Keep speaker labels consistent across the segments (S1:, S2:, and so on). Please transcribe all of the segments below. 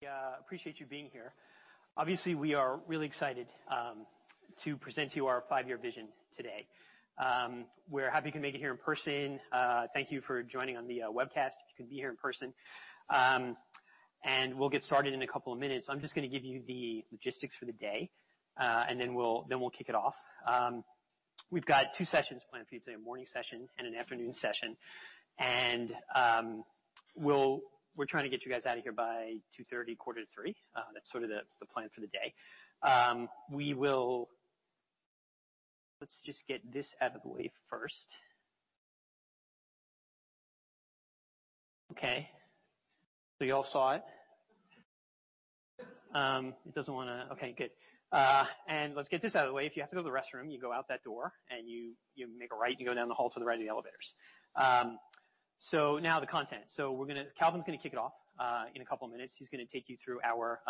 S1: Guys, we appreciate you being here. Obviously, we are really excited to present to you our five-year vision today. We're happy you can make it here in person. Thank you for joining on the webcast, if you can be here in person. We'll get started in a couple of minutes. I'm just gonna give you the logistics for the day, and then we'll kick it off. We've got two sessions planned for you today, a morning session and an afternoon session. We're trying to get you guys out of here by 2:30, quarter to 3:00. That's sort of the plan for the day. Let's just get this out of the way first. Okay. You all saw it? It doesn't wanna Okay, good. Let's get this out of the way. If you have to go to the restroom, you go out that door and you make a right, and you go down the hall to the right of the elevators. Now the content. Calvin's going to kick it off in a couple of minutes. He's going to take you through our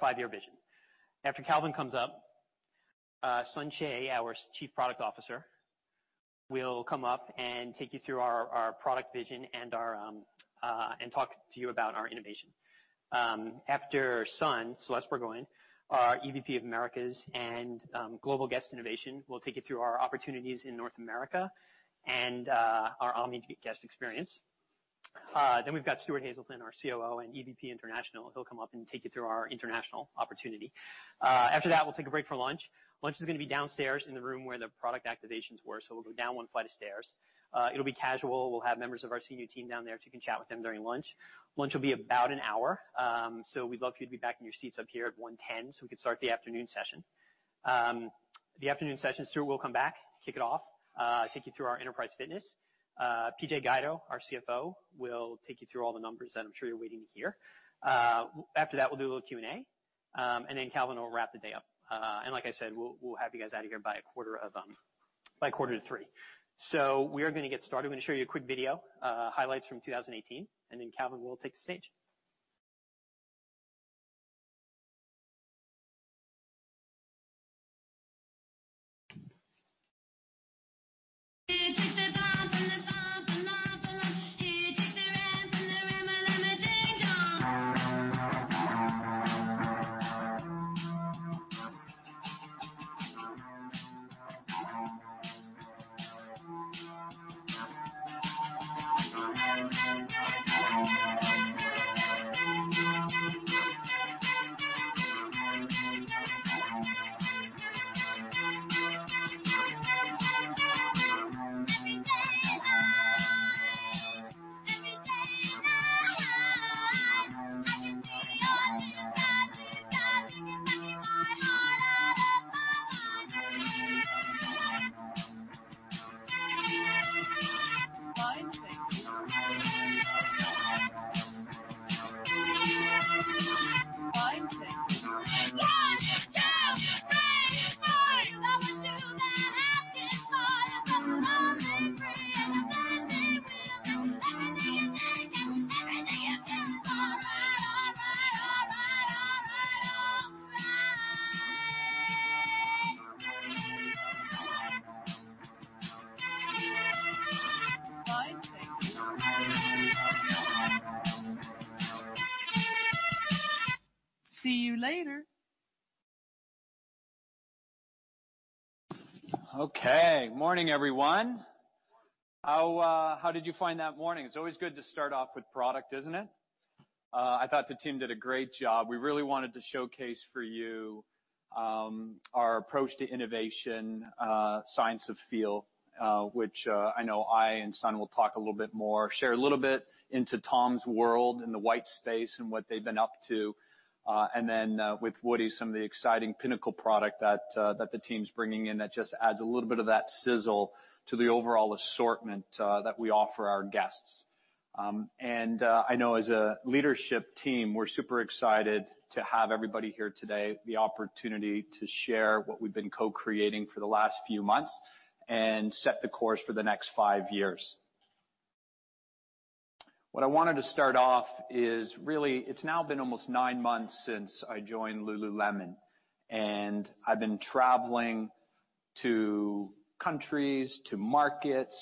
S1: five-year vision. After Calvin comes up, Sun Choe, our Chief Product Officer, will come up and take you through our product vision and talk to you about our innovation. After Sun, Celeste Burgoyne, our EVP of Americas and Global Guest Innovation, will take you through our opportunities in North America and our omni-guest experience. Then we've got Stuart Haselden, our COO and EVP International. He will come up and take you through our international opportunity. After that, we will take a break for lunch. Lunch is going to be downstairs in the room where the product activations were. We will go down one flight of stairs. It will be casual. We will have members of our senior team down there, so you can chat with them during lunch. Lunch will be about an hour. We would love you to be back in your seats up here at 1:10, so we can start the afternoon session. The afternoon session, Stuart will come back, kick it off, take you through our enterprise fitness. Patrick Guido, our CFO, will take you through all the numbers that I am sure you are waiting to hear. After that, we will do a little Q&A, then Calvin will wrap the day up. Like I said, we'll have you guys out of here by a quarter of, by quarter to three. We are gonna get started. We're gonna show you a quick video, highlights from 2018, and then Calvin will take the stage.
S2: See you later.
S3: Okay. Morning, everyone. How did you find that morning? It's always good to start off with product, isn't it? I thought the team did a great job. We really wanted to showcase for you, our approach to innovation, Science of Feel, which I know I and Sun Choe will talk a little bit more. Share a little bit into Tom's world and the Whitespace and what they've been up to. With Woody, some of the exciting pinnacle product that the team's bringing in that just adds a little bit of that sizzle to the overall assortment that we offer our guests. I know as a leadership team, we're super excited to have everybody here today, the opportunity to share what we've been co-creating for the last few months and set the course for the next five years. What I wanted to start off is really it's now been almost nine months since I joined Lululemon, I've been traveling to countries, to markets,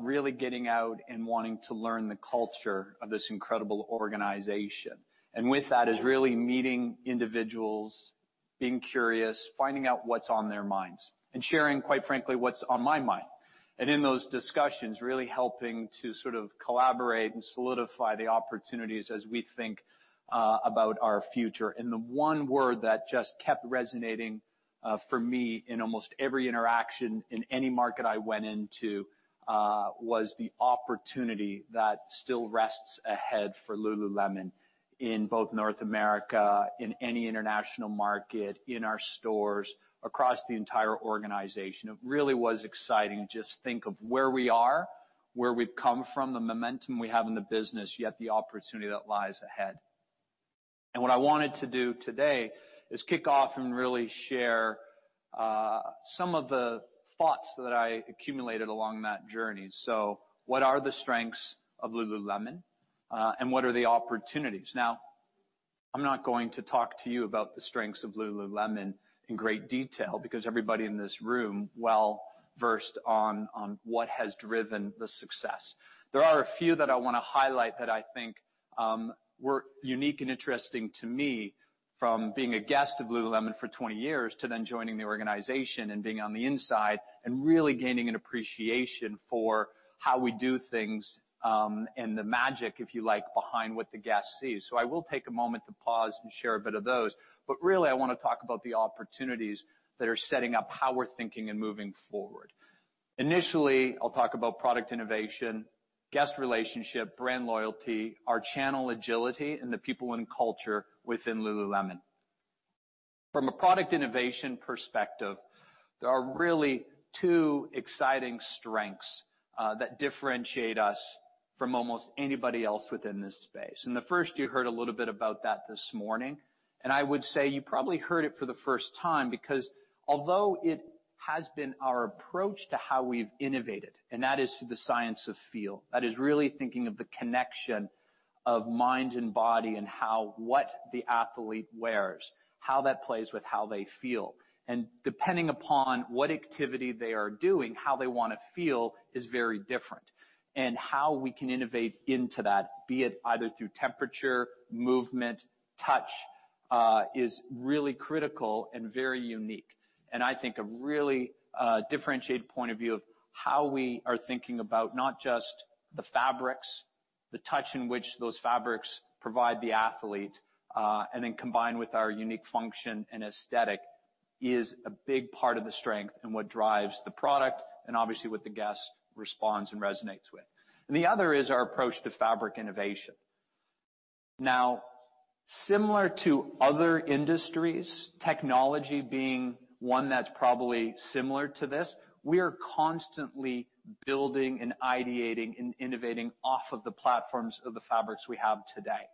S3: really getting out and wanting to learn the culture of this incredible organization. With that is really meeting individuals, being curious, finding out what's on their minds, and sharing, quite frankly, what's on my mind. In those discussions, really helping to sort of collaborate and solidify the opportunities as we think about our future. The one word that just kept resonating for me in almost every interaction in any market I went into was the opportunity that still rests ahead for Lululemon in both North America, in any international market, in our stores, across the entire organization. It really was exciting to just think of where we are, where we've come from, the momentum we have in the business, yet the opportunity that lies ahead. What I wanted to do today is kick off and really share some of the thoughts that I accumulated along that journey. What are the strengths of Lululemon and what are the opportunities? Now, I'm not going to talk to you about the strengths of Lululemon in great detail because everybody in this room well-versed on what has driven the success. There are a few that I want to highlight that I think were unique and interesting to me from being a guest of Lululemon for 20 years to then joining the organization and being on the inside and really gaining an appreciation for how we do things and the magic, if you like, behind what the guest sees. I will take a moment to pause and share a bit of those. Really, I wanna talk about the opportunities that are setting up how we're thinking and moving forward. Initially, I'll talk about product innovation, guest relationship, brand loyalty, our channel agility, and the people and culture within Lululemon. From a product innovation perspective, there are really two exciting strengths, that differentiate us from almost anybody else within this space. The first you heard a little bit about that this morning, and I would say you probably heard it for the first time because although it has been our approach to how we've innovated, and that is through the Science of Feel. That is really thinking of the connection of mind and body and how what the athlete wears, how that plays with how they feel. Depending upon what activity they are doing, how they wanna feel is very different. How we can innovate into that, be it either through temperature, movement, touch, is really critical and very unique. I think a really differentiated point of view of how we are thinking about not just the fabrics, the touch in which those fabrics provide the athlete, and then combined with our unique function and aesthetic, is a big part of the strength and what drives the product and obviously what the guest responds and resonates with. The other is our approach to fabric innovation. Now, similar to other industries, technology being one that's probably similar to this, we are constantly building and ideating and innovating off of the platforms of the fabrics we have today.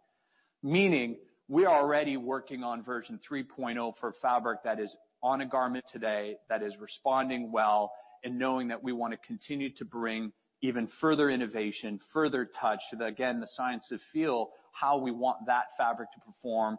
S3: Meaning, we are already working on version 3.0 for fabric that is on a garment today that is responding well and knowing that we wanna continue to bring even further innovation, further touch to, again, the Science of Feel, how we want that fabric to perform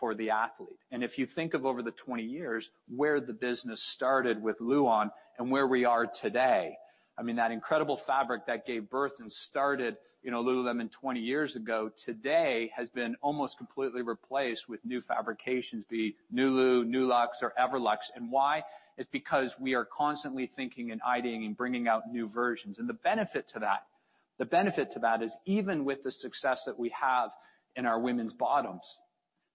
S3: for the athlete. If you think of over the 20 years, where the business started with Luon and where we are today, I mean, that incredible fabric that gave birth and started, you know, Lululemon 20 years ago, today has been almost completely replaced with new fabrications, be it Nulu, Nulux, or Everlux. Why? It's because we are constantly thinking and ideating and bringing out new versions. The benefit to that is even with the success that we have in our women's bottoms,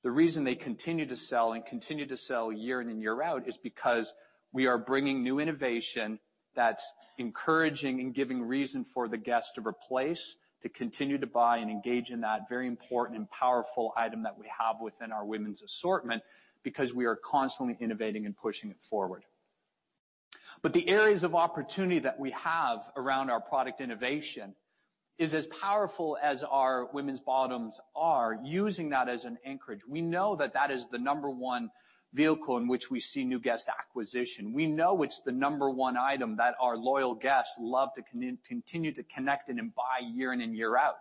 S3: the reason they continue to sell and continue to sell year in and year out is because we are bringing new innovation that's encouraging and giving reason for the guest to replace, to continue to buy and engage in that very important and powerful item that we have within our women's assortment because we are constantly innovating and pushing it forward. The areas of opportunity that we have around our product innovation is as powerful as our women's bottoms are using that as an anchorage. We know that that is the number 1 vehicle in which we see new guest acquisition. We know it's the number 1 item that our loyal guests love to continue to connect and then buy year in and year out.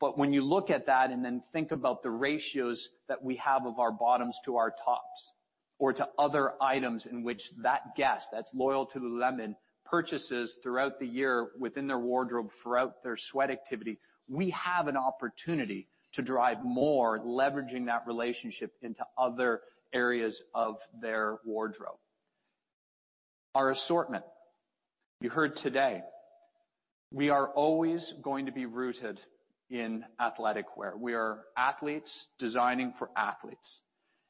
S3: When you look at that and then think about the ratios that we have of our bottoms to our tops or to other items in which that guest that's loyal to Lululemon purchases throughout the year within their wardrobe, throughout their sweat activity, we have an opportunity to drive more, leveraging that relationship into other areas of their wardrobe. Our assortment. You heard today, we are always going to be rooted in athletic wear. We are athletes designing for athletes,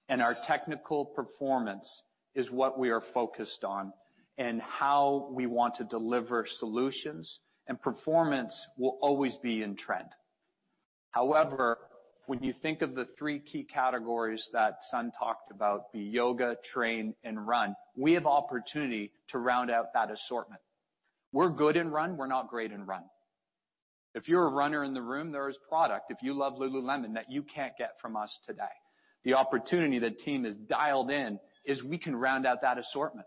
S3: and our technical performance is what we are focused on and how we want to deliver solutions, and performance will always be in trend. However, when you think of the three key categories that Sun talked about, be yoga, train, and run, we have opportunity to round out that assortment. We're good in run, we're not great in run. If you're a runner in the room, there is product, if you love Lululemon, that you can't get from us today. The opportunity the team has dialed in is we can round out that assortment.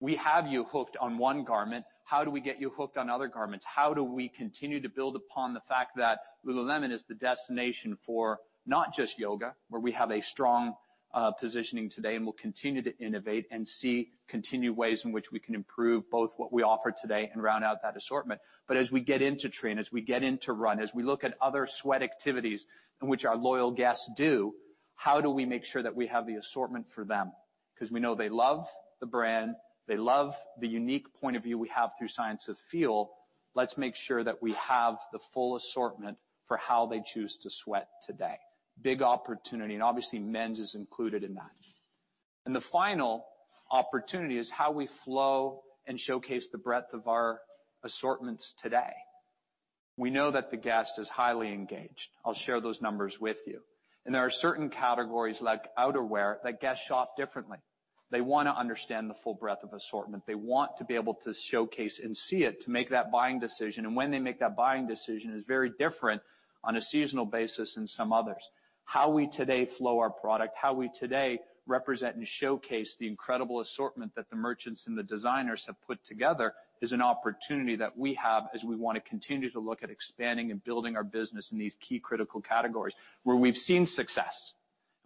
S3: We have you hooked on one garment. How do we get you hooked on other garments? How do we continue to build upon the fact that Lululemon is the destination for not just yoga, where we have a strong positioning today and will continue to innovate and see continued ways in which we can improve both what we offer today and round out that assortment. As we get into train, as we get into run, as we look at other sweat activities in which our loyal guests do, how do we make sure that we have the assortment for them? We know they love the brand, they love the unique point of view we have through Science of Feel. Let's make sure that we have the full assortment for how they choose to sweat today. Big opportunity, obviously men's is included in that. The final opportunity is how we flow and showcase the breadth of our assortments today. We know that the guest is highly engaged. I'll share those numbers with you. There are certain categories like outerwear that guests shop differently. They wanna understand the full breadth of assortment. They want to be able to showcase and see it to make that buying decision. When they make that buying decision is very different on a seasonal basis in some others. How we today flow our product, how we today represent and showcase the incredible assortment that the merchants and the designers have put together is an opportunity that we have as we wanna continue to look at expanding and building our business in these key critical categories where we've seen success.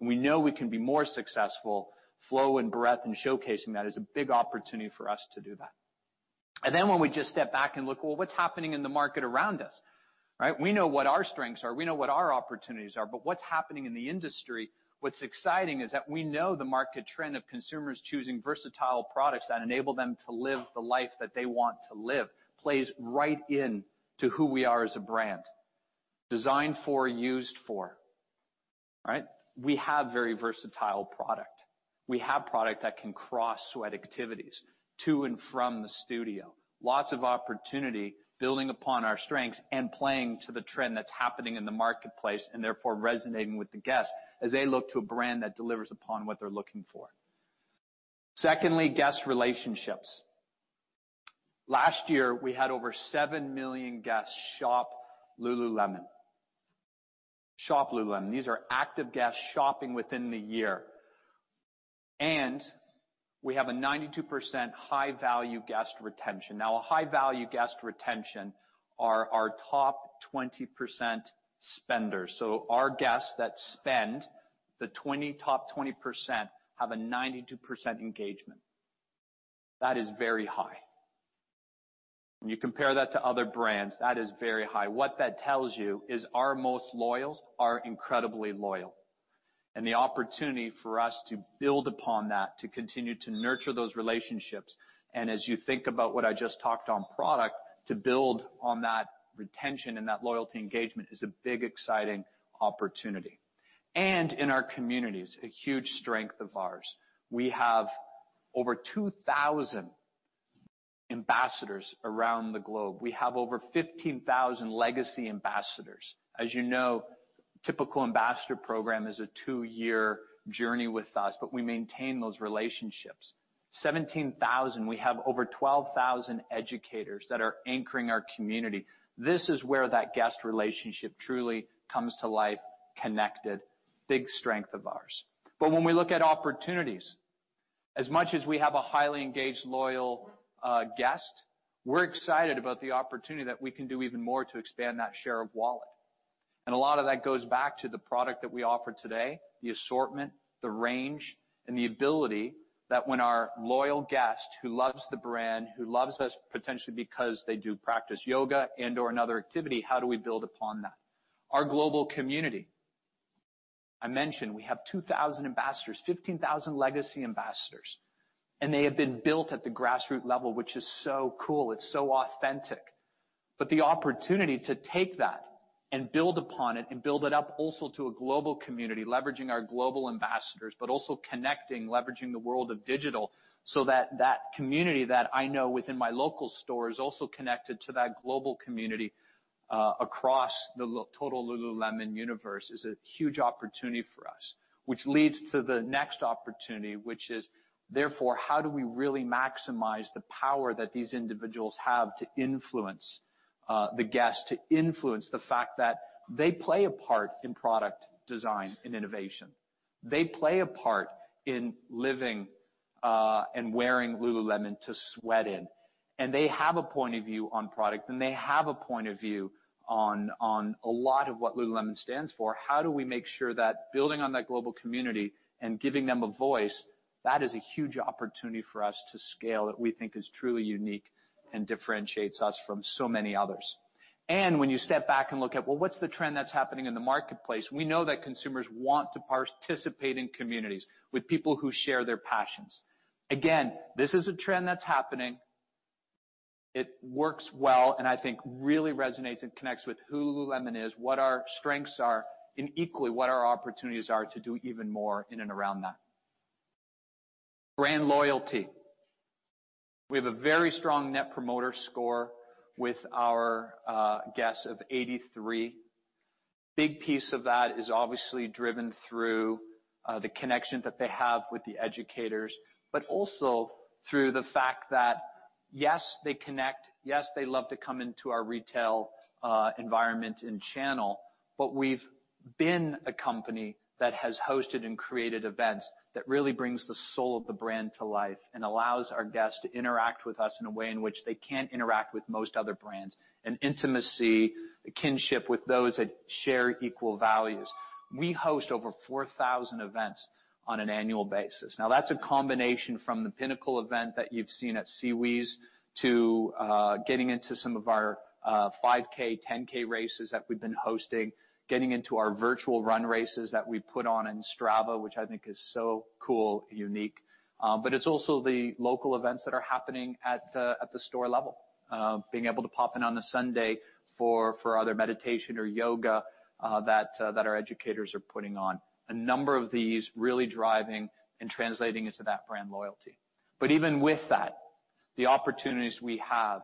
S3: We know we can be more successful, flow and breadth in showcasing that is a big opportunity for us to do that. When we just step back and look, well, what's happening in the market around us, right? We know what our strengths are, we know what our opportunities are. What's happening in the industry, what's exciting is that we know the market trend of consumers choosing versatile products that enable them to live the life that they want to live plays right into who we are as a brand. Designed for, used for, right? We have very versatile product. We have product that can cross sweat activities to and from the studio. Lots of opportunity building upon our strengths and playing to the trend that's happening in the marketplace, and therefore resonating with the guests as they look to a brand that delivers upon what they're looking for. Secondly, guest relationships. Last year, we had over 7 million guests shop Lululemon. Shop Lululemon. These are active guests shopping within the year. We have a 92% high-value guest retention. Now, a high-value guest retention are our top 20% spenders. Our guests that spend the top 20% have a 92% engagement. That is very high. When you compare that to other brands, that is very high. What that tells you is our most loyals are incredibly loyal. The opportunity for us to build upon that, to continue to nurture those relationships, and as you think about what I just talked on product, to build on that retention and that loyalty engagement is a big, exciting opportunity. In our communities, a huge strength of ours. We have over 2,000 ambassadors around the globe. We have over 15,000 legacy ambassadors. As you know, typical ambassador program is a two-year journey with us. We maintain those relationships. 17,000. We have over 12,000 educators that are anchoring our community. This is where that guest relationship truly comes to life, connected. Big strength of ours. When we look at opportunities, as much as we have a highly engaged, loyal guest, we're excited about the opportunity that we can do even more to expand that share of wallet. A lot of that goes back to the product that we offer today, the assortment, the range, and the ability that when our loyal guest who loves the brand, who loves us potentially because they do practice yoga and/or another activity, how do we build upon that? Our global community. I mentioned we have 2,000 ambassadors, 15,000 legacy ambassadors, and they have been built at the grassroot level, which is so cool. It's so authentic. The opportunity to take that and build upon it and build it up also to a global community, leveraging our global ambassadors, but also connecting, leveraging the world of digital so that that community that I know within my local store is also connected to that global community across the total Lululemon universe is a huge opportunity for us. Which leads to the next opportunity, which is therefore, how do we really maximize the power that these individuals have to influence the guests, to influence the fact that they play a part in product design and innovation. They play a part in living and wearing Lululemon to sweat in, and they have a point of view on product, and they have a point of view on a lot of what Lululemon stands for. How do we make sure that building on that global community and giving them a voice, that is a huge opportunity for us to scale that we think is truly unique and differentiates us from so many others. When you step back and look at, well, what's the trend that's happening in the marketplace, we know that consumers want to participate in communities with people who share their passions. Again, this is a trend that's happening. It works well, and I think really resonates and connects with who Lululemon is, what our strengths are, and equally, what our opportunities are to do even more in and around that. Brand loyalty. We have a very strong net promoter score with our guests of 83. Big piece of that is obviously driven through the connection that they have with the educators, but also through the fact that, yes, they connect, yes, they love to come into our retail environment and channel, but we've been a company that has hosted and created events that really brings the soul of the brand to life and allows our guests to interact with us in a way in which they can't interact with most other brands, an intimacy, a kinship with those that share equal values. We host over 4,000 events on an annual basis. That's a combination from the pinnacle event that you've seen at SeaWheeze to getting into some of our 5K, 10K races that we've been hosting, getting into our virtual run races that we put on in Strava, which I think is so cool and unique. It's also the local events that are happening at the store level. Being able to pop in on a Sunday for either meditation or yoga that our educators are putting on. A number of these really driving and translating into that brand loyalty. Even with that, the opportunities we have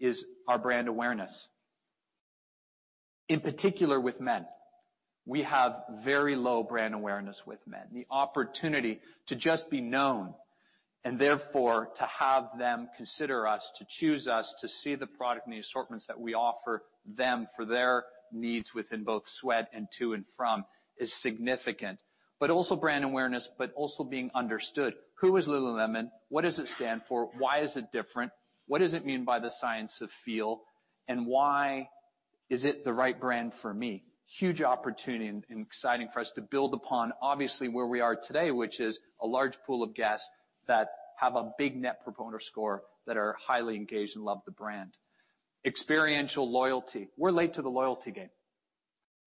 S3: is our brand awareness. In particular with men. We have very low brand awareness with men. The opportunity to just be known, and therefore to have them consider us, to choose us, to see the product and the assortments that we offer them for their needs within both sweat and to and from is significant. Also brand awareness, also being understood. Who is Lululemon? What does it stand for? Why is it different? What does it mean by the Science of Feel? And why is it the right brand for me? Huge opportunity and exciting for us to build upon obviously where we are today, which is a large pool of guests that have a big net promoter score, that are highly engaged and love the brand. Experiential loyalty. We're late to the loyalty game.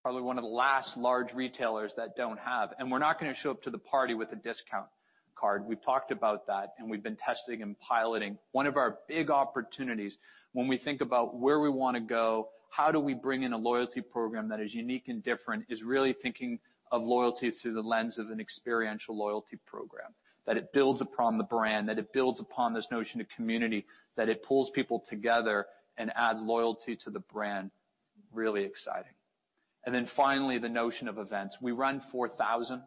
S3: Probably one of the last large retailers that don't have, and we're not gonna show up to the party with a discount card. We've talked about that, and we've been testing and piloting. One of our big opportunities when we think about where we wanna go, how do we bring in a loyalty program that is unique and different, is really thinking of loyalty through the lens of an experiential loyalty program. That it builds upon the brand, that it builds upon this notion of community, that it pulls people together and adds loyalty to the brand. Really exciting. Finally, the notion of events. We run 4,000.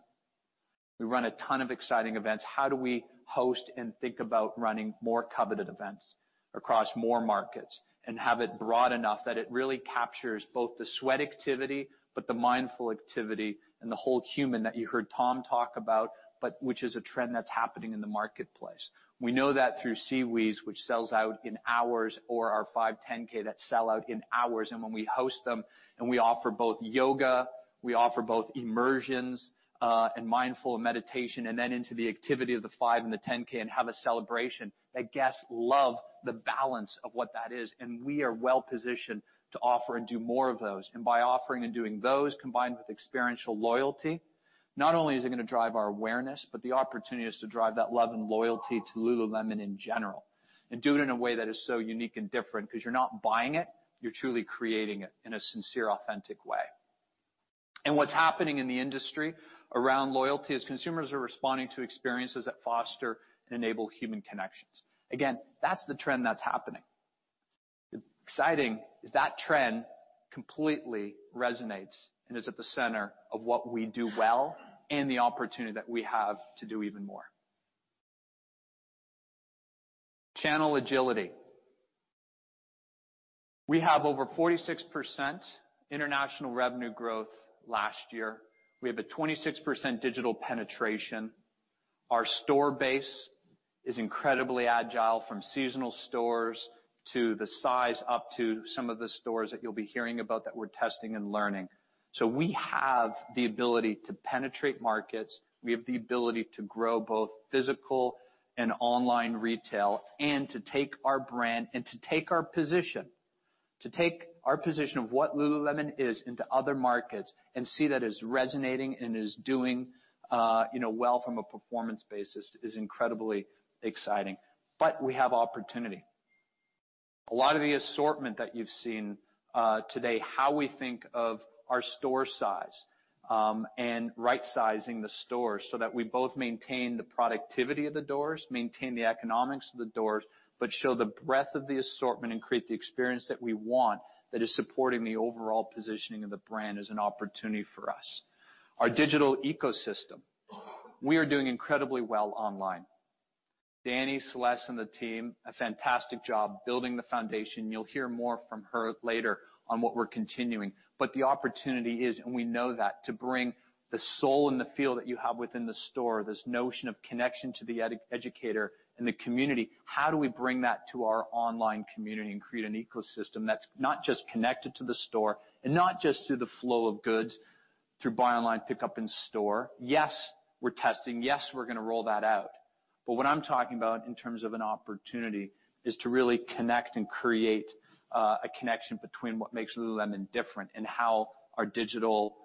S3: We run a ton of exciting events. How do we host and think about running more coveted events across more markets, and have it broad enough that it really captures both the Sweatlife activity, but the mindful activity and the whole human that you heard Tom talk about, which is a trend that's happening in the marketplace. We know that through SeaWheeze, which sells out in hours, or our 5K, 10K that sell out in hours. When we host them, we offer both yoga, we offer both immersions, and mindful meditation, then into the activity of the 5K and the 10K and have a celebration, that guests love the balance of what that is, we are well-positioned to offer and do more of those. By offering and doing those, combined with experiential loyalty, not only is it gonna drive our awareness, but the opportunity is to drive that love and loyalty to Lululemon in general, and do it in a way that is so unique and different. 'Cause you're not buying it, you're truly creating it in a sincere, authentic way. What's happening in the industry around loyalty is consumers are responding to experiences that foster and enable human connections. Again, that's the trend that's happening. Exciting is that trend completely resonates and is at the center of what we do well and the opportunity that we have to do even more. Channel agility. We have over 46% international revenue growth last year. We have a 26% digital penetration. Our store base is incredibly agile, from seasonal stores to the size up to some of the stores that you'll be hearing about that we're testing and learning. We have the ability to penetrate markets. We have the ability to grow both physical and online retail, and to take our brand and to take our position, to take our position of what Lululemon is into other markets and see that it's resonating and is doing, you know, well from a performance basis is incredibly exciting. We have opportunity. A lot of the assortment that you've seen today, how we think of our store size, and rightsizing the stores so that we both maintain the productivity of the doors, maintain the economics of the doors, but show the breadth of the assortment and create the experience that we want that is supporting the overall positioning of the brand is an opportunity for us. Our digital ecosystem. We are doing incredibly well online. Danny, Celeste and the team, a fantastic job building the foundation. You'll hear more from her later on what we're continuing. The opportunity is, and we know that, to bring the soul and the feel that you have within the store, this notion of connection to the educator and the community, how do we bring that to our online community and create an ecosystem that's not just connected to the store and not just through the flow of goods, through buy online pickup in store. Yes, we're testing. Yes, we're going to roll that out. What I'm talking about in terms of an opportunity is to really connect and create a connection between what makes Lululemon different and how our digital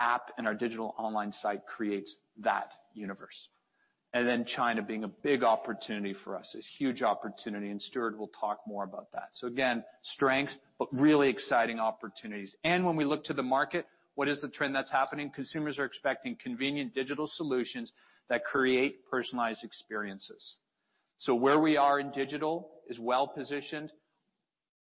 S3: app and our digital online site creates that universe. China being a big opportunity for us. A huge opportunity, Stuart will talk more about that. Again, strength, really exciting opportunities. When we look to the market, what is the trend that's happening? Consumers are expecting convenient digital solutions that create personalized experiences. Where we are in digital is well-positioned.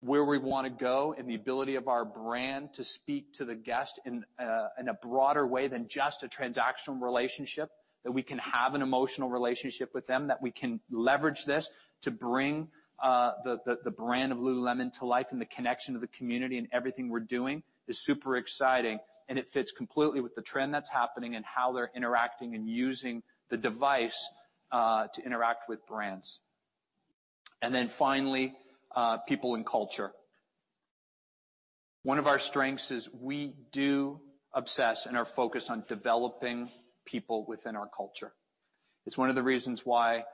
S3: Where we wanna go and the ability of our brand to speak to the guest in a broader way than just a transactional relationship, that we can have an emotional relationship with them, that we can leverage this to bring the brand of Lululemon to life and the connection to the community and everything we're doing is super exciting and it fits completely with the trend that's happening and how they're interacting and using the device to interact with brands. Finally, people and culture. One of our strengths is we do obsess and are focused on developing people within our culture. It's one of the reasons why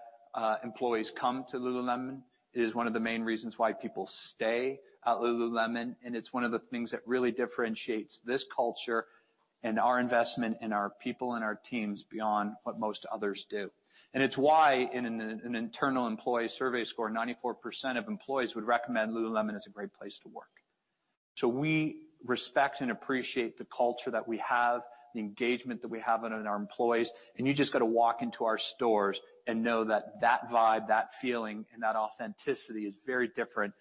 S3: employees come to Lululemon. It is one of the main reasons why people stay at Lululemon. It's one of the things that really differentiates this culture and our investment in our people and our teams beyond what most others do. It's why in an internal employee survey score, 94% of employees would recommend Lululemon as a great place to work. We respect and appreciate the culture that we have, the engagement that we have in our employees, and you just gotta walk into our stores and know that that vibe, that feeling, and that authenticity is very different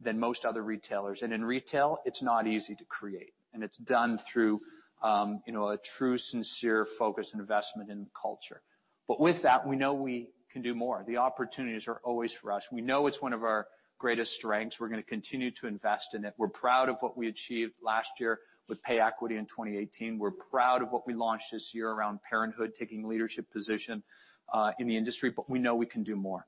S3: than most other retailers. In retail, it's not easy to create. It's done through, you know, a true, sincere focus and investment in culture. With that, we know we can do more. The opportunities are always for us. We know it's one of our greatest strengths. We're gonna continue to invest in it. We're proud of what we achieved last year with pay equity in 2018. We're proud of what we launched this year around parenthood, taking leadership position in the industry, but we know we can do more.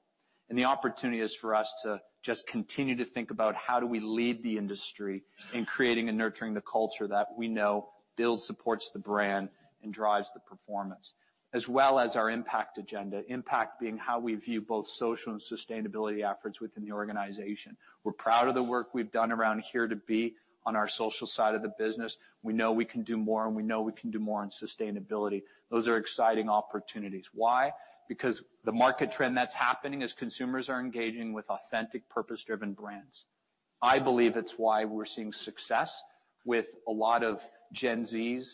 S3: The opportunity is for us to just continue to think about how do we lead the industry in creating and nurturing the culture that we know builds, supports the brand, and drives the performance. As well as our impact agenda. Impact being how we view both social and sustainability efforts within the organization. We're proud of the work we've done around Here to Be on our social side of the business. We know we can do more, and we know we can do more on sustainability. Those are exciting opportunities. Why? Because the market trend that's happening is consumers are engaging with authentic purpose-driven brands. I believe it's why we're seeing success with a lot of Gen Zs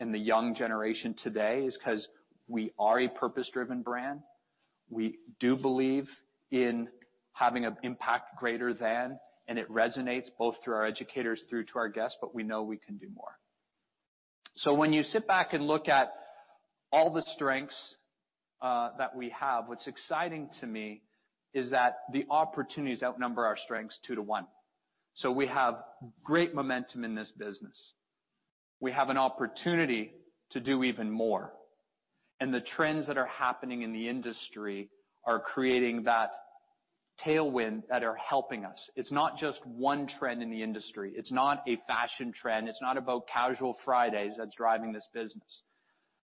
S3: and the young generation today, is because we are a purpose-driven brand. We do believe in having an impact greater than, and it resonates both through our educators through to our guests, but we know we can do more. When you sit back and look at all the strengths that we have, what's exciting to me is that the opportunities outnumber our strengths two to one. We have great momentum in this business. We have an opportunity to do even more, and the trends that are happening in the industry are creating that tailwind that are helping us. It's not just one trend in the industry. It's not a fashion trend. It's not about casual Fridays that's driving this business.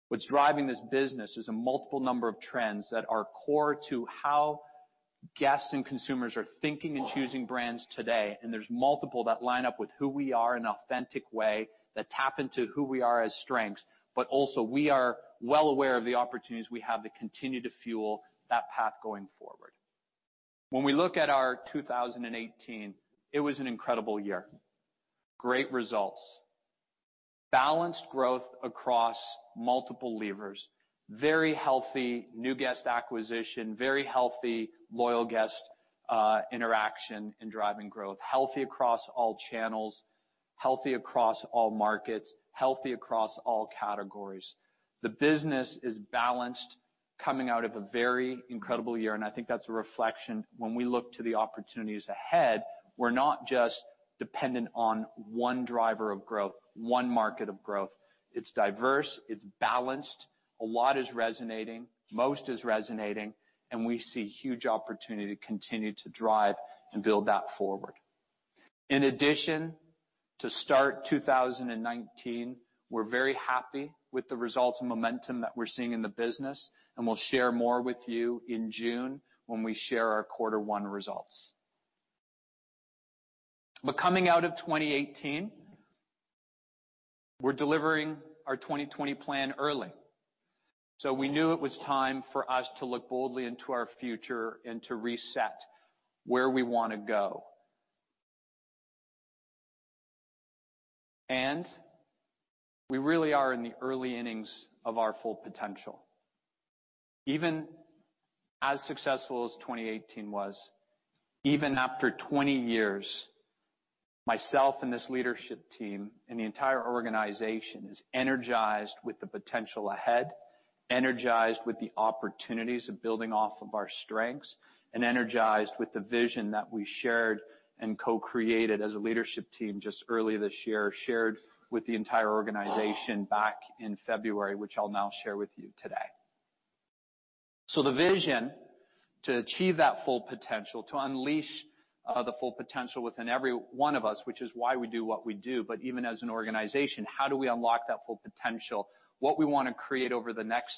S3: What's driving this business is a multiple number of trends that are core to how guests and consumers are thinking and choosing brands today. There's multiple that line up with who we are in an authentic way, that tap into who we are as strengths. Also, we are well aware of the opportunities we have to continue to fuel that path going forward. When we look at our 2018, it was an incredible year. Great results. Balanced growth across multiple levers. Very healthy new guest acquisition. Very healthy loyal guest interaction in driving growth. Healthy across all channels, healthy across all markets, healthy across all categories. The business is balanced coming out of a very incredible year. I think that's a reflection. When we look to the opportunities ahead, we're not just dependent on one driver of growth, one market of growth. It's diverse, it's balanced. A lot is resonating, most is resonating, and we see huge opportunity to continue to drive and build that forward. In addition, to start 2019, we're very happy with the results and momentum that we're seeing in the business. We'll share more with you in June when we share our quarter one results. Coming out of 2018, we're delivering our 2020 plan early. We knew it was time for us to look boldly into our future and to reset where we wanna go. We really are in the early innings of our full potential. Even as successful as 2018 was, even after 20 years, myself and this leadership team and the entire organization is energized with the potential ahead, energized with the opportunities of building off of our strengths, and energized with the vision that we shared and co-created as a leadership team just early this year. Shared with the entire organization back in February, which I'll now share with you today. The vision to achieve that full potential, to unleash the full potential within every one of us, which is why we do what we do. Even as an organization, how do we unlock that full potential? What we wanna create over the next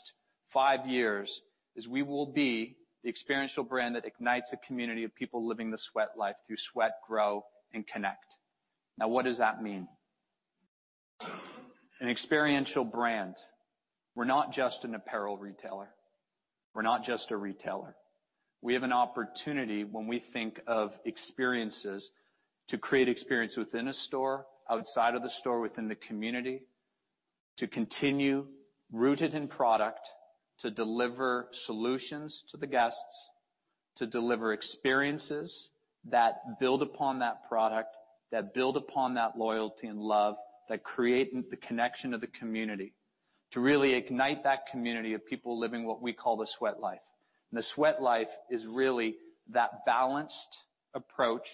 S3: five years is we will be the experiential brand that ignites a community of people living the Sweatlife through sweat, grow, and connect. What does that mean? An experiential brand. We're not just an apparel retailer. We're not just a retailer. We have an opportunity when we think of experiences to create experience within a store, outside of the store within the community. To continue rooted in product, to deliver solutions to the guests, to deliver experiences that build upon that product, that build upon that loyalty and love, that create the connection to the community. To really ignite that community of people living what we call the Sweatlife. The Sweatlife is really that balanced approach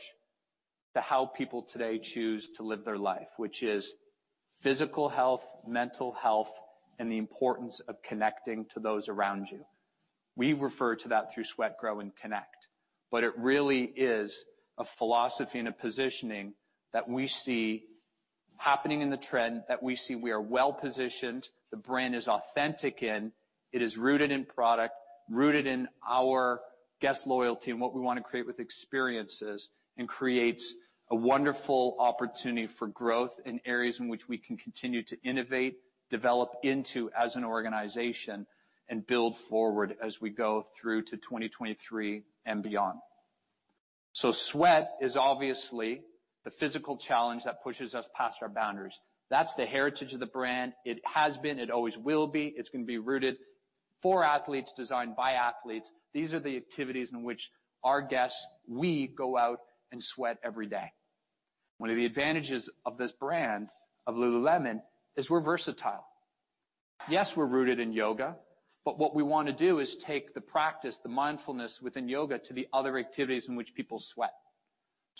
S3: to how people today choose to live their life, which is physical health, mental health, and the importance of connecting to those around you. We refer to that through sweat, grow, and connect. It really is a philosophy and a positioning that we see happening in the trend, that we see we are well-positioned, the brand is authentic in. It is rooted in product, rooted in our guest loyalty and what we want to create with experiences, and creates a wonderful opportunity for growth in areas in which we can continue to innovate, develop into as an organization, and build forward as we go through to 2023 and beyond. Sweat is obviously the physical challenge that pushes us past our boundaries. That's the heritage of the brand. It has been, it always will be. It's gonna be rooted for athletes, designed by athletes. These are the activities in which our guests, we, go out and sweat every day. One of the advantages of this brand, of Lululemon, is we're versatile. Yes, we're rooted in yoga, but what we want to do is take the practice, the mindfulness within yoga to the other activities in which people sweat.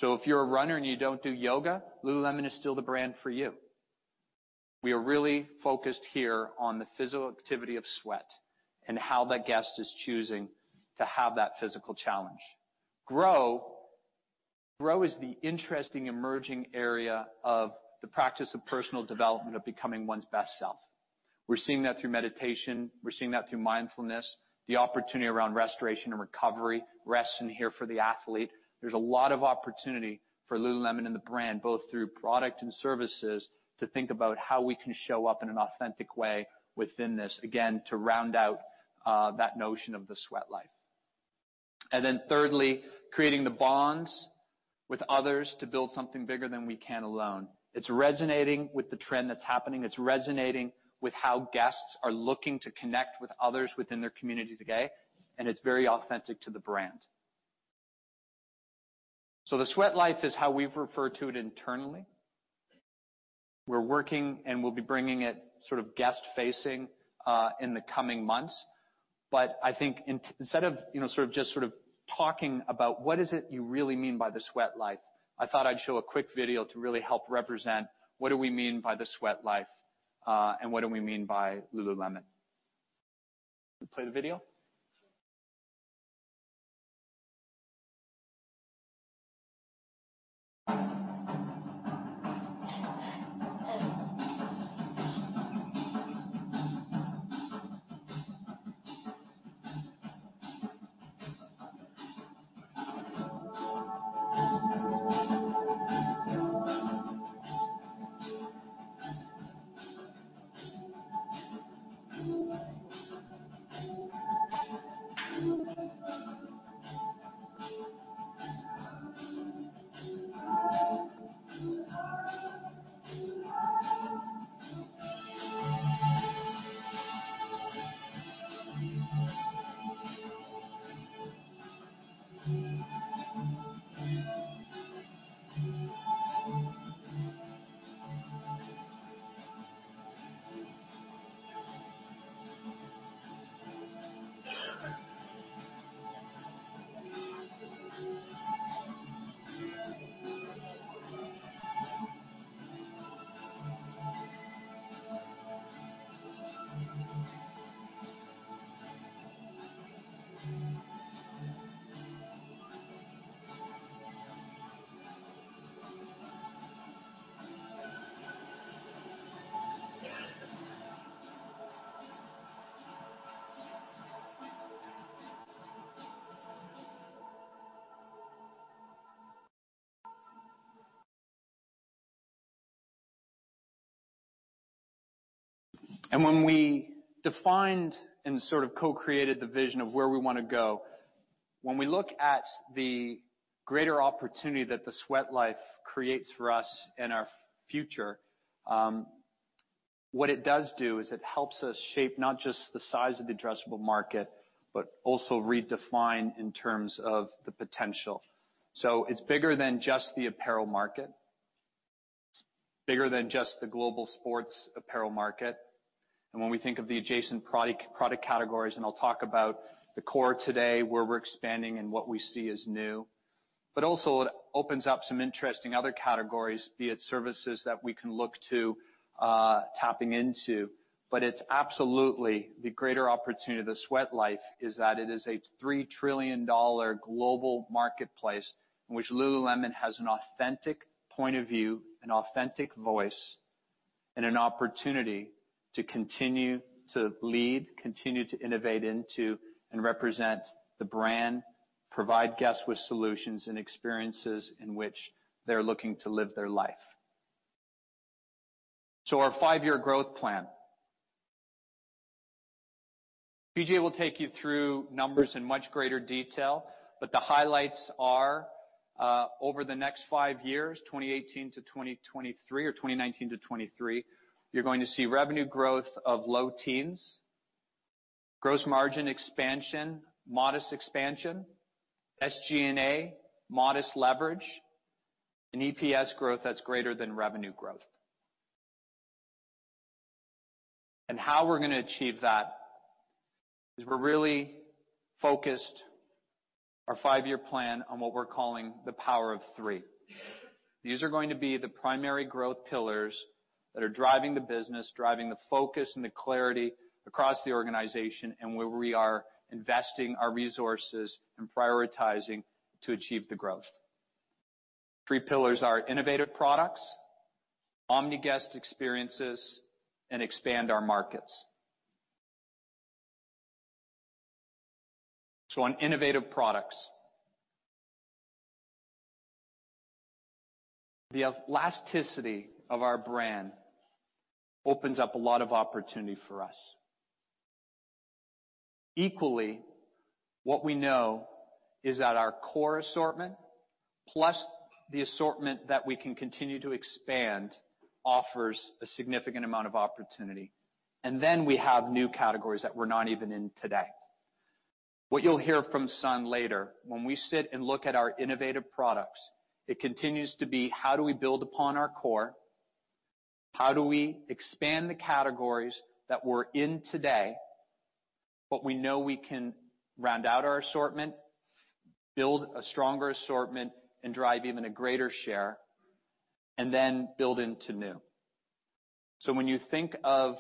S3: If you're a runner, and you don't do yoga, Lululemon is still the brand for you. We are really focused here on the physical activity of sweat and how that guest is choosing to have that physical challenge. Grow. Grow is the interesting emerging area of the practice of personal development, of becoming one's best self. We're seeing that through meditation. We're seeing that through mindfulness, the opportunity around restoration and recovery, rest in here for the athlete. There's a lot of opportunity for Lululemon and the brand, both through product and services, to think about how we can show up in an authentic way within this, again, to round out that notion of the Sweatlife. Thirdly, creating the bonds with others to build something bigger than we can alone. It's resonating with the trend that's happening. It's resonating with how guests are looking to connect with others within their community today, and it's very authentic to the brand. The Sweatlife is how we've referred to it internally. We're working, we'll be bringing it sort of guest-facing in the coming months. I think instead of, you know, just talking about what is it you really mean by the Sweatlife, I thought I'd show a quick video to really help represent what do we mean by the Sweatlife, and what do we mean by Lululemon. Play the video. When we defined and sort of co-created the vision of where we wanna go, when we look at the greater opportunity that the Sweatlife creates for us and our future, what it does do is it helps us shape not just the size of the addressable market, but also redefine in terms of the potential. It's bigger than just the apparel market, it's bigger than just the global sports apparel market. When we think of the adjacent product categories, and I'll talk about the core today, where we're expanding and what we see as new. Also it opens up some interesting other categories, be it services that we can look to, tapping into. It's absolutely the greater opportunity of the Sweatlife is that it is a $3 trillion global marketplace in which Lululemon has an authentic point of view, an authentic voice, and an opportunity to continue to lead, continue to innovate into and represent the brand, provide guests with solutions and experiences in which they're looking to live their life. Our five-year growth plan. PJ will take you through numbers in much greater detail, but the highlights are, over the next five years, 2018-2023, or 2019-2023, you're going to see revenue growth of low teens. Gross margin expansion, modest expansion. SG&A, modest leverage and EPS growth that's greater than revenue growth. How we're gonna achieve that is we're really focused our five-year plan on what we're calling the Power of Three. These are going to be the primary growth pillars that are driving the business, driving the focus and the clarity across the organization, and where we are investing our resources and prioritizing to achieve the growth. Three pillars are innovative products, omni guest experiences, and expand our markets. On innovative products. The elasticity of our brand opens up a lot of opportunity for us. Equally, what we know is that our core assortment, plus the assortment that we can continue to expand, offers a significant amount of opportunity. Then we have new categories that we're not even in today. What you'll hear from Sun later, when we sit and look at our innovative products, it continues to be how do we build upon our core. How do we expand the categories that we're in today, but we know we can round out our assortment, build a stronger assortment, and drive even a greater share and then build into new. When you think of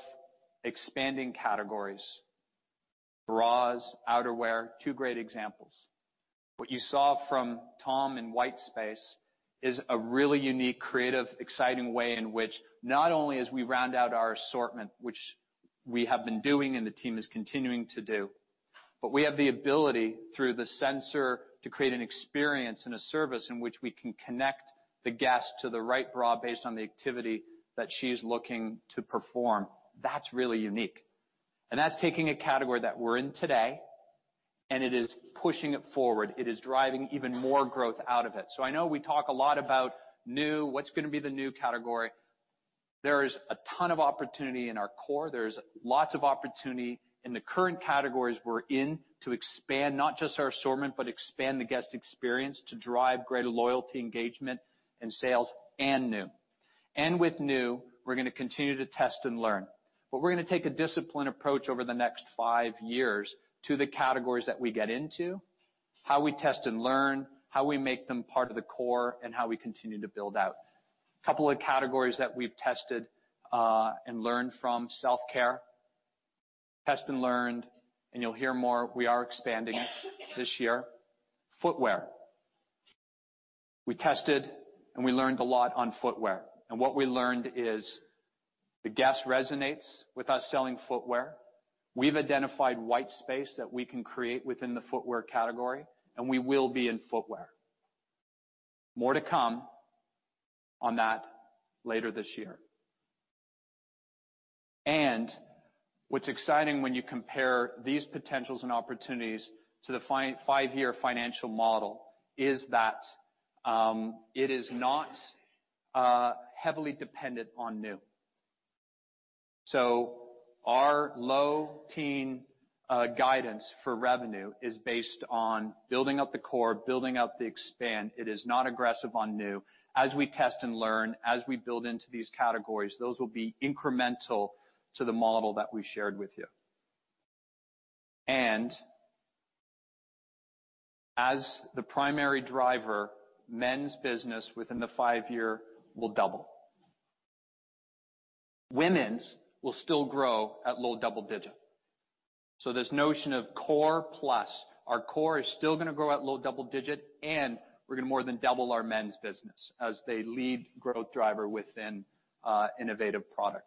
S3: expanding categories, bras, outerwear, two great examples. What you saw from Tom in Whitespace is a really unique, creative, exciting way in which not only as we round out our assortment, which we have been doing and the team is continuing to do, but we have the ability through the sensor to create an experience and a service in which we can connect the guest to the right bra based on the activity that she's looking to perform. That's really unique. That's taking a category that we're in today, and it is pushing it forward. It is driving even more growth out of it. I know we talk a lot about new, what's going to be the new category. There is a ton of opportunity in our core. There is lots of opportunity in the current categories we are in to expand not just our assortment, but expand the guest experience to drive greater loyalty engagement and sales and new. With new, we are going to continue to test and learn. We are going to take a disciplined approach over the next five years to the categories that we get into, how we test and learn, how we make them part of the core, and how we continue to build out. Couple of categories that we have tested and learned from. Self-care. Tested and learned, and you will hear more, we are expanding this year. Footwear. We tested and we learned a lot on footwear. What we learned is the guest resonates with us selling footwear. We've identified white space that we can create within the footwear category. We will be in footwear. More to come on that later this year. What's exciting when you compare these potentials and opportunities to the five-year financial model is that it is not heavily dependent on new. Our low-teen guidance for revenue is based on building up the core, building up the expand. It is not aggressive on new. As we test and learn, as we build into these categories, those will be incremental to the model that we shared with you. As the primary driver, men's business within the five year will double. Women's will still grow at low double digit. This notion of core plus, our core is still going to grow at low double-digit, and we're going to more than double our men's business as they lead growth driver within innovative product.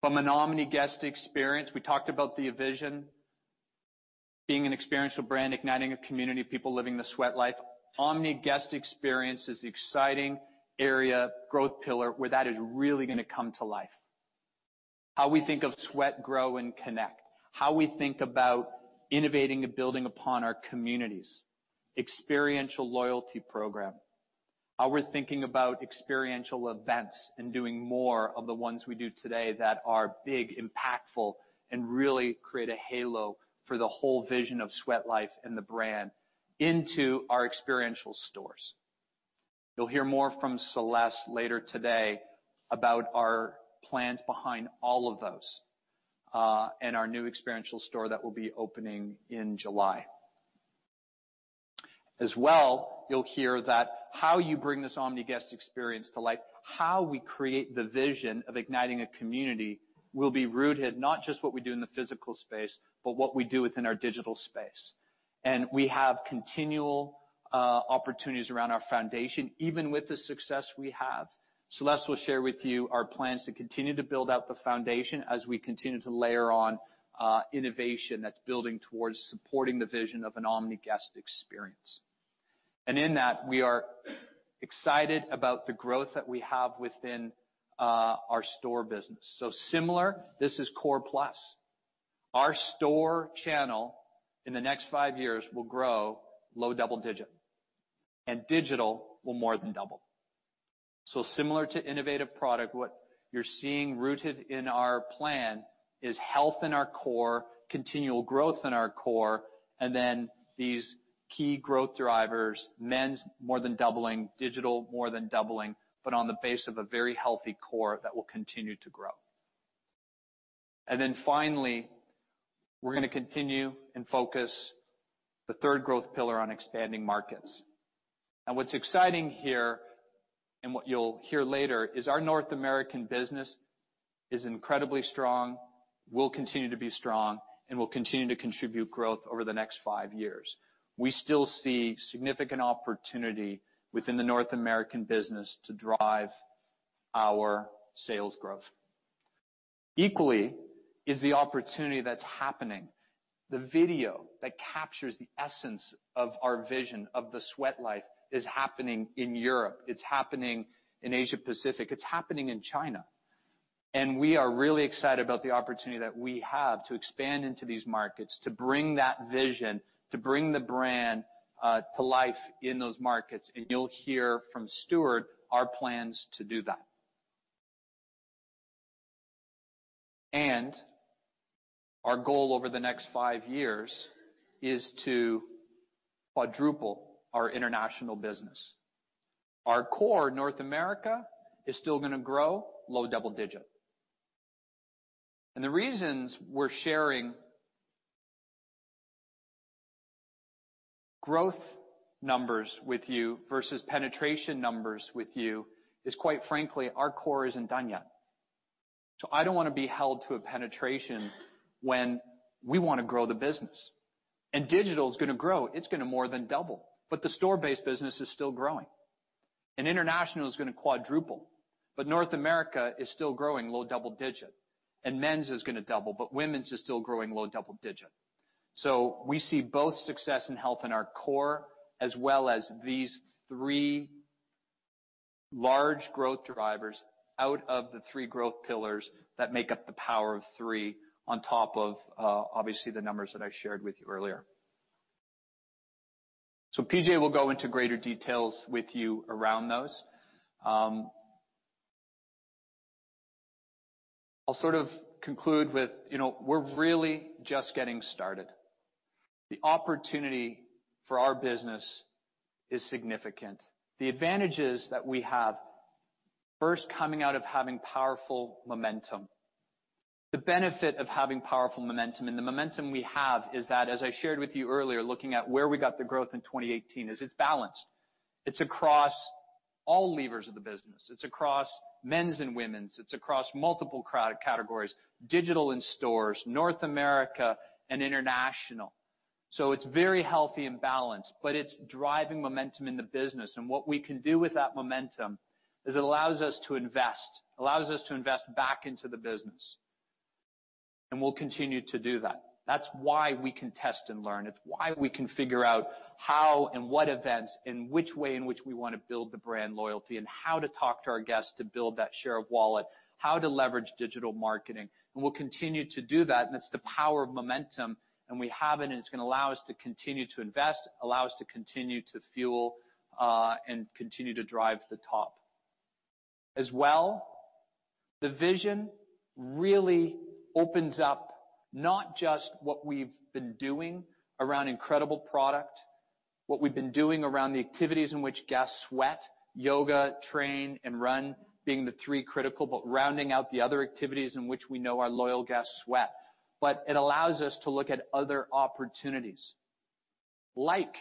S3: From an omni guest experience, we talked about the vision. Being an experiential brand, igniting a community, people living the Sweatlife. Omni guest experience is the exciting area growth pillar where that is really going to come to life. How we think of sweat, grow, and connect. How we think about innovating and building upon our communities. Experiential loyalty program. How we're thinking about experiential events and doing more of the ones we do today that are big, impactful, and really create a halo for the whole vision of Sweatlife and the brand into our experiential stores. You'll hear more from Celeste later today about our plans behind all of those, and our new experiential store that will be opening in July. As well, you'll hear that how you bring this omni guest experience to life, how we create the vision of igniting a community will be rooted not just what we do in the physical space, but what we do within our digital space. We have continual opportunities around our foundation, even with the success we have. Celeste will share with you our plans to continue to build out the foundation as we continue to layer on innovation that's building towards supporting the vision of an omni guest experience. In that, we are excited about the growth that we have within our store business. Similar, this is core plus. Our store channel in the next five years will grow low double digit, and digital will more than double. Similar to innovative product, what you're seeing rooted in our plan is health in our core, continual growth in our core, and then these key growth drivers, men's more than doubling, digital more than doubling, but on the base of a very healthy core that will continue to grow. Finally, we're gonna continue and focus the third growth pillar on expanding markets. What's exciting here, and what you'll hear later, is our North American business is incredibly strong, will continue to be strong, and will continue to contribute growth over the next five years. We still see significant opportunity within the North American business to drive our sales growth. Equally is the opportunity that's happening. The video that captures the essence of our vision of the Sweatlife is happening in Europe. It's happening in Asia Pacific. It's happening in China. We are really excited about the opportunity that we have to expand into these markets, to bring that vision, to bring the brand to life in those markets. You'll hear from Stuart our plans to do that. Our goal over the next five years is to quadruple our international business. Our core North America is still gonna grow low double digit. The reasons we're sharing growth numbers with you versus penetration numbers with you is, quite frankly, our core isn't done yet. I don't wanna be held to a penetration when we wanna grow the business. Digital is gonna grow. It's gonna more than double, but the store-based business is still growing. International is gonna quadruple, but North America is still growing low double digit. Men's is gonna double, but women's is still growing low double digit. We see both success and health in our core, as well as these three large growth drivers out of the three growth pillars that make up the Power of Three on top of, obviously the numbers that I shared with you earlier. PJ will go into greater details with you around those. I'll sort of conclude with, you know, we're really just getting started. The opportunity for our business is significant. The advantages that we have, first coming out of having powerful momentum. The benefit of having powerful momentum and the momentum we have is that, as I shared with you earlier, looking at where we got the growth in 2018, it's balanced. It's across all levers of the business. It's across men's and women's, it's across multiple categories, digital and stores, North America and international. It's very healthy and balanced, but it's driving momentum in the business. What we can do with that momentum is it allows us to invest. Allows us to invest back into the business. We'll continue to do that. That's why we can test and learn. It's why we can figure out how and what events and which way in which we wanna build the brand loyalty and how to talk to our guests to build that share of wallet, how to leverage digital marketing. We'll continue to do that. It's the power of momentum. We have it. It's gonna allow us to continue to invest, allow us to continue to fuel, and continue to drive the top. As well, the vision really opens up not just what we've been doing around incredible product, what we've been doing around the activities in which guests sweat, yoga, train, and run being the three critical, but rounding out the other activities in which we know our loyal guests sweat. It allows us to look at other opportunities, like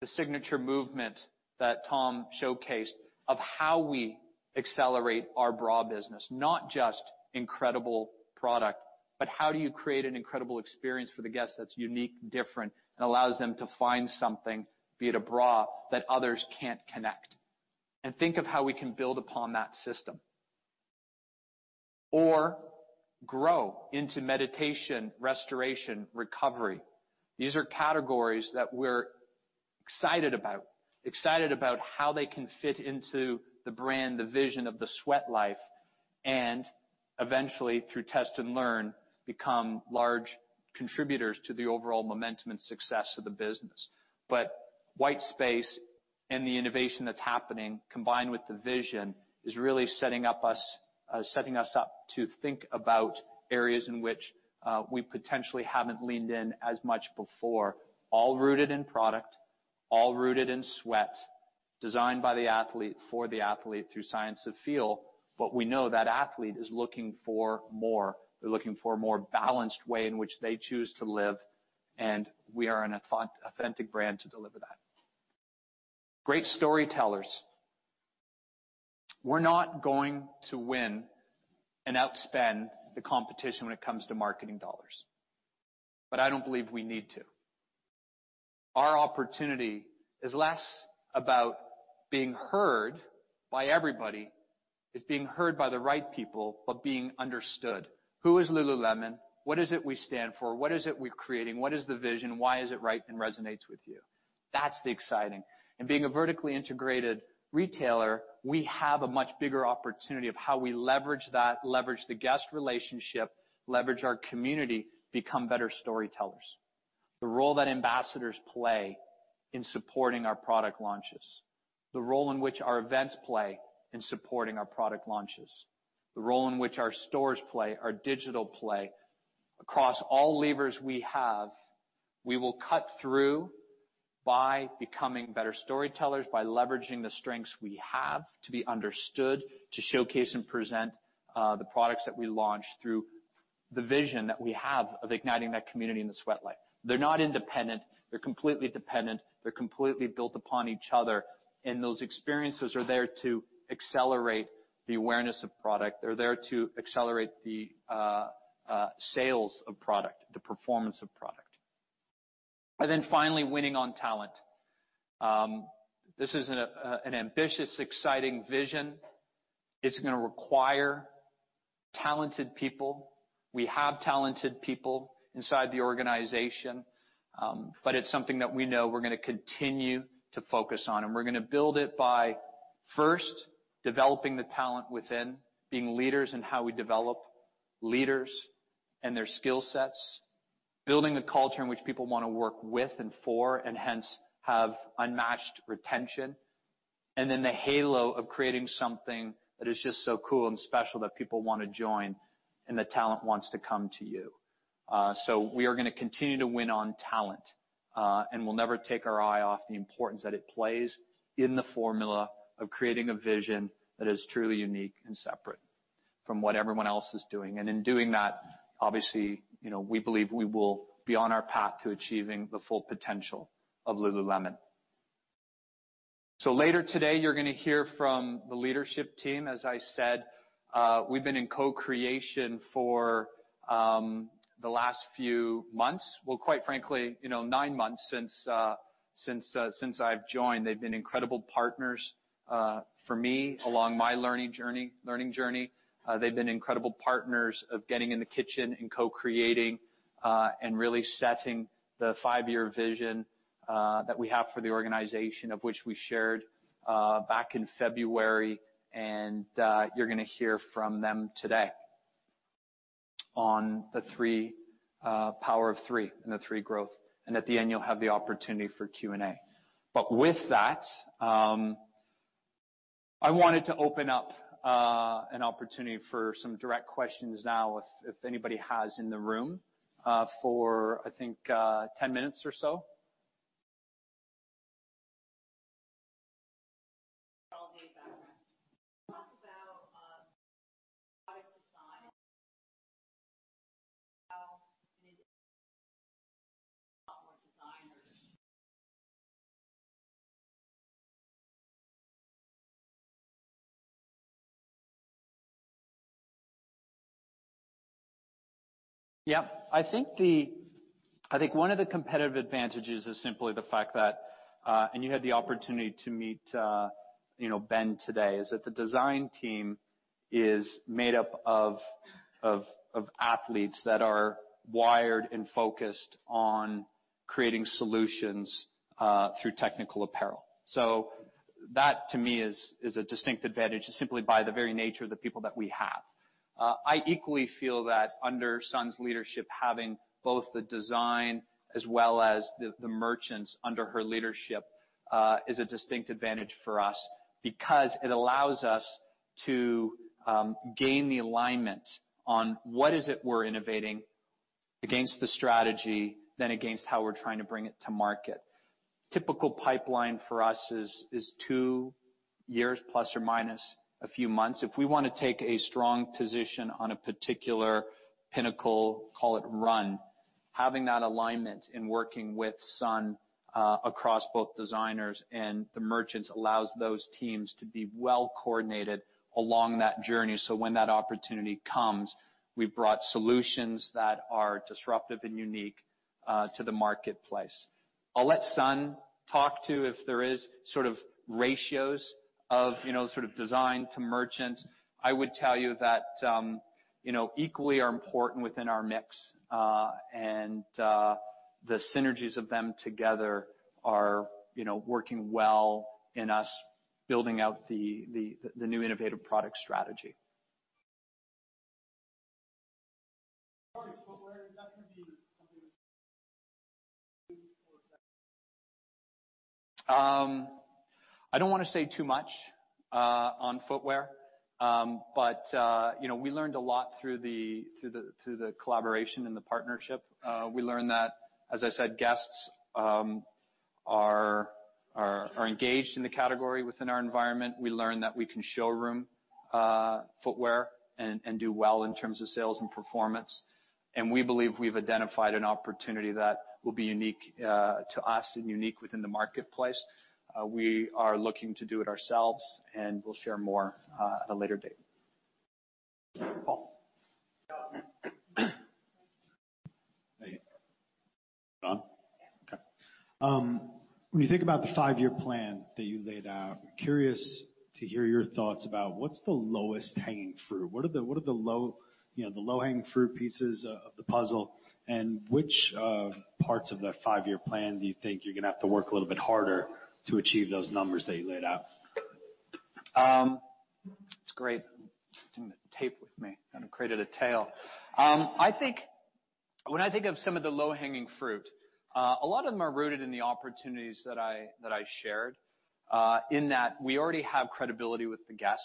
S3: the signature movement that Tom showcased of how we accelerate our bra business. Not just incredible product, but how do you create an incredible experience for the guests that's unique, different, and allows them to find something, be it a bra, that others can't connect. Think of how we can build upon that system. Or grow into meditation, restoration, recovery. These are categories that we're excited about. Excited about how they can fit into the brand, the vision of the Sweatlife, and eventually, through test and learn, become large contributors to the overall momentum and success of the business. White space and the innovation that's happening combined with the vision is really setting us up to think about areas in which we potentially haven't leaned in as much before. All rooted in product, all rooted in sweat, designed by the athlete for the athlete through Science of Feel, but we know that athlete is looking for more. They're looking for a more balanced way in which they choose to live, and we are an authentic brand to deliver that. Great storytellers. We're not going to win and outspend the competition when it comes to marketing dollars. I don't believe we need to. Our opportunity is less about being heard by everybody. It's being heard by the right people, but being understood. Who is Lululemon? What is it we stand for? What is it we're creating? What is the vision? Why is it right and resonates with you? That's the exciting. Being a vertically integrated retailer, we have a much bigger opportunity of how we leverage that, leverage the guest relationship, leverage our community, become better storytellers. The role that ambassadors play in supporting our product launches. The role in which our events play in supporting our product launches. The role in which our stores play, our digital play. Across all levers we have, we will cut through by becoming better storytellers, by leveraging the strengths we have to be understood, to showcase and present the products that we launch through the vision that we have of igniting that community in the Sweatlife. They're not independent. They're completely dependent. They're completely built upon each other. Those experiences are there to accelerate the awareness of product. They're there to accelerate the sales of product, the performance of product. Finally, winning on talent. This is an ambitious, exciting vision. It's gonna require talented people. We have talented people inside the organization. It's something that we know we're gonna continue to focus on. We're gonna build it by first developing the talent within, being leaders and how we develop leaders and their skill sets. Building a culture in which people wanna work with and for, and hence have unmatched retention. Then the halo of creating something that is just so cool and special that people wanna join and the talent wants to come to you. We are gonna continue to win on talent, and we'll never take our eye off the importance that it plays in the formula of creating a vision that is truly unique and separate from what everyone else is doing. In doing that, obviously, you know, we believe we will be on our path to achieving the full potential of Lululemon. Later today, you're gonna hear from the leadership team. As I said, we've been in co-creation for the last few months. Well, quite frankly, you know, nine months since I've joined. They've been incredible partners for me along my learning journey. They've been incredible partners of getting in the kitchen and co-creating and really setting the five-year vision that we have for the organization of which we shared back in February. You're gonna hear from them today on the Power of Three and the Three Growth. At the end, you'll have the opportunity for Q&A. With that, I wanted to open up an opportunity for some direct questions now if anybody has in the room for, I think, 10 minutes or so.
S4: Can you talk about product design? How a lot more designers.
S3: Yeah. I think one of the competitive advantages is simply the fact that, and you had the opportunity to meet, you know, Ben today, is that the design team is made up of athletes that are wired and focused on creating solutions through technical apparel. That to me is a distinct advantage just simply by the very nature of the people that we have. I equally feel that under Sun's leadership, having both the design as well as the merchants under her leadership, is a distinct advantage for us because it allows us to gain the alignment on what is it we're innovating against the strategy than against how we're trying to bring it to market. Typical pipeline for us is two years plus or minus a few months. If we wanna take a strong position on a particular pinnacle, call it run, having that alignment in working with Sun Choe across both designers and the merchants allows those teams to be well coordinated along that journey. When that opportunity comes, we've brought solutions that are disruptive and unique to the marketplace. I'll let Sun Choe talk to if there is sort of ratios of, you know, sort of design to merchant. I would tell you that, you know, equally are important within our mix. The synergies of them together are, you know, working well in us building out the new innovative product strategy.
S5: Footwear, is that gonna be something?
S3: I don't wanna say too much on footwear. You know, we learned a lot through the collaboration and the partnership. We learned that, as I said, guests are engaged in the category within our environment. We learned that we can showroom footwear and do well in terms of sales and performance. We believe we've identified an opportunity that will be unique to us and unique within the marketplace. We are looking to do it ourselves, and we'll share more at a later date. Paul.
S6: Hey. Is it on?
S1: Yeah.
S6: Okay. When you think about the five-year plan that you laid out, curious to hear your thoughts about what's the lowest hanging fruit. What are the low, you know, the low-hanging fruit pieces of the puzzle? Which parts of the five-year plan do you think you're gonna have to work a little bit harder to achieve those numbers that you laid out?
S3: That's great. Bringing the tape with me, kind of created a tail. I think when I think of some of the low-hanging fruit, a lot of them are rooted in the opportunities that I shared. In that we already have credibility with the guest.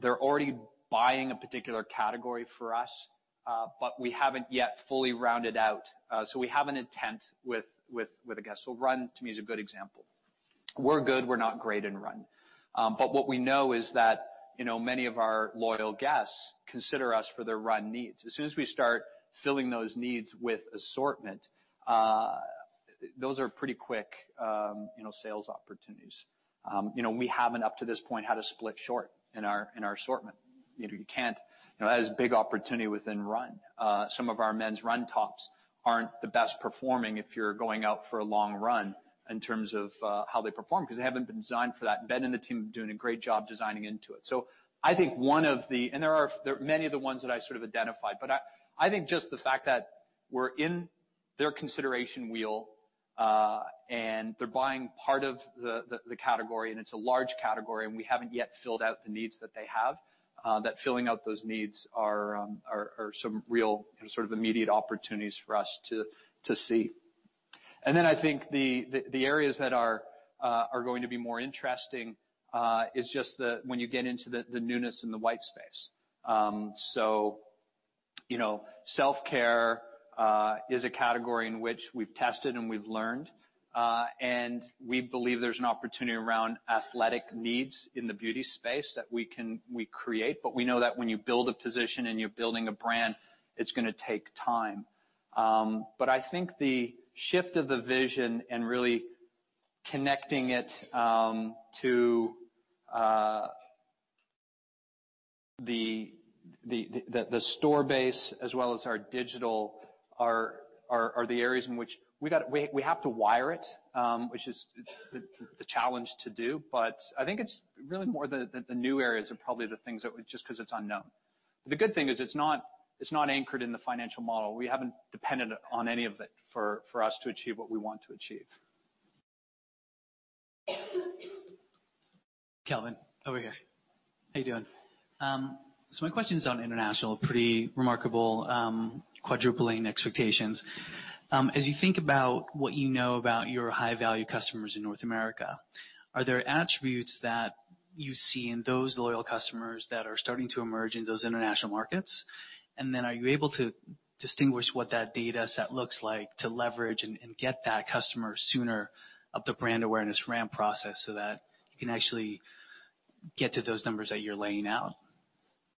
S3: They're already buying a particular category for us, but we haven't yet fully rounded out. We have an intent with the guest. Run to me is a good example. We're good, we're not great in run. What we know is that, you know, many of our loyal guests consider us for their run needs. As soon as we start filling those needs with assortment, those are pretty quick, you know, sales opportunities. You know, we haven't up to this point had a split short in our, in our assortment. You know, you can't. You know, that is a big opportunity within run. Some of our men's run tops aren't the best performing if you're going out for a long run in terms of how they perform, 'cause they haven't been designed for that. Ben and the team are doing a great job designing into it. I think one of the there are many of the ones that I sort of identified. I think just the fact that we're in their consideration wheel, and they're buying part of the category, and it's a large category, and we haven't yet filled out the needs that they have, that filling out those needs are some real sort of immediate opportunities for us to see. Then I think the areas that are going to be more interesting, is just when you get into the newness and the white space. You know, self-care, is a category in which we've tested and we've learned. We believe there's an opportunity around athletic needs in the beauty space that we can create. We know that when you build a position and you're building a brand, it's gonna take time. I think the shift of the vision and really connecting it to the store base as well as our digital are the areas in which we have to wire it, which is the challenge to do. I think it's really more the new areas are probably the things that Just 'cause it's unknown. The good thing is it's not anchored in the financial model. We haven't depended on any of it for us to achieve what we want to achieve.
S7: Calvin, over here. How you doing? My question is on international. Pretty remarkable, quadrupling expectations. As you think about what you know about your high-value customers in North America, are there attributes that you see in those loyal customers that are starting to emerge in those international markets? Are you able to distinguish what that data set looks like to leverage and get that customer sooner up the brand awareness ramp process so that you can actually get to those numbers that you're laying out?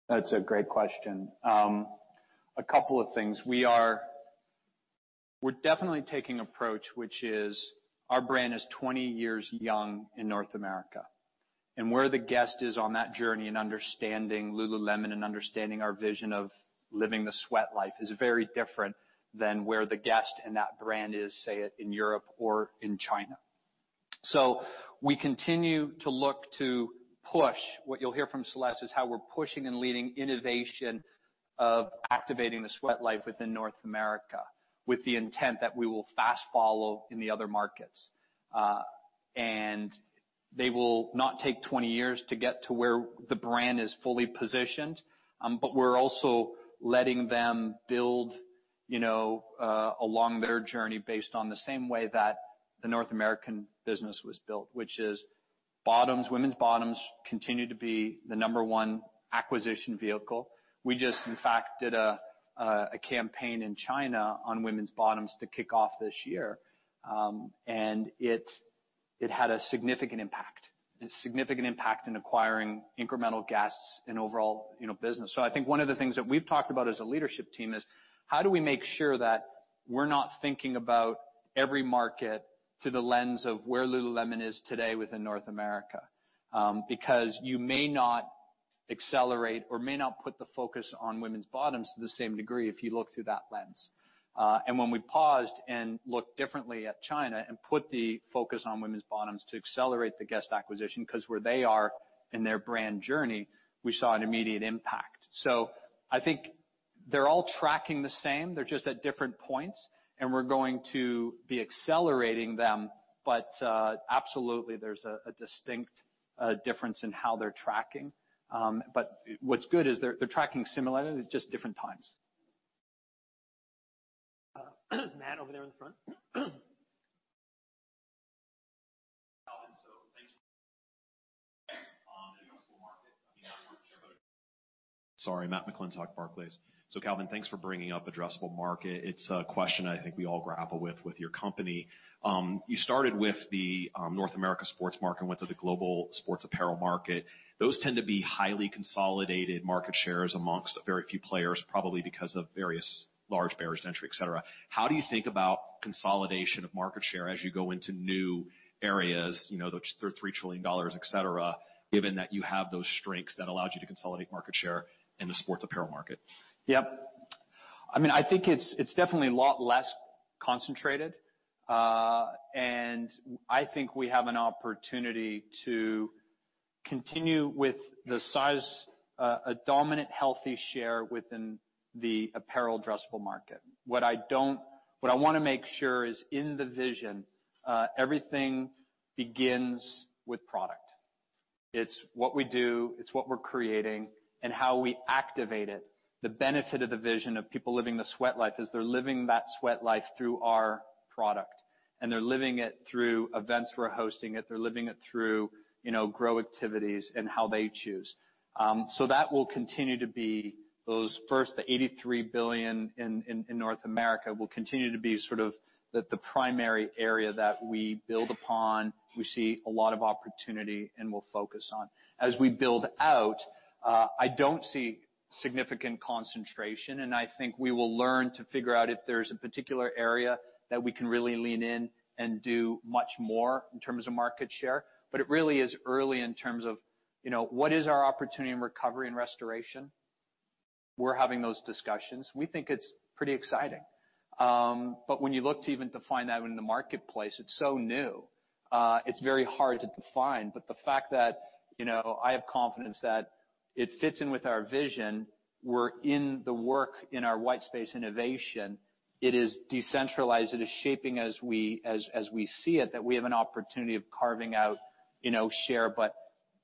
S3: That's a great question. A couple of things. We're definitely taking approach, which is our brand is 20 years young in North America. Where the guest is on that journey in understanding Lululemon and understanding our vision of living the Sweatlife is very different than where the guest in that brand is, say, in Europe or in China. We continue to look to push. What you'll hear from Celeste is how we're pushing and leading innovation of activating the Sweatlife within North America with the intent that we will fast follow in the other markets. They will not take 20 years to get to where the brand is fully positioned. We're also letting them build, you know, along their journey based on the same way that the North American business was built, which is bottoms. Women's bottoms continue to be the number one acquisition vehicle. We just in fact did a campaign in China on women's bottoms to kick off this year, and it had a significant impact. A significant impact in acquiring incremental guests in overall, you know, business. I think one of the things that we've talked about as a leadership team is, how do we make sure that we're not thinking about every market through the lens of where Lululemon is today within North America? Because you may not accelerate or may not put the focus on women's bottoms to the same degree if you look through that lens. When we paused and looked differently at China and put the focus on women's bottoms to accelerate the guest acquisition, 'cause where they are in their brand journey, we saw an immediate impact. I think they're all tracking the same. They're just at different points, and we're going to be accelerating them, but absolutely there's a distinct difference in how they're tracking. What's good is they're tracking similarly, just different times.
S1: Matt, over there in the front.
S8: Calvin, thanks on addressable market. I mean, I'm not sure but, sorry. Matt McClintock, Barclays. Calvin, thanks for bringing up addressable market. It's a question I think we all grapple with with your company. You started with the North America sports market and went to the global sports apparel market. Those tend to be highly consolidated market shares amongst a very few players, probably because of various large barriers to entry, et cetera. How do you think about consolidation of market share as you go into new areas, you know, the $3 trillion, et cetera, given that you have those strengths that allowed you to consolidate market share in the sports apparel market?
S3: Yep. I mean, I think it's definitely a lot less concentrated. I think we have an opportunity to continue with the size, a dominant healthy share within the apparel addressable market. What I want to make sure is in the vision, everything begins with product. It's what we do, it's what we're creating, and how we activate it. The benefit of the vision of people living the Sweatlife is they're living that Sweatlife through our product, and they're living it through events we're hosting it. They're living it through, you know, grow activities and how they choose. That will continue to be those first $83 billion in North America will continue to be sort of the primary area that we build upon, we see a lot of opportunity and will focus on. As we build out, I don't see significant concentration, and I think we will learn to figure out if there's a particular area that we can really lean in and do much more in terms of market share. It really is early in terms of, you know, what is our opportunity in recovery and restoration? We're having those discussions. We think it's pretty exciting. When you look to even define that within the marketplace, it's so new, it's very hard to define. The fact that, you know, I have confidence that it fits in with our vision. We're in the work in our white space innovation. It is decentralized. It is shaping as we see it, that we have an opportunity of carving out, you know, share.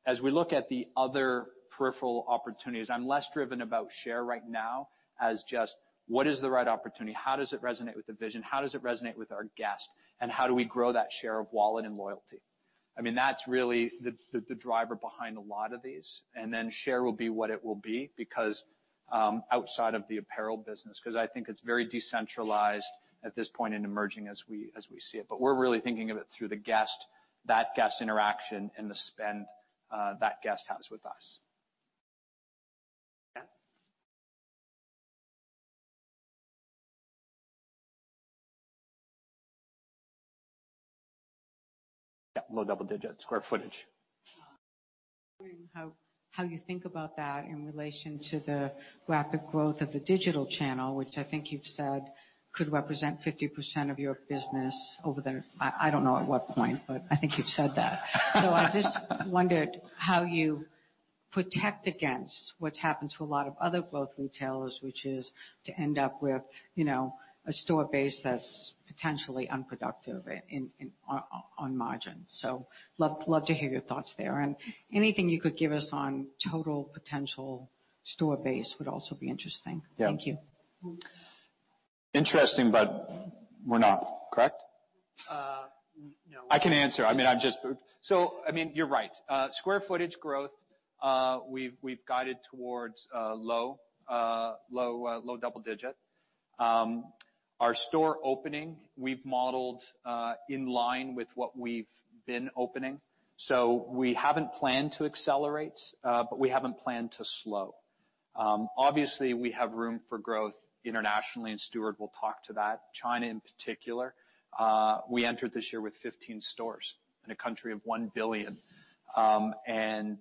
S3: As we look at the other peripheral opportunities, I'm less driven about share right now as just what is the right opportunity? How does it resonate with the vision? How does it resonate with our guest, and how do we grow that share of wallet and loyalty? I mean, that's really the driver behind a lot of these. Then share will be what it will be because outside of the apparel business, 'cause I think it's very decentralized at this point and emerging as we see it. We're really thinking of it through the guest, that guest interaction and the spend that guest has with us.
S1: Yeah. Yeah, low double digits square footage.
S9: Wondering how you think about that in relation to the rapid growth of the digital channel, which I think you've said could represent 50% of your business over the I don't know at what point, but I think you've said that. I just wondered how you protect against what's happened to a lot of other growth retailers, which is to end up with, you know, a store base that's potentially unproductive in margin. Love to hear your thoughts there. Anything you could give us on total potential store base would also be interesting.
S3: Yeah.
S9: Thank you.
S3: Interesting, but we're not, correct?
S1: No.
S3: I can answer. I mean, I'm just, so I mean, you're right. Square footage growth, we've guided towards low double digit. Our store opening, we've modeled in line with what we've been opening. We haven't planned to accelerate, but we haven't planned to slow. Obviously, we have room for growth internationally, and Stuart will talk to that. China in particular, we entered this year with 15 stores in a country of 1 billion and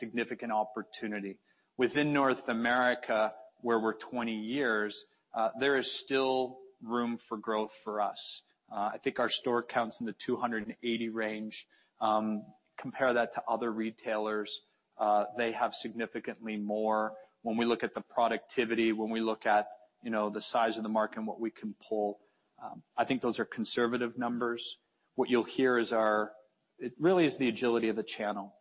S3: significant opportunity. Within North America, where we're 20 years, there is still room for growth for us. I think our store counts in the 280 range. Compare that to other retailers, they have significantly more. When we look at the productivity, when we look at, you know, the size of the market and what we can pull, I think those are conservative numbers. What you'll hear is It really is the agility of the channel.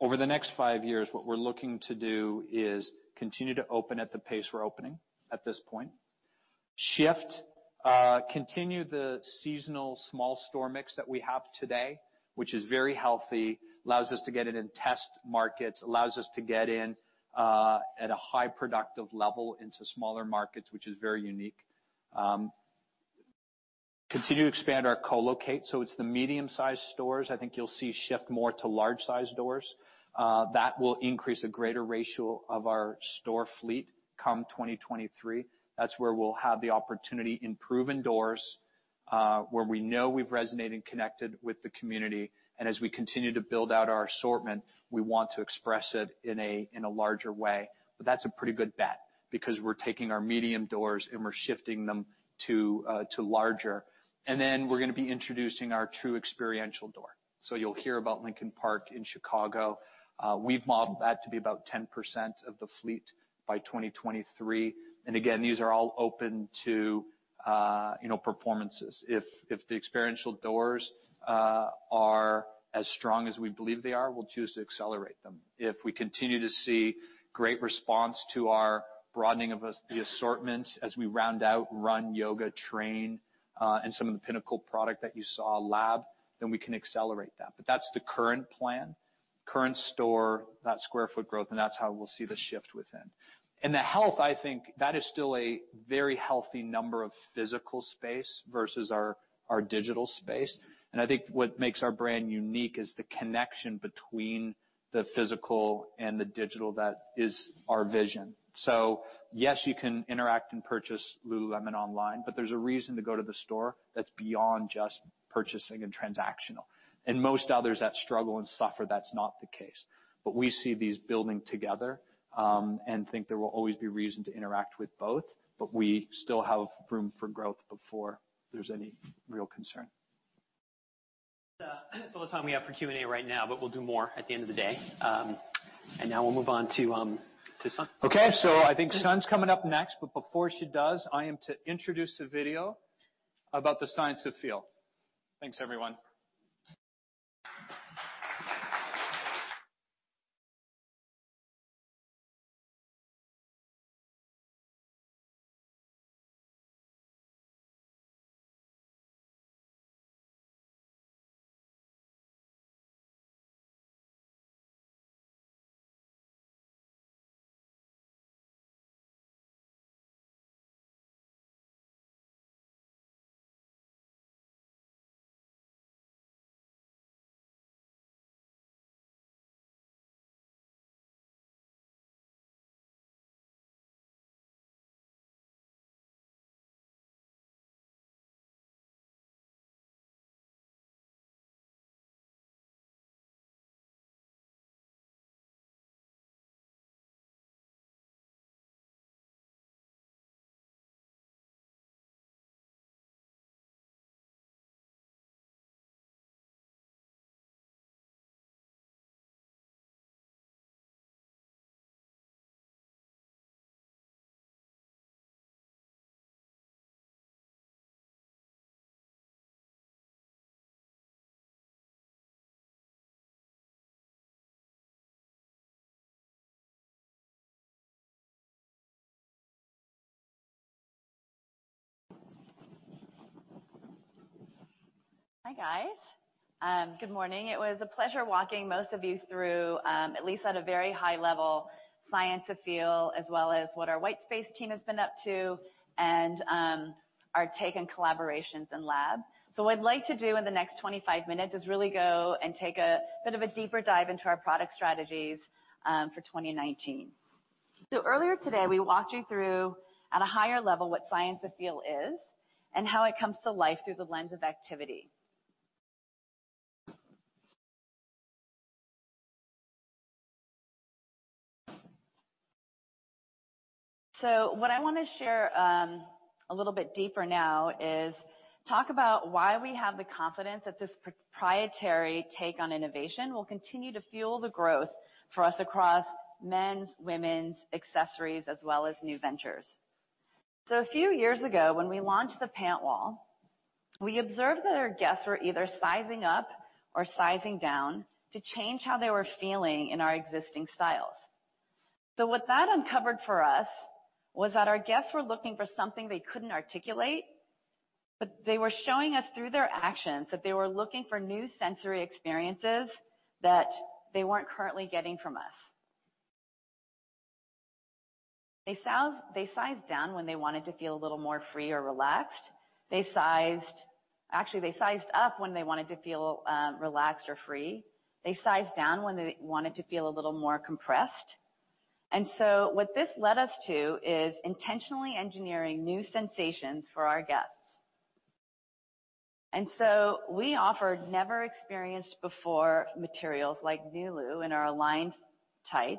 S3: Over the next five years, what we're looking to do is continue to open at the pace we're opening at this point. Shift, continue the seasonal small store mix that we have today, which is very healthy. Allows us to get it in test markets, allows us to get in at a high productive level into smaller markets, which is very unique. Continue to expand our co-locate, so it's the medium-sized stores I think you'll see shift more to large-sized doors. That will increase a greater ratio of our store fleet come 2023. That's where we'll have the opportunity in proven doors, where we know we've resonated and connected with the community. As we continue to build out our assortment, we want to express it in a, in a larger way. That's a pretty good bet because we're taking our medium doors, and we're shifting them to larger. We're gonna be introducing our true experiential door. You'll hear about Lincoln Park in Chicago. We've modeled that to be about 10% of the fleet by 2023. These are all open to, you know, performances. If the experiential doors are as strong as we believe they are, we'll choose to accelerate them. If we continue to see great response to our broadening of the assortments as we round out Run, Yoga, Train, and some of the pinnacle product that you saw, Lab, then we can accelerate that. That's the current plan, current store, that square foot growth, and that's how we'll see the shift within. In the health, I think that is still a very healthy number of physical space versus our digital space. I think what makes our brand unique is the connection between the physical and the digital. That is our vision. Yes, you can interact and purchase Lululemon online, but there's a reason to go to the store that's beyond just purchasing and transactional. In most others that struggle and suffer, that's not the case. We see these building together, and think there will always be reason to interact with both. We still have room for growth before there's any real concern.
S1: That's all the time we have for Q&A right now, but we'll do more at the end of the day. Now we'll move on to Sun.
S3: Okay. I think Sun's coming up next, but before she does, I am to introduce a video about the Science of Feel. Thanks, everyone.
S10: Hi, guys. Good morning. It was a pleasure walking most of you through at least at a very high level, Science of Feel, as well as what our White Space team has been up to and our take and collaborations in lab. What I'd like to do in the next 25 minutes is really go and take a bit of a deeper dive into our product strategies for 2019. Earlier today, we walked you through at a higher level what Science of Feel is and how it comes to life through the lens of activity. What I wanna share a little bit deeper now is talk about why we have the confidence that this proprietary take on innovation will continue to fuel the growth for us across men's, women's, accessories, as well as new ventures. A few years ago, when we launched the pant wall, we observed that our guests were either sizing up or sizing down to change how they were feeling in our existing styles. What that uncovered for us was that our guests were looking for something they couldn't articulate, but they were showing us through their actions that they were looking for new sensory experiences that they weren't currently getting from us. They sized down when they wanted to feel a little more free or relaxed. They sized, actually, they sized up when they wanted to feel relaxed or free. They sized down when they wanted to feel a little more compressed. What this led us to is intentionally engineering new sensations for our guests. We offered never experienced before materials like Luon in our Align tight,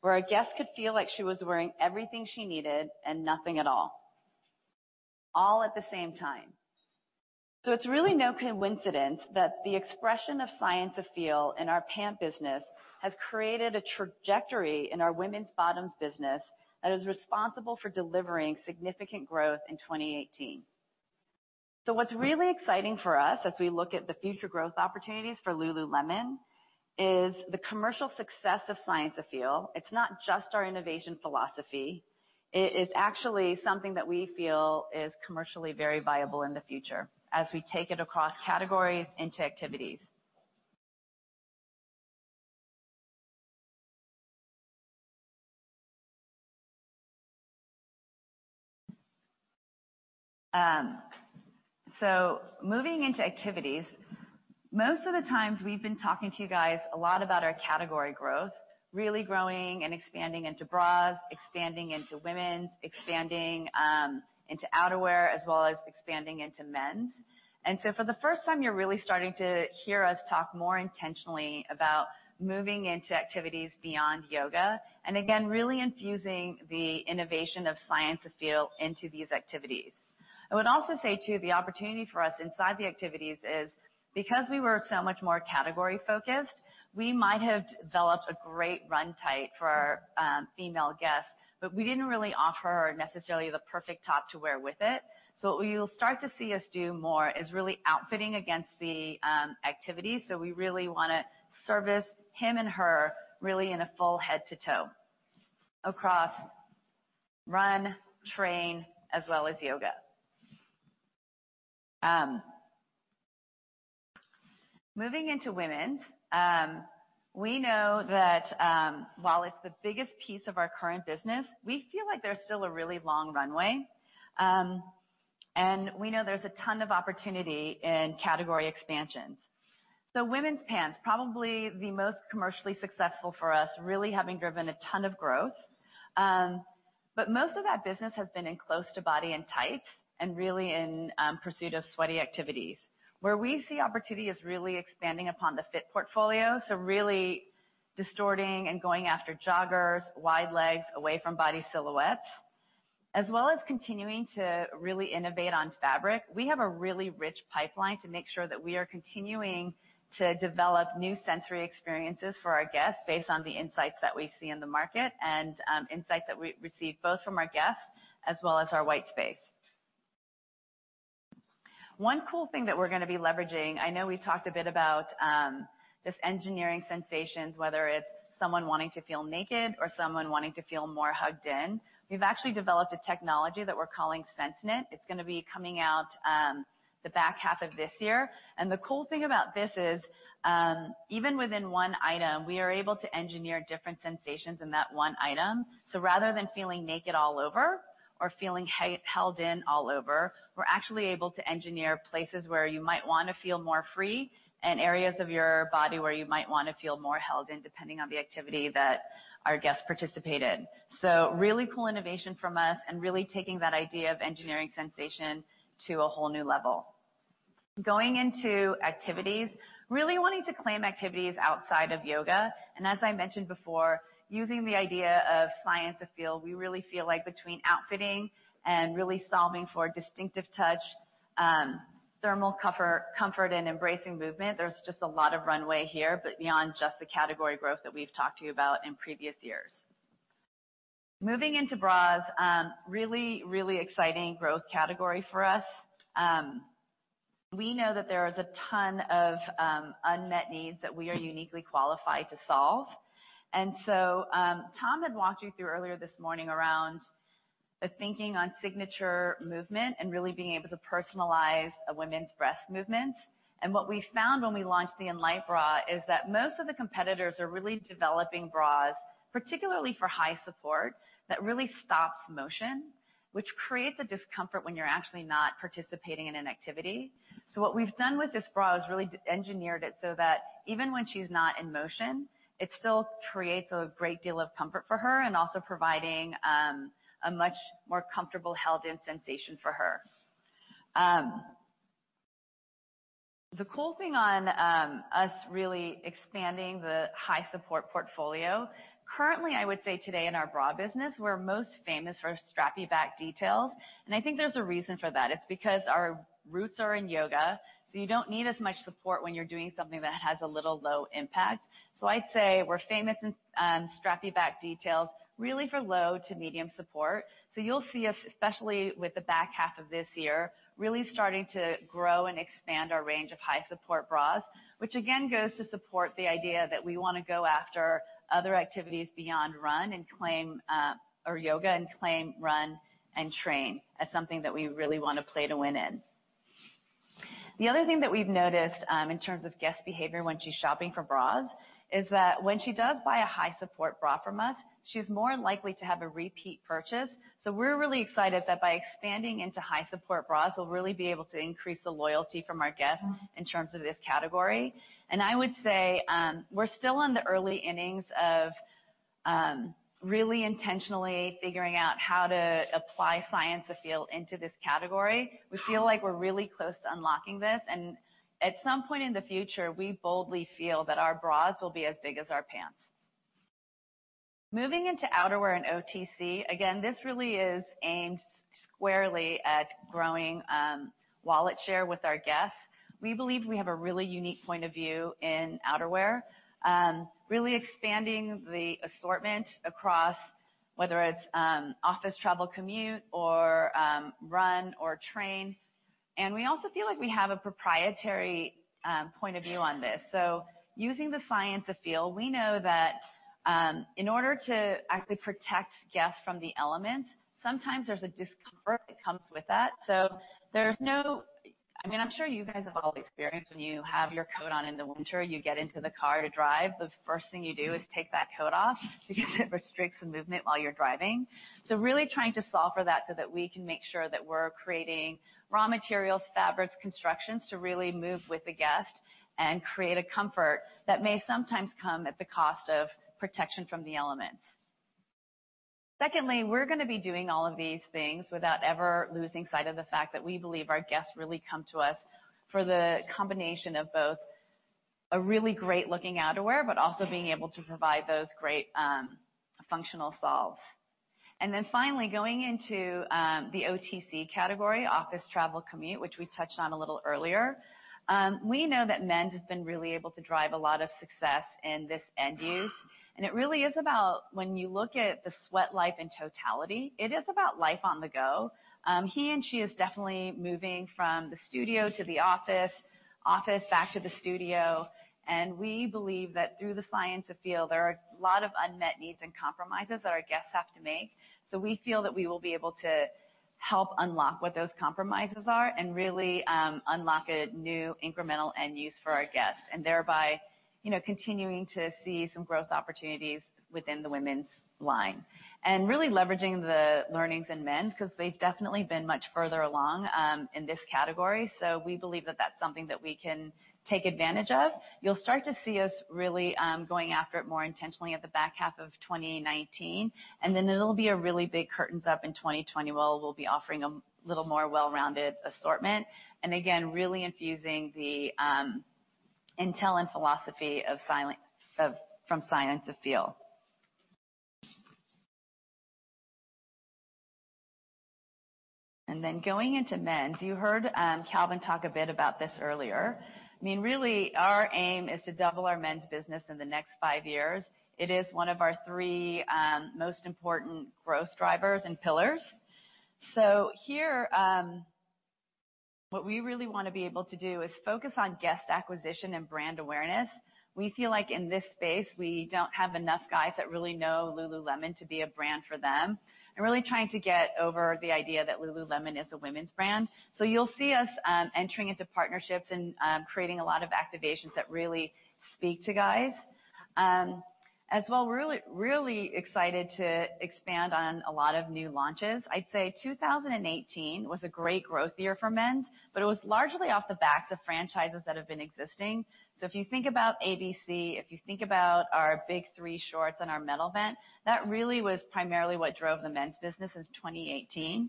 S10: where a guest could feel like she was wearing everything she needed and nothing at all at the same time. It's really no coincidence that the expression of Science of Feel in our pant business has created a trajectory in our women's bottoms business that is responsible for delivering significant growth in 2018. What's really exciting for us as we look at the future growth opportunities for Lululemon is the commercial success of Science of Feel. It's not just our innovation philosophy. It is actually something that we feel is commercially very viable in the future as we take it across categories into activities. Moving into activities, most of the times we've been talking to you guys a lot about our category growth, really growing and expanding into bras, expanding into women's, expanding into outerwear, as well as expanding into men's. For the first time, you're really starting to hear us talk more intentionally about moving into activities beyond yoga, and again, really infusing the innovation of Science of Feel into these activities. I would also say, too, the opportunity for us inside the activities is because we were so much more category-focused, we might have developed a great run tight for our female guests, but we didn't really offer necessarily the perfect top to wear with it. What you'll start to see us do more is really outfitting against the activity. We really wanna service him and her really in a full head to toe across run, train, as well as yoga. Moving into women's, we know that while it's the biggest piece of our current business, we feel like there's still a really long runway. We know there's a ton of opportunity in category expansions. Women's pants, probably the most commercially successful for us, really having driven a ton of growth. Most of that business has been in close to body and tights and really in pursuit of sweaty activities. Where we see opportunity is really expanding upon the fit portfolio, so really distorting and going after joggers, wide legs, away from body silhouettes, as well as continuing to really innovate on fabric. We have a really rich pipeline to make sure that we are continuing to develop new sensory experiences for our guests based on the insights that we see in the market and insights that we receive both from our guests as well as our white space. One cool thing that we're gonna be leveraging, I know we talked a bit about this engineering sensations, whether it's someone wanting to feel naked or someone wanting to feel more hugged in. We've actually developed a technology that we're calling SenseKnit. It's gonna be coming out the back half of this year. The cool thing about this is, even within one item, we are able to engineer different sensations in that one item. Rather than feeling naked all over or feeling held in all over, we're actually able to engineer places where you might want to feel more free and areas of your body where you might want to feel more held in, depending on the activity that our guests participate in. Really cool innovation from us and really taking that idea of engineering sensation to a whole new level. Going into activities, really wanting to claim activities outside of yoga. As I mentioned before, using the idea of Science of Feel, we really feel like between outfitting and really solving for distinctive touch, thermal comfort and embracing movement, there's just a lot of runway here, but beyond just the category growth that we've talked to you about in previous years. Moving into bras, really exciting growth category for us. We know that there is a ton of unmet needs that we are uniquely qualified to solve. Tom had walked you through earlier this morning around the thinking on signature movement and really being able to personalize a women's breast movement. What we found when we launched the Enlite bra is that most of the competitors are really developing bras, particularly for high support that really stops motion, which creates a discomfort when you're actually not participating in an activity. What we've done with this bra is really engineered it so that even when she's not in motion, it still creates a great deal of comfort for her and also providing a much more comfortable held-in sensation for her. The cool thing on us really expanding the high support portfolio. Currently, I would say today in our bra business, we're most famous for strappy back details, and I think there's a reason for that. It's because our roots are in yoga, so you don't need as much support when you're doing something that has a little low impact. I'd say we're famous in strappy back details really for low to medium support. You'll see us, especially with the back half of this year, really starting to grow and expand our range of high support bras, which again goes to support the idea that we wanna go after other activities beyond run and claim or yoga and claim run and train as something that we really wanna play to win in. The other thing that we've noticed, in terms of guest behavior when she's shopping for bras is that when she does buy a high support bra from us, she's more likely to have a repeat purchase. We're really excited that by expanding into high support bras, we'll really be able to increase the loyalty from our guests in terms of this category. I would say, we're still in the early innings of really intentionally figuring out how to apply Science of Feel into this category. We feel like we're really close to unlocking this, and at some point in the future, we boldly feel that our bras will be as big as our pants. Into outerwear and OTC, again, this really is aimed squarely at growing wallet share with our guests. We believe we have a really unique point of view in outerwear, really expanding the assortment across whether it's office travel commute or run or train. We also feel like we have a proprietary point of view on this. Using the Science of Feel, we know that in order to actually protect guests from the elements, sometimes there's a discomfort that comes with that. I mean, I'm sure you guys have all experienced when you have your coat on in the winter, you get into the car to drive, the first thing you do is take that coat off because it restricts the movement while you're driving. Really trying to solve for that so that we can make sure that we're creating raw materials, fabrics, constructions to really move with the guest and create a comfort that may sometimes come at the cost of protection from the elements. Secondly, we're gonna be doing all of these things without ever losing sight of the fact that we believe our guests really come to us for the combination of both a really great-looking outerwear, but also being able to provide those great functional solves. Finally, going into the OTC category, office travel commute, which we touched on a little earlier. We know that men's has been really able to drive a lot of success in this end use, and it really is about when you look at the Sweatlife in totality, it is about life on the go. He and she is definitely moving from the studio to the office, office back to the studio, and we believe that through the Science of Feel, there are a lot of unmet needs and compromises that our guests have to make. We feel that we will be able to help unlock what those compromises are and really unlock a new incremental end use for our guests, and thereby, you know, continuing to see some growth opportunities within the women's line. Really leveraging the learnings in men's because they've definitely been much further along in this category. We believe that that's something that we can take advantage of. You'll start to see us really going after it more intentionally at the back half of 2019, and then it'll be a really big curtains up in 2020 where we'll be offering a little more well-rounded assortment, and again, really infusing the intel and philosophy from Science of Feel. Going into men's. You heard Calvin talk a bit about this earlier. I mean, really, our aim is to double our men's business in the next five years. It is one of our three, most important growth drivers and pillars. Here, what we really wanna be able to do is focus on guest acquisition and brand awareness. We feel like in this space, we don't have enough guys that really know Lululemon to be a brand for them, and really trying to get over the idea that Lululemon is a women's brand. You'll see us entering into partnerships and creating a lot of activations that really speak to guys. As well, really excited to expand on a lot of new launches. I'd say 2018 was a great growth year for men's, but it was largely off the backs of franchises that have been existing. If you think about ABC, if you think about our big three shorts and our Metal Vent, that really was primarily what drove the men's business in 2018.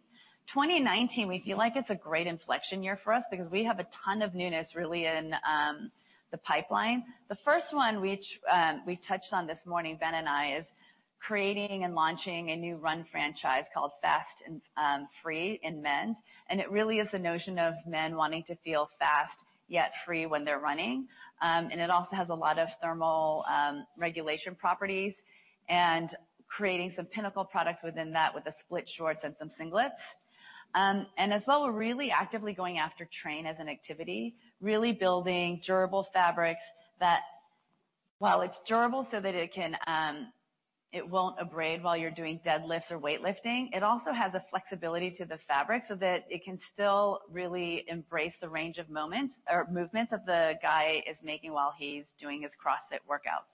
S10: 2019, we feel like it's a great inflection year for us because we have a ton of newness really in the pipeline. The first one which, we touched on this morning, Ben and I, is creating and launching a new run franchise called Fast and Free in men's. It really is the notion of men wanting to feel fast, yet free when they're running. It also has a lot of thermal regulation properties and creating some pinnacle products within that with the split shorts and some singlets. As well, we're really actively going after train as an activity, really building durable fabrics that while it's durable so that it can, it won't abrade while you're doing deadlifts or weightlifting, it also has a flexibility to the fabric so that it can still really embrace the range of moments or movements that the guy is making while he's doing his CrossFit workouts.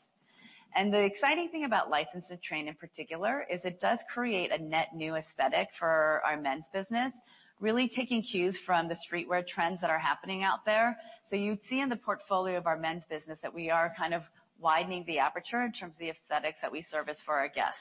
S10: The exciting thing about License to Train in particular is it does create a net new aesthetic for our men's business, really taking cues from the streetwear trends that are happening out there. You'd see in the portfolio of our men's business that we are kind of widening the aperture in terms of the aesthetics that we service for our guests.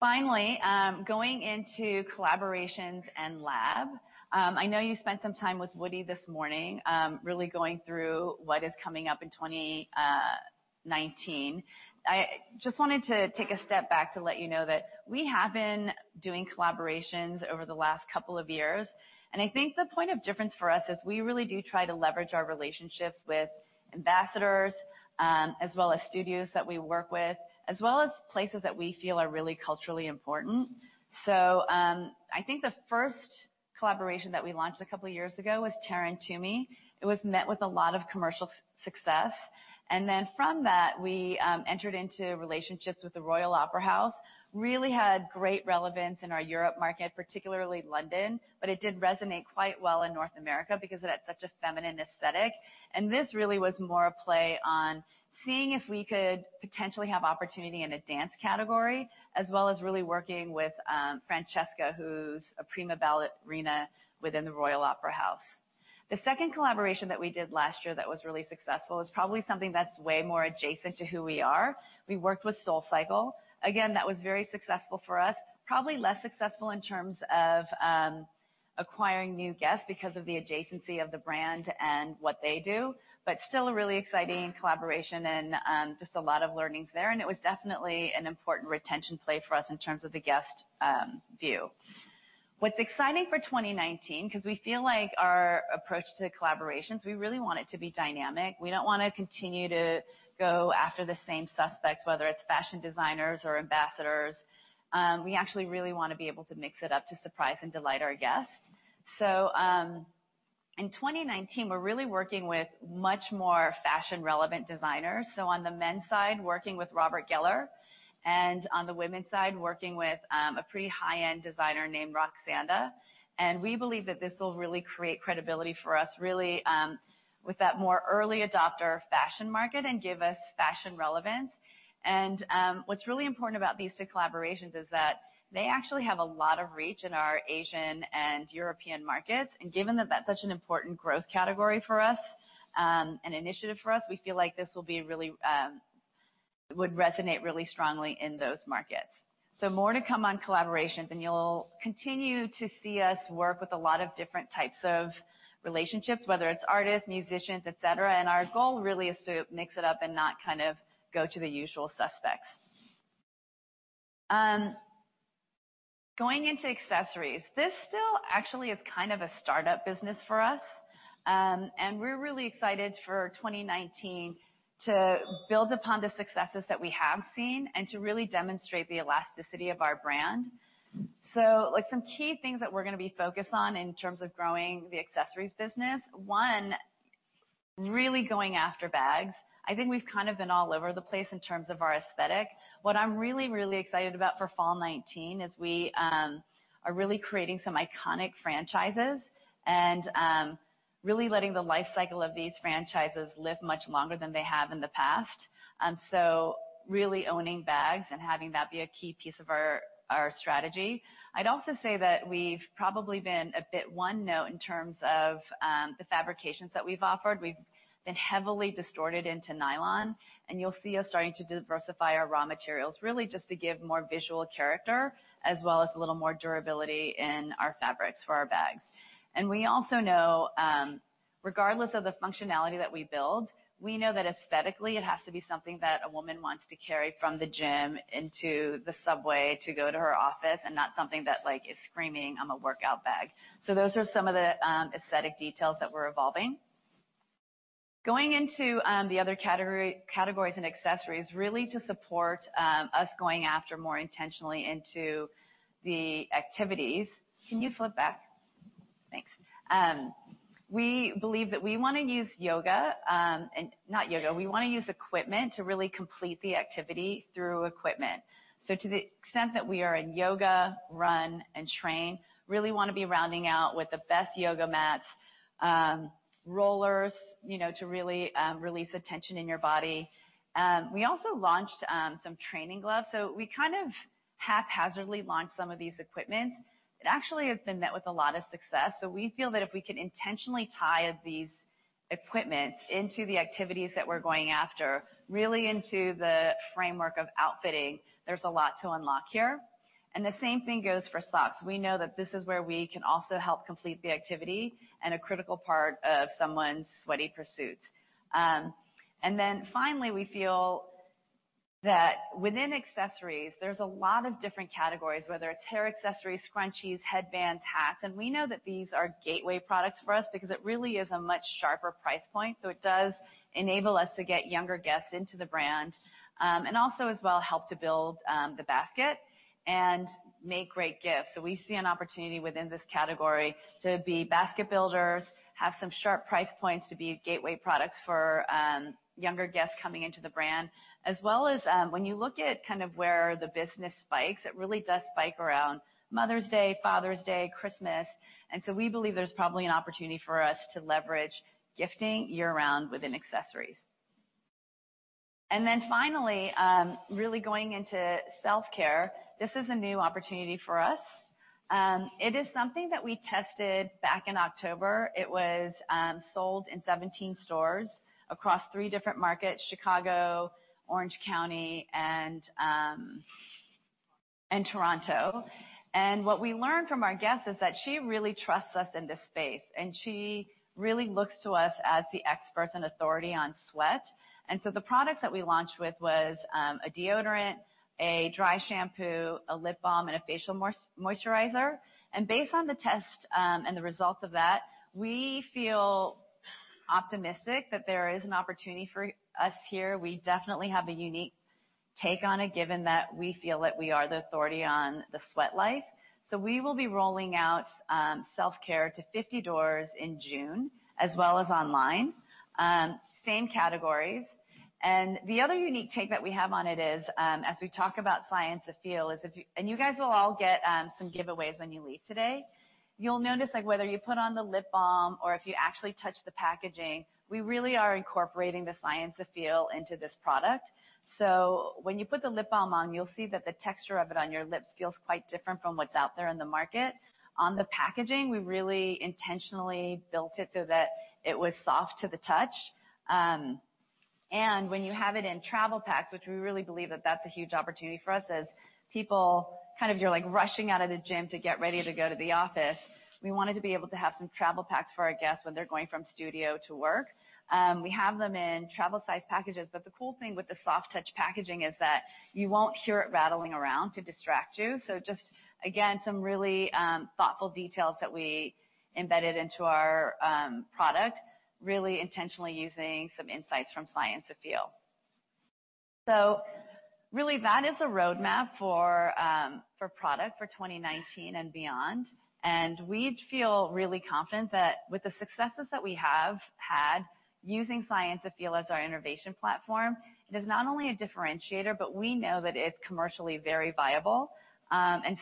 S10: Finally, going into collaborations and lab. I know you spent some time with Woody this morning, really going through what is coming up in 2019. I just wanted to take a step back to let you know that we have been doing collaborations over the last couple of years. I think the point of difference for us is we really do try to leverage our relationships with ambassadors, as well as studios that we work with, as well as places that we feel are really culturally important. I think the first collaboration that we launched a couple years ago was Taryn Toomey. It was met with a lot of commercial success. Then from that, we entered into relationships with the Royal Opera House. Really had great relevance in our Europe market, particularly London. It did resonate quite well in North America because it had such a feminine aesthetic. This really was more a play on seeing if we could potentially have opportunity in a dance category, as well as really working with Francesca, who's a prima ballerina within the Royal Opera House. The second collaboration that we did last year that was really successful is probably something that's way more adjacent to who we are. We worked with SoulCycle. Again, that was very successful for us. Probably less successful in terms of acquiring new guests because of the adjacency of the brand and what they do, but still a really exciting collaboration and just a lot of learnings there. It was definitely an important retention play for us in terms of the guest view. What's exciting for 2019, 'cause we feel like our approach to collaborations, we really want it to be dynamic. We don't wanna continue to go after the same suspects, whether it's fashion designers or ambassadors. We actually really wanna be able to mix it up to surprise and delight our guests. In 2019, we're really working with much more fashion-relevant designers. On the men's side, working with Robert Geller, and on the women's side, working with a pretty high-end designer named Roksanda. We believe that this will really create credibility for us, really, with that more early adopter fashion market and give us fashion relevance. What's really important about these two collaborations is that they actually have a lot of reach in our Asian and European markets. Given that that's such an important growth category for us, and initiative for us, we feel like this would resonate really strongly in those markets. More to come on collaborations, and you'll continue to see us work with a lot of different types of relationships, whether it's artists, musicians, et cetera. Our goal really is to mix it up and not go to the usual suspects. Going into accessories. This still actually is a startup business for us. We're really excited for 2019 to build upon the successes that we have seen and to really demonstrate the elasticity of our brand. Some key things that we're gonna be focused on in terms of growing the accessories business. One, really going after bags. I think we've been all over the place in terms of our aesthetic. What I'm really excited about for fall 2019 is we are really creating some iconic franchises and really letting the life cycle of these franchises live much longer than they have in the past. Really owning bags and having that be a key piece of our strategy. I'd also say that we've probably been a bit one note in terms of the fabrications that we've offered. We've been heavily distorted into nylon, and you'll see us starting to diversify our raw materials, really just to give more visual character as well as a little more durability in our fabrics for our bags. We also know, regardless of the functionality that we build, we know that aesthetically, it has to be something that a woman wants to carry from the gym into the subway to go to her office and not something that, like, is screaming, "I'm a workout bag." Those are some of the aesthetic details that we're evolving. Going into the other categories and accessories, really to support us going after more intentionally into the activities. Can you flip back? Thanks. We believe that we wanna use yoga, and not yoga. We wanna use equipment to really complete the activity through equipment. To the extent that we are in yoga, run, and train, really wanna be rounding out with the best yoga mats, rollers, you know, to really release the tension in your body. We also launched some training gloves. We kind of haphazardly launched some of these equipments. It actually has been met with a lot of success. We feel that if we can intentionally tie these equipments into the activities that we're going after, really into the framework of outfitting, there's a lot to unlock here. The same thing goes for socks. We know that this is where we can also help complete the activity and a critical part of someone's sweaty pursuit. Finally, we feel that within accessories, there's a lot of different categories, whether it's hair accessories, scrunchies, headbands, hats, and we know that these are gateway products for us because it really is a much sharper price point. It does enable us to get younger guests into the brand, and also as well, help to build the basket and make great gifts. We see an opportunity within this category to be basket builders, have some sharp price points to be gateway products for younger guests coming into the brand. As well as, when you look at kind of where the business spikes, it really does spike around Mother's Day, Father's Day, Christmas. We believe there's probably an opportunity for us to leverage gifting year-round within accessories. Finally, really going into self-care. This is a new opportunity for us. It is something that we tested back in October. It was sold in 17 stores across three different markets, Chicago, Orange County, and Toronto. What we learned from our guests is that she really trusts us in this space, and she really looks to us as the experts and authority on sweat. The products that we launched with was a deodorant, a dry shampoo, a lip balm, and a facial moisturizer. Based on the test, and the results of that, we feel optimistic that there is an opportunity for us here. We definitely have a unique take on it, given that we feel that we are the authority on the Sweatlife. We will be rolling out self-care to 50 doors in June as well as online. Same categories. The other unique take that we have on it is, as we talk about Science of Feel is you guys will all get some giveaways when you leave today. You'll notice, like, whether you put on the lip balm or if you actually touch the packaging, we really are incorporating the Science of Feel into this product. When you put the lip balm on, you'll see that the texture of it on your lips feels quite different from what's out there in the market. On the packaging, we really intentionally built it so that it was soft to the touch. When you have it in travel packs, which we really believe that that's a huge opportunity for us as people rushing out of the gym to get ready to go to the office. We wanted to be able to have some travel packs for our guests when they're going from studio to work. We have them in travel-size packages, but the cool thing with the soft touch packaging is that you won't hear it rattling around to distract you. Just, again, some really thoughtful details that we embedded into our product, really intentionally using some insights from Science of Feel. Really that is a roadmap for product for 2019 and beyond. We feel really confident that with the successes that we have had using Science of Feel as our innovation platform, it is not only a differentiator, but we know that it's commercially very viable.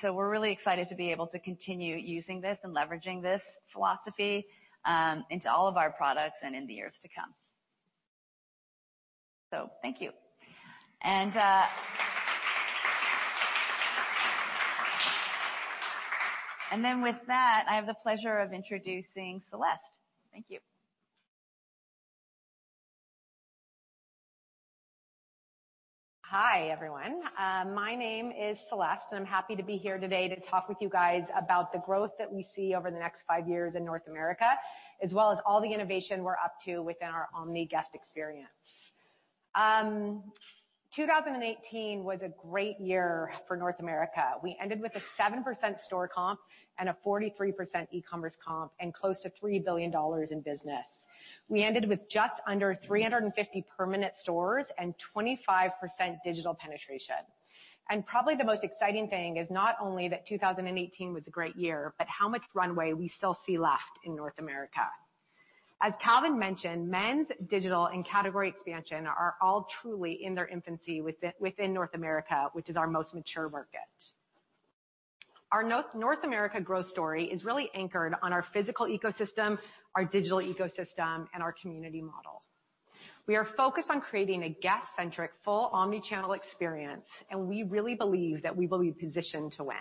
S10: We're really excited to be able to continue using this and leveraging this philosophy into all of our products and in the years to come. Thank you. With that, I have the pleasure of introducing Celeste. Thank you.
S11: Hi, everyone. My name is Celeste. I'm happy to be here today to talk with you guys about the growth that we see over the next five years in North America, as well as all the innovation we're up to within our omni-guest experience. 2018 was a great year for North America. We ended with a 7% store comp and a 43% e-commerce comp and close to $3 billion in business. We ended with just under 350 permanent stores and 25% digital penetration. Probably the most exciting thing is not only that 2018 was a great year, but how much runway we still see left in North America. As Calvin mentioned, men's digital and category expansion are all truly in their infancy within North America, which is our most mature market. Our North America growth story is really anchored on our physical ecosystem, our digital ecosystem, and our community model. We are focused on creating a guest-centric, full omni-channel experience. We really believe that we will be positioned to win.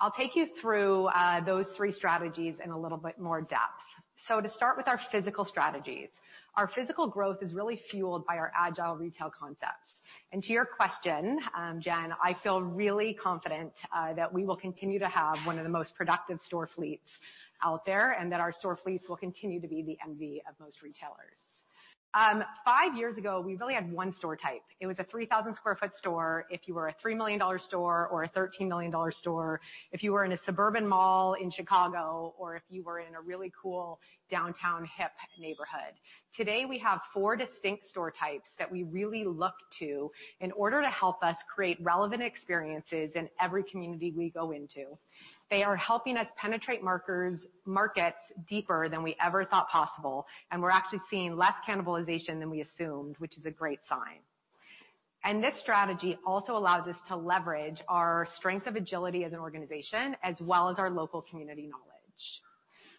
S11: I'll take you through those three strategies in a little bit more depth. To start with our physical strategies, our physical growth is really fueled by our agile retail concept. To your question, Jen, I feel really confident that we will continue to have one of the most productive store fleets out there, and that our store fleets will continue to be the envy of most retailers. Five years ago, we really had one store type. It was a 3,000 square foot store. If you were a $3 million store or a $13 million store, if you were in a suburban mall in Chicago, or if you were in a really cool downtown hip neighborhood. Today, we have four distinct store types that we really look to in order to help us create relevant experiences in every community we go into. They are helping us penetrate markets deeper than we ever thought possible, and we're actually seeing less cannibalization than we assumed, which is a great sign. This strategy also allows us to leverage our strength of agility as an organization as well as our local community knowledge.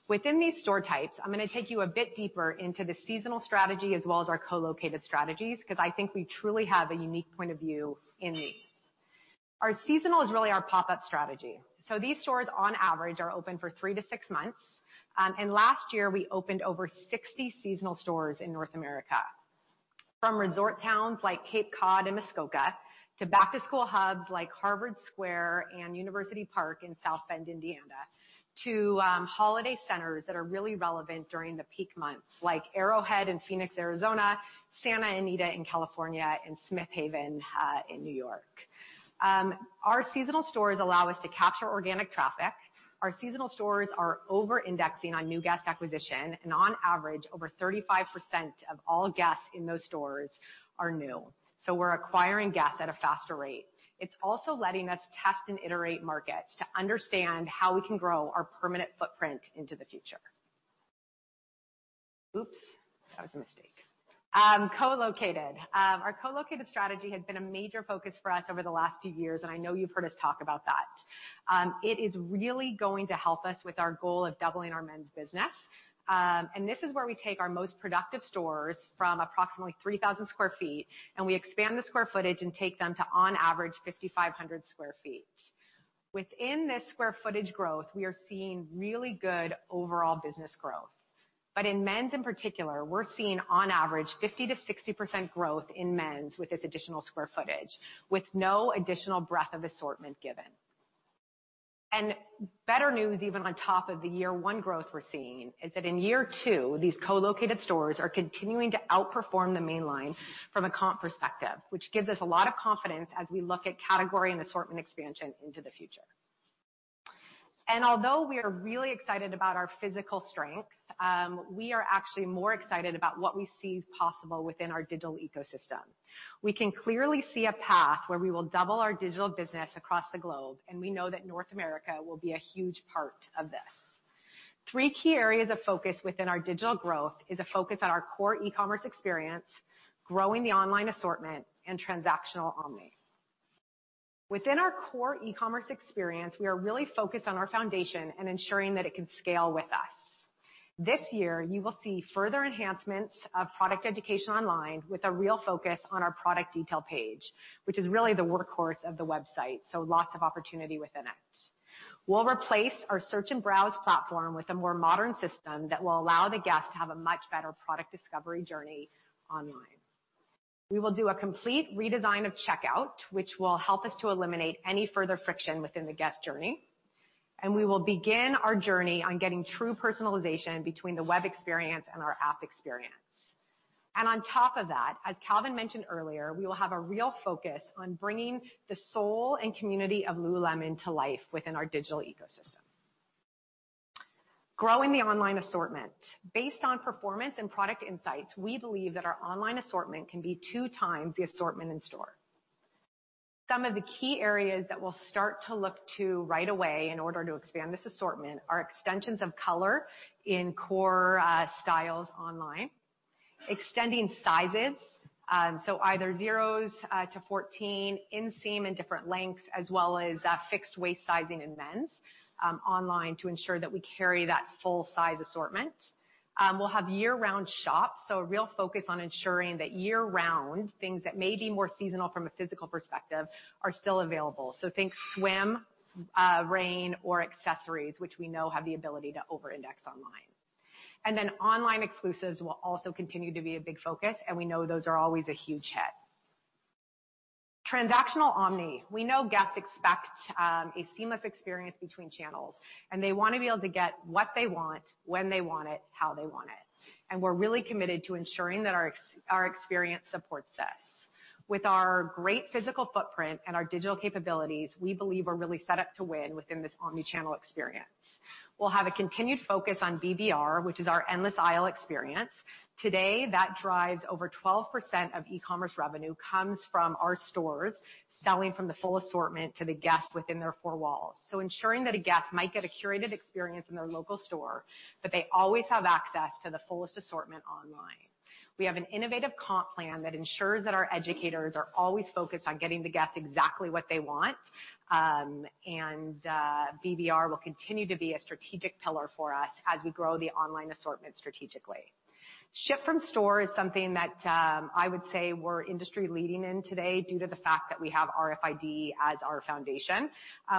S11: Within these store types, I'm gonna take you a bit deeper into the seasonal strategy as well as our co-located strategies, 'cause I think we truly have a unique point of view in these. Our seasonal is really our pop-up strategy. These stores, on average, are open for 3-6 months. Last year, we opened over 60 seasonal stores in North America. From resort towns like Cape Cod and Muskoka to back-to-school hubs like Harvard Square and University Park in South Bend, Indiana, to holiday centers that are really relevant during the peak months, like Arrowhead in Phoenix, Arizona, Santa Anita in California, and Smith Haven in New York. Our seasonal stores allow us to capture organic traffic. Our seasonal stores are over-indexing on new guest acquisition, and on average, over 35% of all guests in those stores are new. We're acquiring guests at a faster rate. It's also letting us test and iterate markets to understand how we can grow our permanent footprint into the future. Oops, that was a mistake. Our co-located strategy has been a major focus for us over the last two years, and I know you've heard us talk about that. It is really going to help us with our goal of doubling our men's business. This is where we take our most productive stores from approximately 3,000 sq ft, and we expand the square footage and take them to on average 5,500 sq ft. Within this square footage growth, we are seeing really good overall business growth. But in men's, in particular, we're seeing on average 50%-60% growth in men's with this additional square footage with no additional breadth of assortment given. Better news, even on top of the year 1 growth we're seeing, is that in year 2, these co-located stores are continuing to outperform the mainline from a comp perspective, which gives us a lot of confidence as we look at category and assortment expansion into the future. Although we are really excited about our physical strength, we are actually more excited about what we see is possible within our digital ecosystem. We can clearly see a path where we will double our digital business across the globe, and we know that North America will be a huge part of this. Three key areas of focus within our digital growth is a focus on our core e-commerce experience, growing the online assortment, and transactional omni. Within our core e-commerce experience, we are really focused on our foundation and ensuring that it can scale with us. This year, you will see further enhancements of product education online with a real focus on our product detail page, which is really the workhorse of the website, so lots of opportunity within it. We will replace our search and browse platform with a more modern system that will allow the guest to have a much better product discovery journey online. We will do a complete redesign of checkout, which will help us to eliminate any further friction within the guest journey, and we will begin our journey on getting true personalization between the web experience and our app experience. On top of that, as Calvin mentioned earlier, we will have a real focus on bringing the soul and community of Lululemon to life within our digital ecosystem. Growing the online assortment. Based on performance and product insights, we believe that our online assortment can be 2 times the assortment in store. Some of the key areas that we'll start to look to right away in order to expand this assortment are extensions of color in core styles online, extending sizes, so either 0s to 14 inseam in different lengths, as well as fixed waist sizing in men's online to ensure that we carry that full size assortment. We'll have year-round shops, so a real focus on ensuring that year-round, things that may be more seasonal from a physical perspective are still available. Think swim, rain or accessories, which we know have the ability to over-index online. Online exclusives will also continue to be a big focus, and we know those are always a huge hit. Transactional omni. We know guests expect a seamless experience between channels, and they wanna be able to get what they want, when they want it, how they want it. We're really committed to ensuring that our experience supports this. With our great physical footprint and our digital capabilities, we believe we're really set up to win within this omni-channel experience. We'll have a continued focus on BBR, which is our endless aisle experience. Today, that drives over 12% of e-commerce revenue comes from our stores selling from the full assortment to the guest within their four walls. Ensuring that a guest might get a curated experience in their local store, but they always have access to the fullest assortment online. We have an innovative comp plan that ensures that our educators are always focused on getting the guest exactly what they want. BBR will continue to be a strategic pillar for us as we grow the online assortment strategically. Ship from store is something that I would say we're industry leading in today due to the fact that we have RFID as our foundation.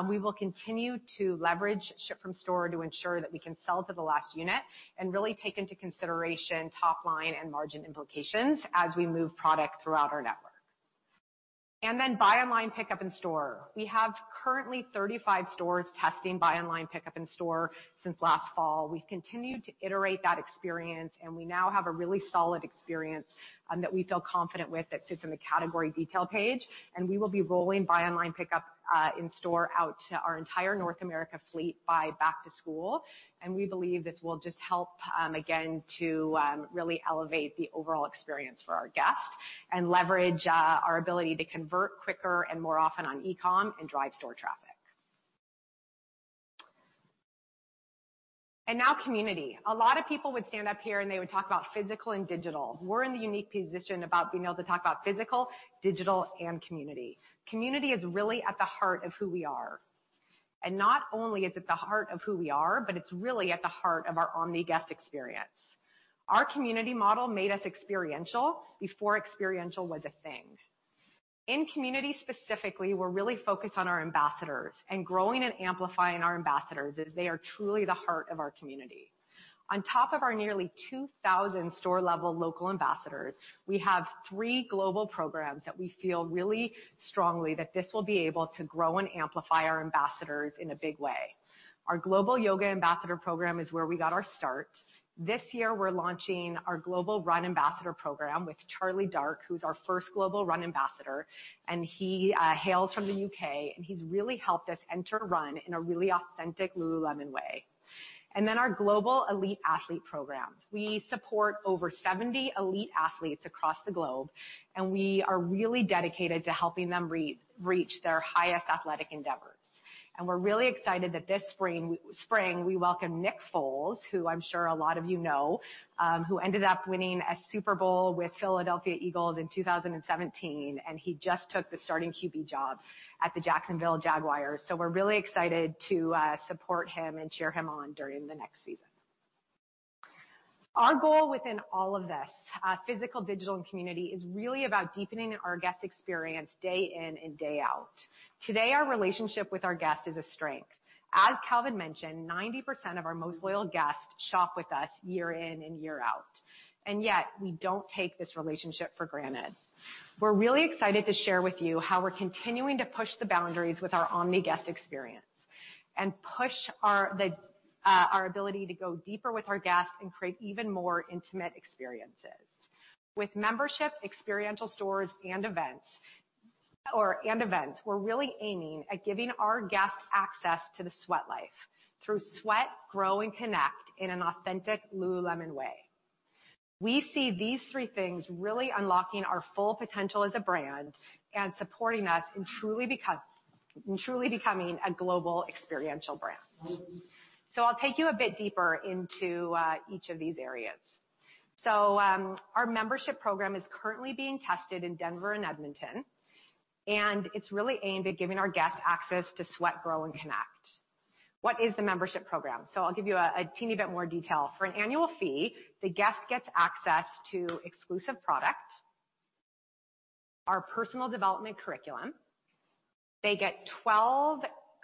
S11: We will continue to leverage ship from store to ensure that we can sell to the last unit and really take into consideration top line and margin implications as we move product throughout our network. Buy online, pickup in store. We have currently 35 stores testing buy online, pickup in store since last fall. We've continued to iterate that experience, and we now have a really solid experience that we feel confident with that sits in the category detail page. We will be rolling buy online, pickup, in store out to our entire North America fleet by back to school. We believe this will just help again to really elevate the overall experience for our guests and leverage our ability to convert quicker and more often on e-com and drive store traffic. Now community. A lot of people would stand up here and they would talk about physical and digital. We're in the unique position about being able to talk about physical, digital, and community. Community is really at the heart of who we are. Not only is it the heart of who we are, but it's really at the heart of our omni-guest experience. Our community model made us experiential before experiential was a thing. In community specifically, we're really focused on our ambassadors and growing and amplifying our ambassadors as they are truly the heart of our community. On top of our nearly 2,000 store-level local ambassadors, we have three global programs that we feel really strongly that this will be able to grow and amplify our ambassadors in a big way. Our Global Yoga Ambassador program is where we got our start. This year, we're launching our Global Run Ambassador program with Charlie Dark, who's our first global run ambassador, and he hails from the U.K., and he's really helped us enter run in a really authentic Lululemon way. Our Global Elite Athlete program. We support over 70 elite athletes across the globe, and we are really dedicated to helping them reach their highest athletic endeavors. We're really excited that this spring, we welcome Nick Foles, who I'm sure a lot of you know, who ended up winning a Super Bowl with Philadelphia Eagles in 2017, and he just took the starting QB job at the Jacksonville Jaguars. We're really excited to support him and cheer him on during the next season. Our goal within all of this, physical, digital, and community, is really about deepening our guest experience day in and day out. Today, our relationship with our guest is a strength. As Calvin mentioned, 90% of our most loyal guests shop with us year in and year out, and yet we don't take this relationship for granted. We're really excited to share with you how we're continuing to push the boundaries with our omni-guest experience and push our ability to go deeper with our guests and create even more intimate experiences. With membership, experiential stores and events, we're really aiming at giving our guests access to the Sweatlife through sweat, grow, and connect in an authentic Lululemon way. We see these three things really unlocking our full potential as a brand and supporting us in truly becoming a global experiential brand. I'll take you a bit deeper into each of these areas. Our membership program is currently being tested in Denver and Edmonton, and it's really aimed at giving our guests access to sweat, grow, and connect. What is the membership program? I'll give you a teeny bit more detail. For an annual fee, the guest gets access to exclusive product, our personal development curriculum. They get 12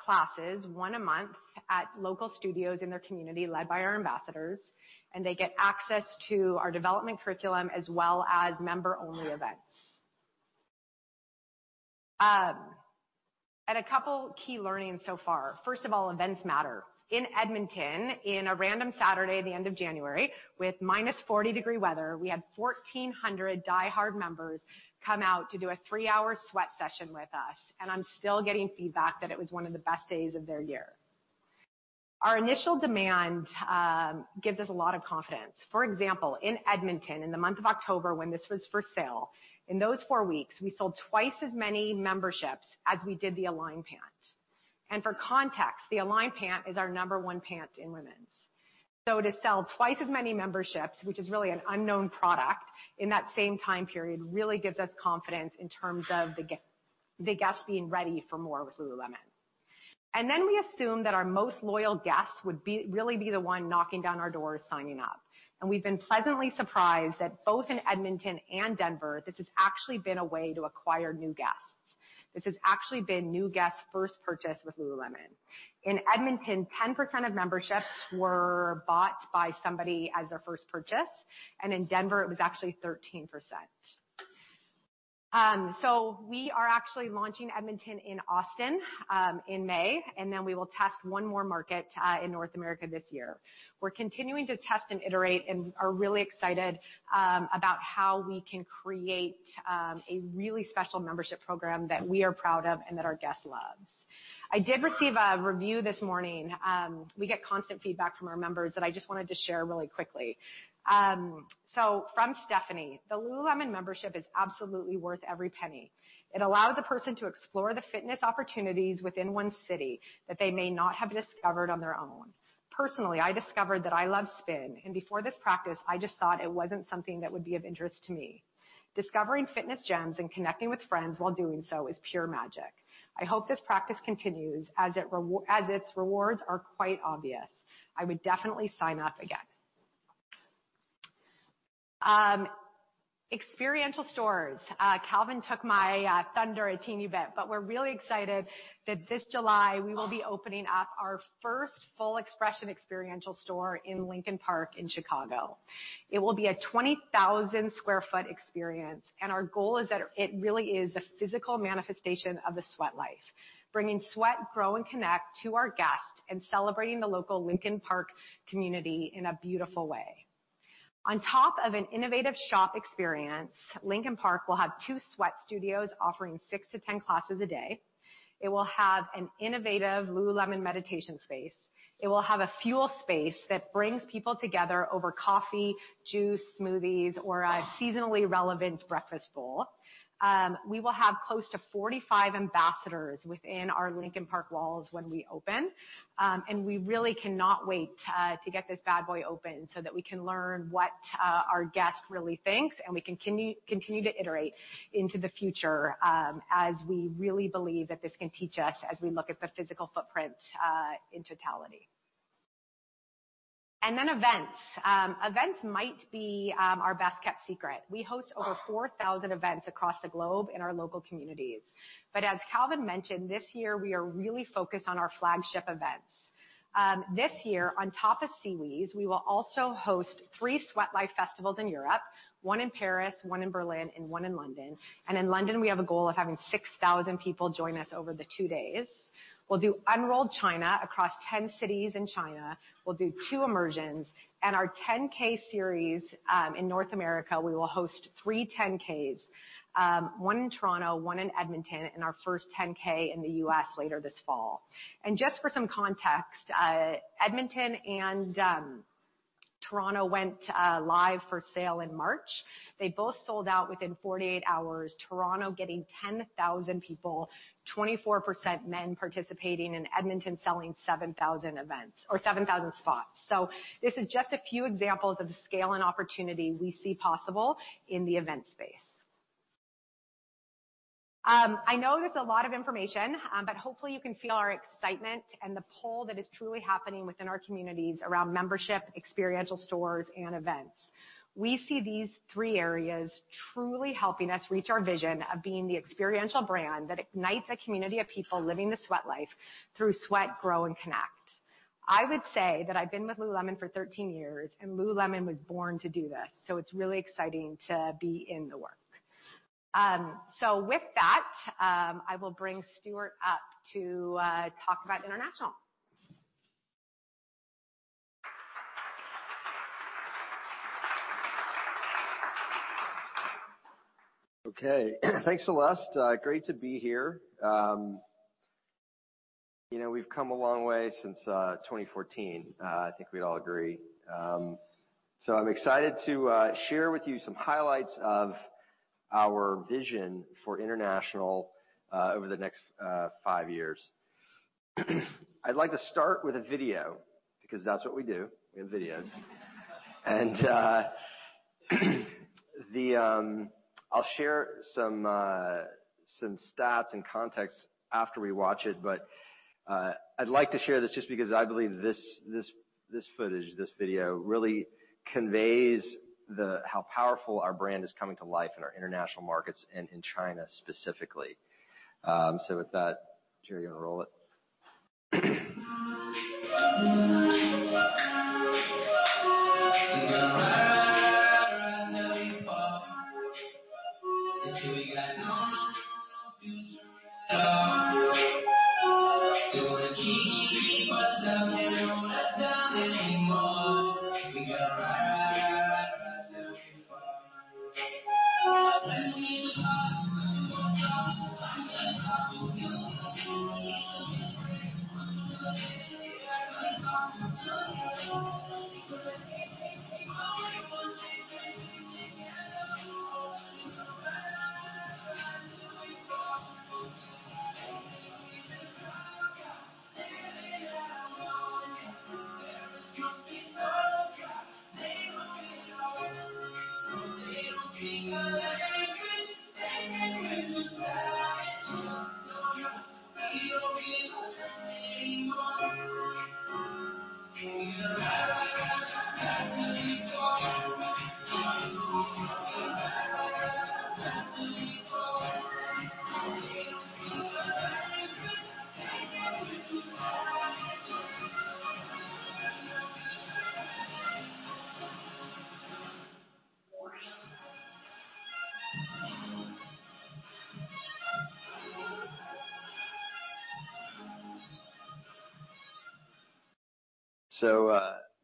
S11: classes, one a month, at local studios in their community, led by our ambassadors, and they get access to our development curriculum as well as member-only events. A couple key learnings so far. First of all, events matter. In Edmonton, in a random Saturday at the end of January with minus 40-degree weather, we had 1,400 diehard members come out to do a three-hour sweat session with us, and I'm still getting feedback that it was one of the best days of their year. Our initial demand gives us a lot of confidence. For example, in Edmonton, in the month of October, when this was for sale, in those four weeks, we sold twice as many memberships as we did the Align Pant. For context, the Align Pant is our number 1 pant in women's. To sell 2 times as many memberships, which is really an unknown product, in that same time period really gives us confidence in terms of the guests being ready for more with Lululemon. We assume that our most loyal guests would be, really be the one knocking down our doors signing up. We've been pleasantly surprised that both in Edmonton and Denver, this has actually been a way to acquire new guests. This has actually been new guests' first purchase with Lululemon. In Edmonton, 10% of memberships were bought by somebody as their first purchase, and in Denver, it was actually 13%. We are actually launching Edmonton in Austin in May, and then we will test 1 more market in North America this year. We're continuing to test and iterate and are really excited about how we can create a really special membership program that we are proud of and that our guests loves. I did receive a review this morning. We get constant feedback from our members that I just wanted to share really quickly. From Stephanie, "The Lululemon membership is absolutely worth every penny. It allows a person to explore the fitness opportunities within one city that they may not have discovered on their own. Personally, I discovered that I love spin, and before this practice, I just thought it wasn't something that would be of interest to me. Discovering fitness gems and connecting with friends while doing so is pure magic. I hope this practice continues as its rewards are quite obvious. I would definitely sign up again." Experiential stores. Calvin took my thunder a teeny bit, but we're really excited that this July, we will be opening up our first full expression experiential store in Lincoln Park in Chicago. It will be a 20,000 square foot experience, and our goal is that it really is the physical manifestation of the Sweatlife, bringing sweat, grow, and connect to our guest and celebrating the local Lincoln Park community in a beautiful way. On top of an innovative shop experience, Lincoln Park will have two sweat studios offering 6-10 classes a day. It will have an innovative Lululemon meditation space. It will have a fuel space that brings people together over coffee, juice, smoothies, or a seasonally relevant breakfast bowl. We will have close to 45 ambassadors within our Lincoln Park walls when we open. We really cannot wait to get this bad boy open so that we can learn what our guest really thinks, and we can continue to iterate into the future, as we really believe that this can teach us as we look at the physical footprint in totality. Then events. Events might be our best kept secret. We host over 4,000 events across the globe in our local communities. As Calvin mentioned, this year, we are really focused on our flagship events. This year, on top of SeaWheeze, we will also host three Sweatlife festivals in Europe, one in Paris, one in Berlin, and one in London. In London, we have a goal of having 6,000 people join us over the two days. We'll do Unroll China across 10 cities in China. We'll do two Immersions and our 10K series. In North America, we will host three 10Ks, one in Toronto, one in Edmonton, and our first 10K in the U.S. later this fall. Just for some context, Edmonton and Toronto went live for sale in March. They both sold out within 48 hours. Toronto getting 10,000 people, 24% men participating, and Edmonton selling 7,000 events or 7,000 spots. This is just a few examples of the scale and opportunity we see possible in the event space. I know there's a lot of information, but hopefully you can feel our excitement and the pull that is truly happening within our communities around membership, experiential stores and events. We see these three areas truly helping us reach our vision of being the experiential brand that ignites a community of people living the Sweatlife through sweat, grow, and connect. I would say that I've been with Lululemon for 13 years, and Lululemon was born to do this, so it's really exciting to be in the work. With that, I will bring Stuart up to talk about international.
S12: Okay. Thanks, Celeste. Great to be here. You know, we've come a long way since 2014. I think we'd all agree. I'm excited to share with you some highlights of our vision for international over the next five years. I'd like to start with a video because that's what we do. We have videos. I'll share some stats and context after we watch it, I'd like to share this just because I believe this footage, this video really conveys how powerful our brand is coming to life in our international markets and in China specifically. With that, Gerry, you wanna roll it?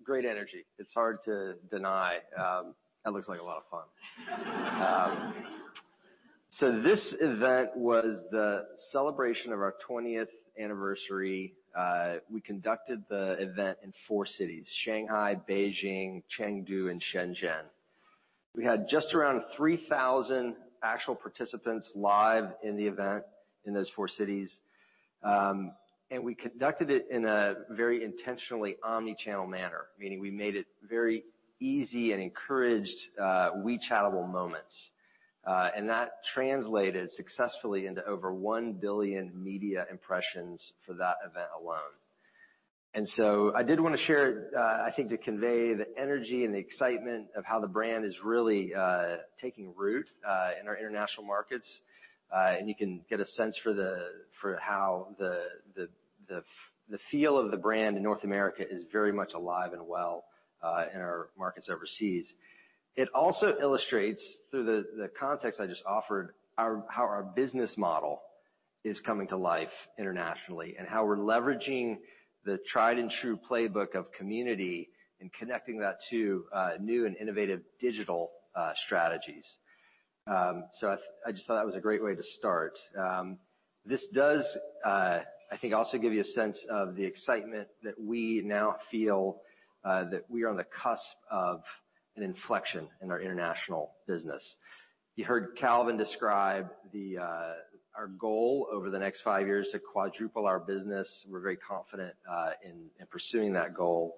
S12: Great energy. It's hard to deny. That looks like a lot of fun. This event was the celebration of our 20th anniversary. We conducted the event in four cities: Shanghai, Beijing, Chengdu, and Shenzhen. We had just around 3,000 actual participants live in the event in those four cities. We conducted it in a very intentionally omni-channel manner, meaning we made it very easy and encouraged WeChatable moments. That translated successfully into over 1 billion media impressions for that event alone. I did wanna share, I think to convey the energy and the excitement of how the brand is really taking root in our international markets. You can get a sense for how the feel of the brand in North America is very much alive and well in our markets overseas. It also illustrates through the context I just offered, how our business model is coming to life internationally and how we're leveraging the tried and true playbook of community and connecting that to new and innovative digital strategies. I just thought that was a great way to start. This does, I think also give you a sense of the excitement that we now feel that we are on the cusp of an inflection in our international business. You heard Calvin describe the our goal over the next five years to quadruple our business. We're very confident in pursuing that goal.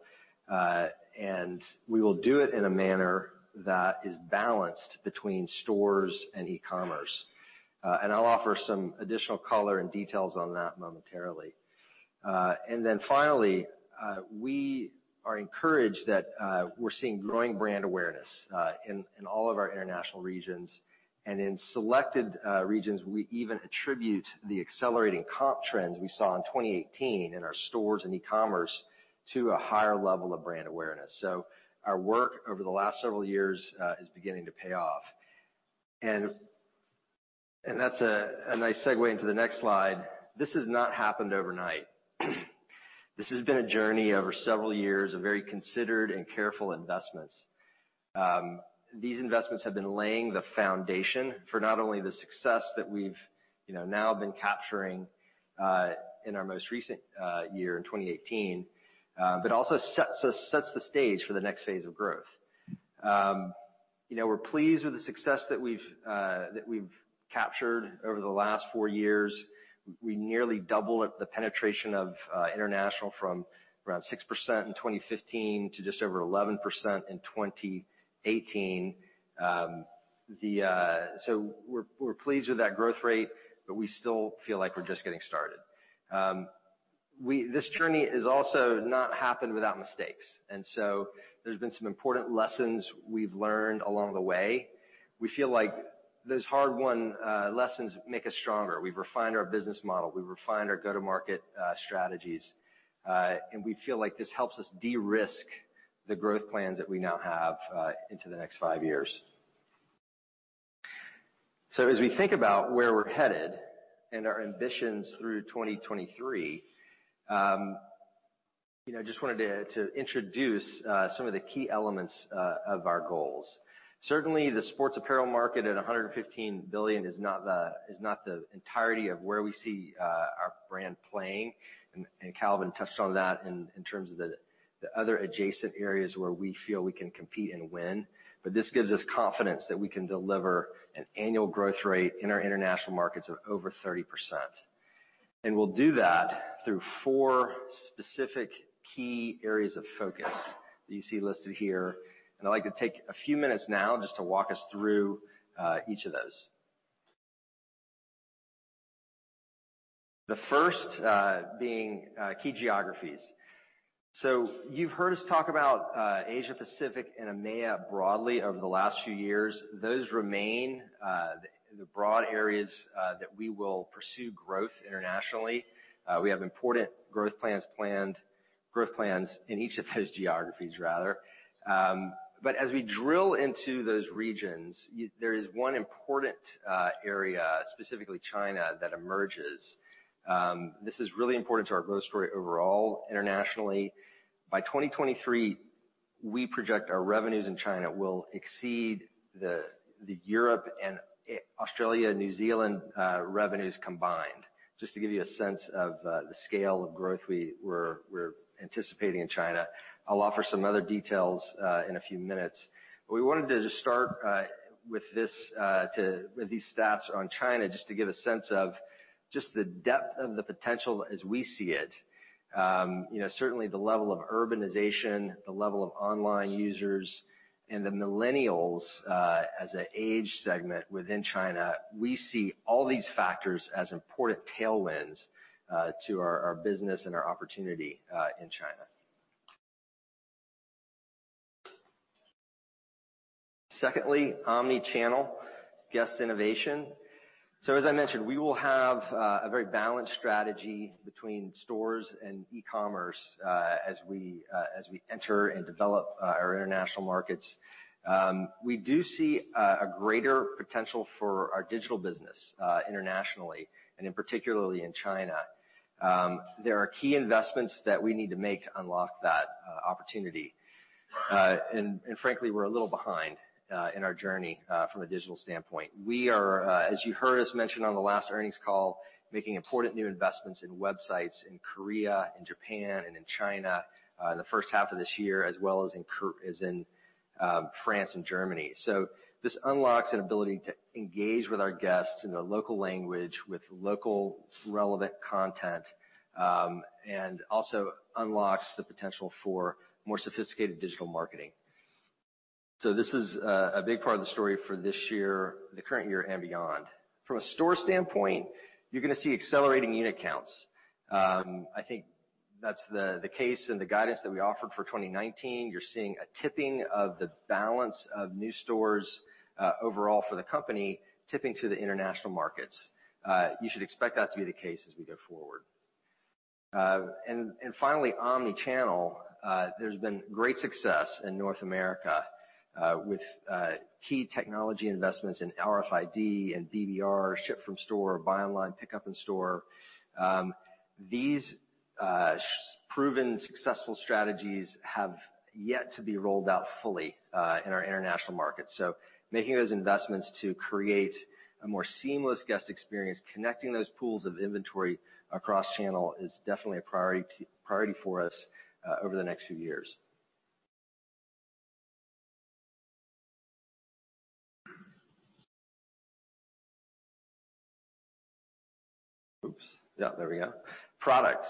S12: We will do it in a manner that is balanced between stores and e-commerce. I'll offer some additional color and details on that momentarily. Then finally, we are encouraged that we're seeing growing brand awareness in all of our international regions. In selected regions, we even attribute the accelerating comp trends we saw in 2018 in our stores and e-commerce to a higher level of brand awareness. Our work over the last several years is beginning to pay off. That's a nice segue into the next slide. This has not happened overnight. This has been a journey over several years of very considered and careful investments. These investments have been laying the foundation for not only the success that we've, you know, now been capturing in our most recent year in 2018, but also sets the stage for the next phase of growth. You know, we're pleased with the success that we've captured over the last four years. We nearly doubled the penetration of international from around 6% in 2015 to just over 11% in 2018. We're pleased with that growth rate, but we still feel like we're just getting started. This journey has also not happened without mistakes. There's been some important lessons we've learned along the way. We feel like those hard-won lessons make us stronger. We've refined our business model, we've refined our go-to-market strategies. We feel like this helps us de-risk the growth plans that we now have into the next five years. As we think about where we're headed and our ambitions through 2023, you know, just wanted to introduce some of the key elements of our goals. Certainly, the sports apparel market at $115 billion is not the entirety of where we see our brand playing. Calvin touched on that in terms of the other adjacent areas where we feel we can compete and win. This gives us confidence that we can deliver an annual growth rate in our international markets of over 30%. We'll do that through four specific key areas of focus that you see listed here. I'd like to take a few minutes now just to walk us through each of those. The first key geographies. You've heard us talk about Asia-Pacific and EMEA broadly over the last few years. Those remain the broad areas that we will pursue growth internationally. We have important growth plans in each of those geographies rather. As we drill into those regions, there is one important area, specifically China, that emerges. This is really important to our growth story overall internationally. By 2023, we project our revenues in China will exceed the Europe and Australia, New Zealand revenues combined. Just to give you a sense of the scale of growth we're anticipating in China. I'll offer some other details in a few minutes. We wanted to just start with these stats on China, just to give a sense of just the depth of the potential as we see it. You know, certainly the level of urbanization, the level of online users and the Millennials, as an age segment within China, we see all these factors as important tailwinds to our business and our opportunity in China. Secondly, omni-channel guest innovation. As I mentioned, we will have a very balanced strategy between stores and e-commerce, as we enter and develop our international markets. We do see a greater potential for our digital business internationally and in particularly in China. There are key investments that we need to make to unlock that opportunity. Frankly, we're a little behind in our journey from a digital standpoint. We are, as you heard us mention on the last earnings call, making important new investments in websites in Korea and Japan and in China, the first half of this year, as well as in France and Germany. This unlocks an ability to engage with our guests in a local language, with local relevant content, and also unlocks the potential for more sophisticated digital marketing. This is a big part of the story for this year, the current year and beyond. From a store standpoint, you're gonna see accelerating unit counts. I think that's the case and the guidance that we offered for 2019. You're seeing a tipping of the balance of new stores, overall for the company, tipping to the international markets. You should expect that to be the case as we go forward. Finally, omni-channel. There's been great success in North America, with key technology investments in RFID and BBR, ship from store, buy online, pickup in store. These proven successful strategies have yet to be rolled out fully in our international markets. Making those investments to create a more seamless guest experience, connecting those pools of inventory across channel is definitely a priority for us over the next few years. Oops. Yeah, there we go. Product.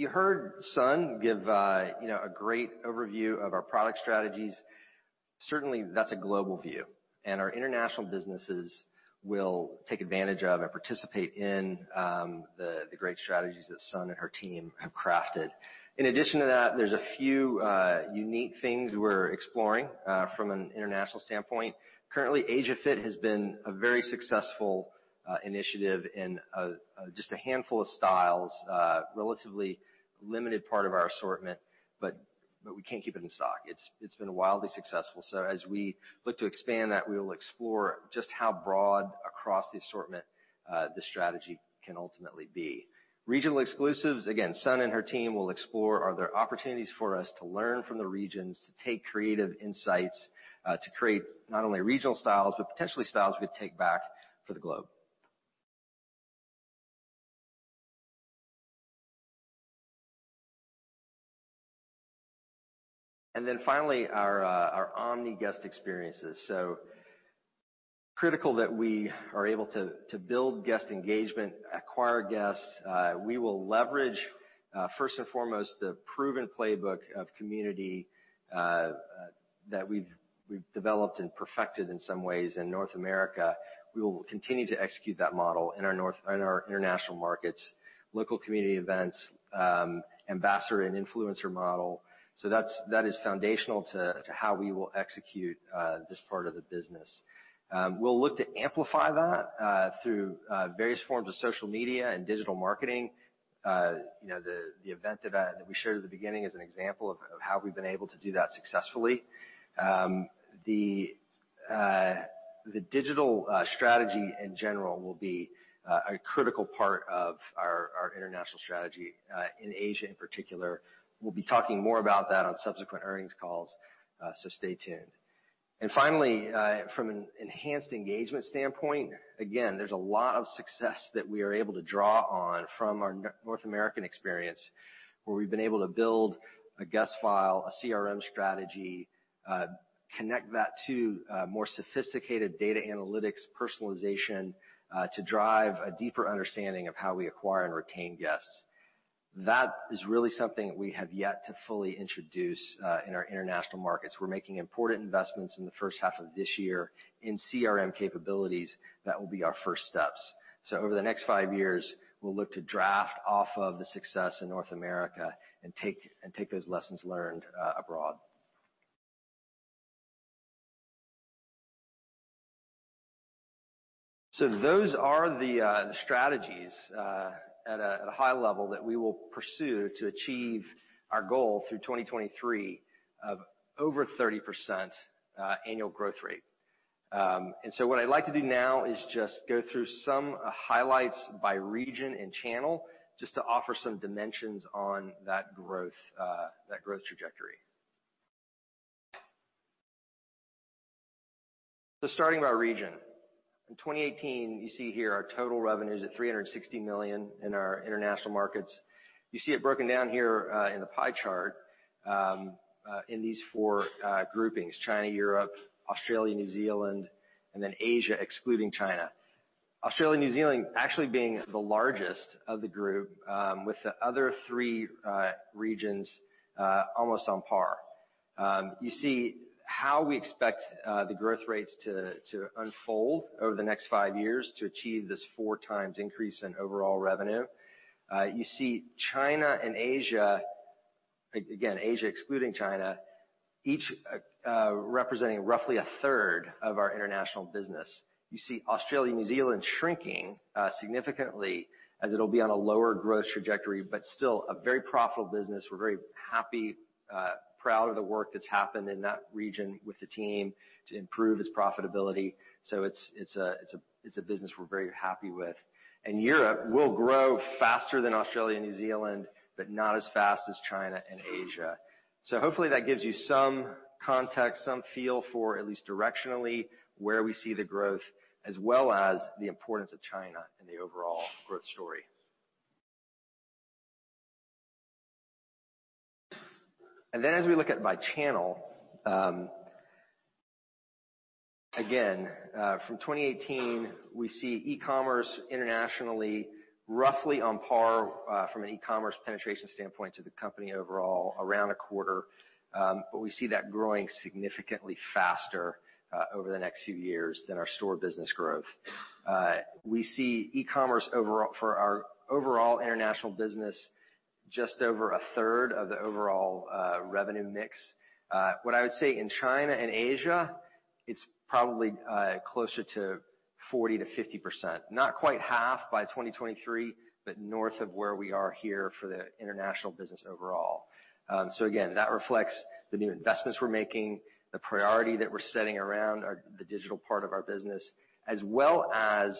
S12: You heard Sun give a, you know, a great overview of our product strategies. Certainly, that's a global view, and our international businesses will take advantage of and participate in the great strategies that Sun and her team have crafted. In addition to that, there's a few unique things we're exploring from an international standpoint. Currently, Asia Fit has been a very successful initiative in just a handful of styles, relatively limited part of our assortment, but we can't keep it in stock. It's been wildly successful. As we look to expand that, we will explore just how broad across the assortment the strategy can ultimately be. Regional exclusives, again, Sun Choe and her team will explore, are there opportunities for us to learn from the regions to take creative insights, to create not only regional styles, but potentially styles we take back for the globe. Finally, our omni guest experiences. Critical that we are able to build guest engagement, acquire guests. We will leverage, first and foremost, the proven playbook of community that we've developed and perfected in some ways in North America. We will continue to execute that model in our international markets, local community events, ambassador and influencer model. That is foundational to how we will execute this part of the business. We'll look to amplify that through various forms of social media and digital marketing. You know, the event that we showed at the beginning is an example of how we've been able to do that successfully. The digital strategy in general will be a critical part of our international strategy in Asia in particular. We'll be talking more about that on subsequent earnings calls, so stay tuned. Finally, from an enhanced engagement standpoint, again, there's a lot of success that we are able to draw on from our North American experience, where we've been able to build a guest file, a CRM strategy, connect that to a more sophisticated data analytics personalization, to drive a deeper understanding of how we acquire and retain guests. That is really something we have yet to fully introduce in our international markets. We're making important investments in the first half of this year in CRM capabilities. That will be our first steps. Over the next five years, we'll look to draft off of the success in North America and take those lessons learned abroad. Those are the strategies at a high level that we will pursue to achieve our goal through 2023 of over 30% annual growth rate. What I'd like to do now is just go through some highlights by region and channel just to offer some dimensions on that growth, that growth trajectory. Starting by region. In 2018, you see here our total revenue is at $360 million in our international markets. You see it broken down here, in the pie chart, in these four groupings, China, Europe, Australia, New Zealand, and then Asia, excluding China. Australia, New Zealand actually being the largest of the group, with the other three regions, almost on par. You see how we expect the growth rates to unfold over the next five years to achieve this four times increase in overall revenue. You see China and Asia, again, Asia excluding China, each representing roughly a third of our international business. You see Australia, New Zealand shrinking significantly as it'll be on a lower growth trajectory, but still a very profitable business. We're very happy, proud of the work that's happened in that region with the team to improve its profitability. It's a business we're very happy with. Europe will grow faster than Australia, New Zealand, but not as fast as China and Asia. Hopefully that gives you some context, some feel for at least directionally where we see the growth as well as the importance of China in the overall growth story. As we look at by channel, again, from 2018, we see e-commerce internationally roughly on par from an e-commerce penetration standpoint to the company overall around 1/4. We see that growing significantly faster over the next few years than our store business growth. We see e-commerce overall for our overall international business just over 1/3 of the overall revenue mix. What I would say in China and Asia, it's probably closer to 40%-50%, not quite half by 2023, but north of where we are here for the international business overall. Again, that reflects the new investments we're making, the priority that we're setting around the digital part of our business, as well as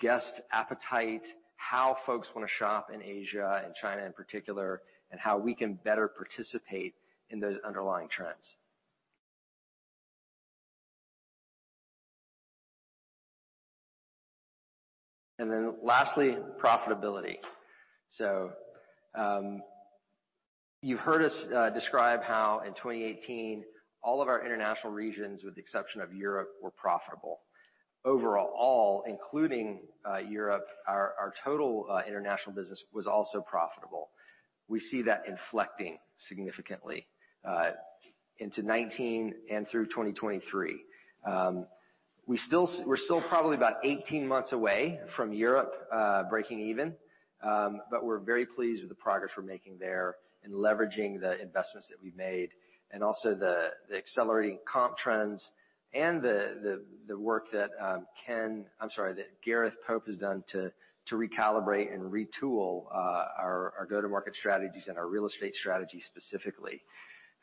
S12: guest appetite, how folks wanna shop in Asia and China in particular, and how we can better participate in those underlying trends. Lastly, profitability. You heard us describe how in 2018 all of our international regions, with the exception of Europe, were profitable. Overall, including Europe, our total international business was also profitable. We see that inflecting significantly into 2019 and through 2023. We still we're still probably about 18 months away from Europe breaking even. We're very pleased with the progress we're making there in leveraging the investments that we've made and also the accelerating comp trends and the work that Gareth Pope has done to recalibrate and retool our go-to-market strategies and our real estate strategy specifically.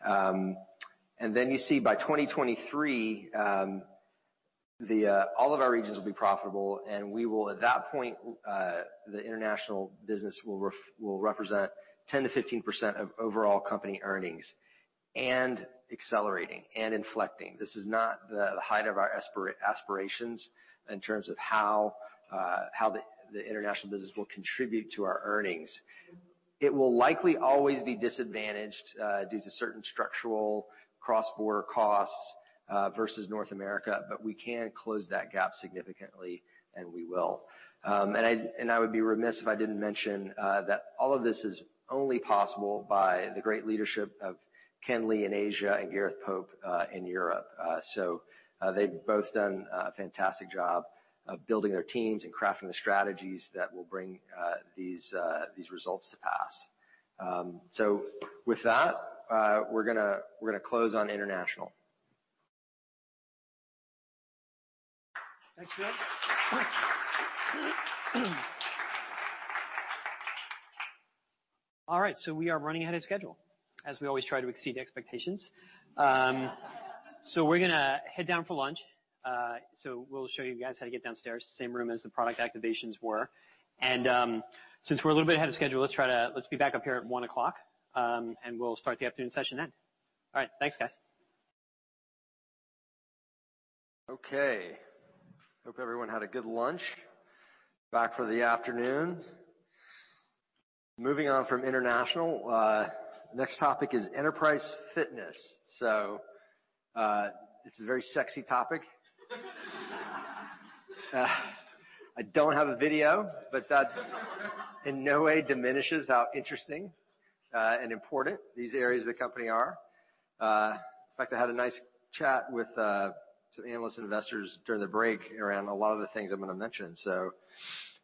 S12: You see by 2023 all of our regions will be profitable, and we will at that point the international business will represent 10%-15% of overall company earnings and accelerating and inflecting. This is not the height of our aspirations in terms of how the international business will contribute to our earnings. It will likely always be disadvantaged due to certain structural cross-border costs versus North America, but we can close that gap significantly, and we will. I would be remiss if I didn't mention that all of this is only possible by the great leadership of Ken Lee in Asia and Gareth Pope in Europe. They've both done a fantastic job of building their teams and crafting the strategies that will bring these results to pass. With that, we're gonna close on international.
S1: Thanks, Stuart. All right, we are running ahead of schedule, as we always try to exceed expectations. We're gonna head down for lunch. We'll show you guys how to get downstairs. Same room as the product activations were. Since we're a little bit ahead of schedule, let's be back up here at 1:00 P.M., and we'll start the afternoon session then. All right. Thanks, guys.
S12: Okay. Hope everyone had a good lunch. Back for the afternoon. Moving on from international. Next topic is enterprise fitness. It's a very sexy topic. I don't have a video, but that in no way diminishes how interesting and important these areas of the company are. In fact, I had a nice chat with some analysts and investors during the break around a lot of the things I'm gonna mention.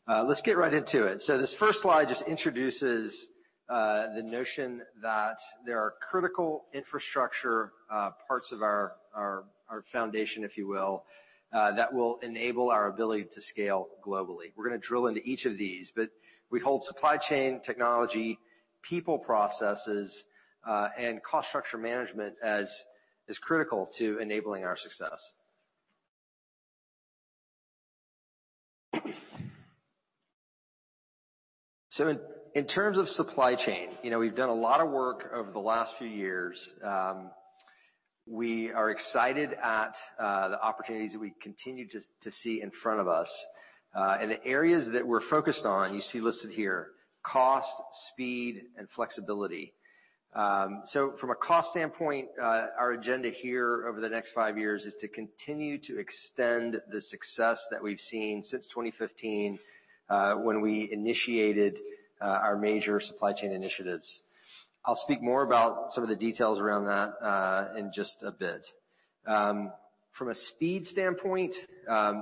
S12: Let's get right into it. This first slide just introduces the notion that there are critical infrastructure parts of our, our foundation, if you will, that will enable our ability to scale globally. We're gonna drill into each of these, but we hold supply chain technology, people processes, and cost structure management as critical to enabling our success. In terms of supply chain, you know, we've done a lot of work over the last few years. We are excited at the opportunities that we continue to see in front of us. The areas that we're focused on, you see listed here. Cost, speed, and flexibility. From a cost standpoint, our agenda here over the next five years is to continue to extend the success that we've seen since 2015, when we initiated our major supply chain initiatives. I'll speak more about some of the details around that in just a bit. From a speed standpoint,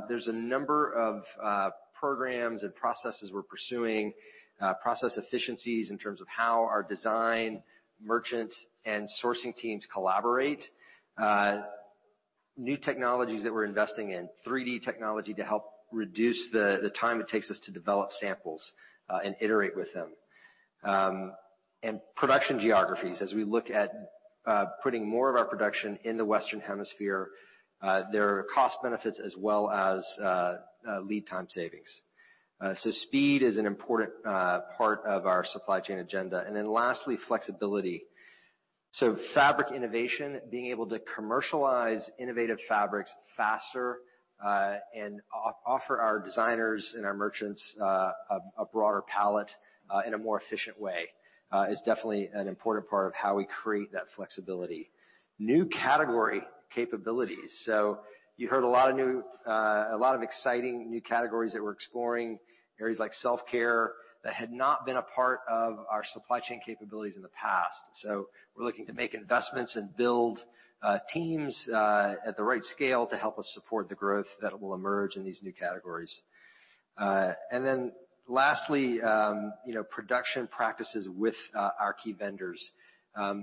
S12: there's a number of programs and processes we're pursuing, process efficiencies in terms of how our design, merchant, and sourcing teams collaborate, new technologies that we're investing in. 3D technology to help reduce the time it takes us to develop samples and iterate with them. Production geographies, as we look at putting more of our production in the Western Hemisphere, there are cost benefits as well as lead time savings. Speed is an important part of our supply chain agenda. Lastly, flexibility. Fabric innovation, being able to commercialize innovative fabrics faster and offer our designers and our merchants a broader palette in a more efficient way is definitely an important part of how we create that flexibility. New category capabilities. You heard a lot of new, a lot of exciting new categories that we're exploring, areas like self-care that had not been a part of our supply chain capabilities in the past. We're looking to make investments and build teams at the right scale to help us support the growth that will emerge in these new categories. Lastly, you know, production practices with our key vendors.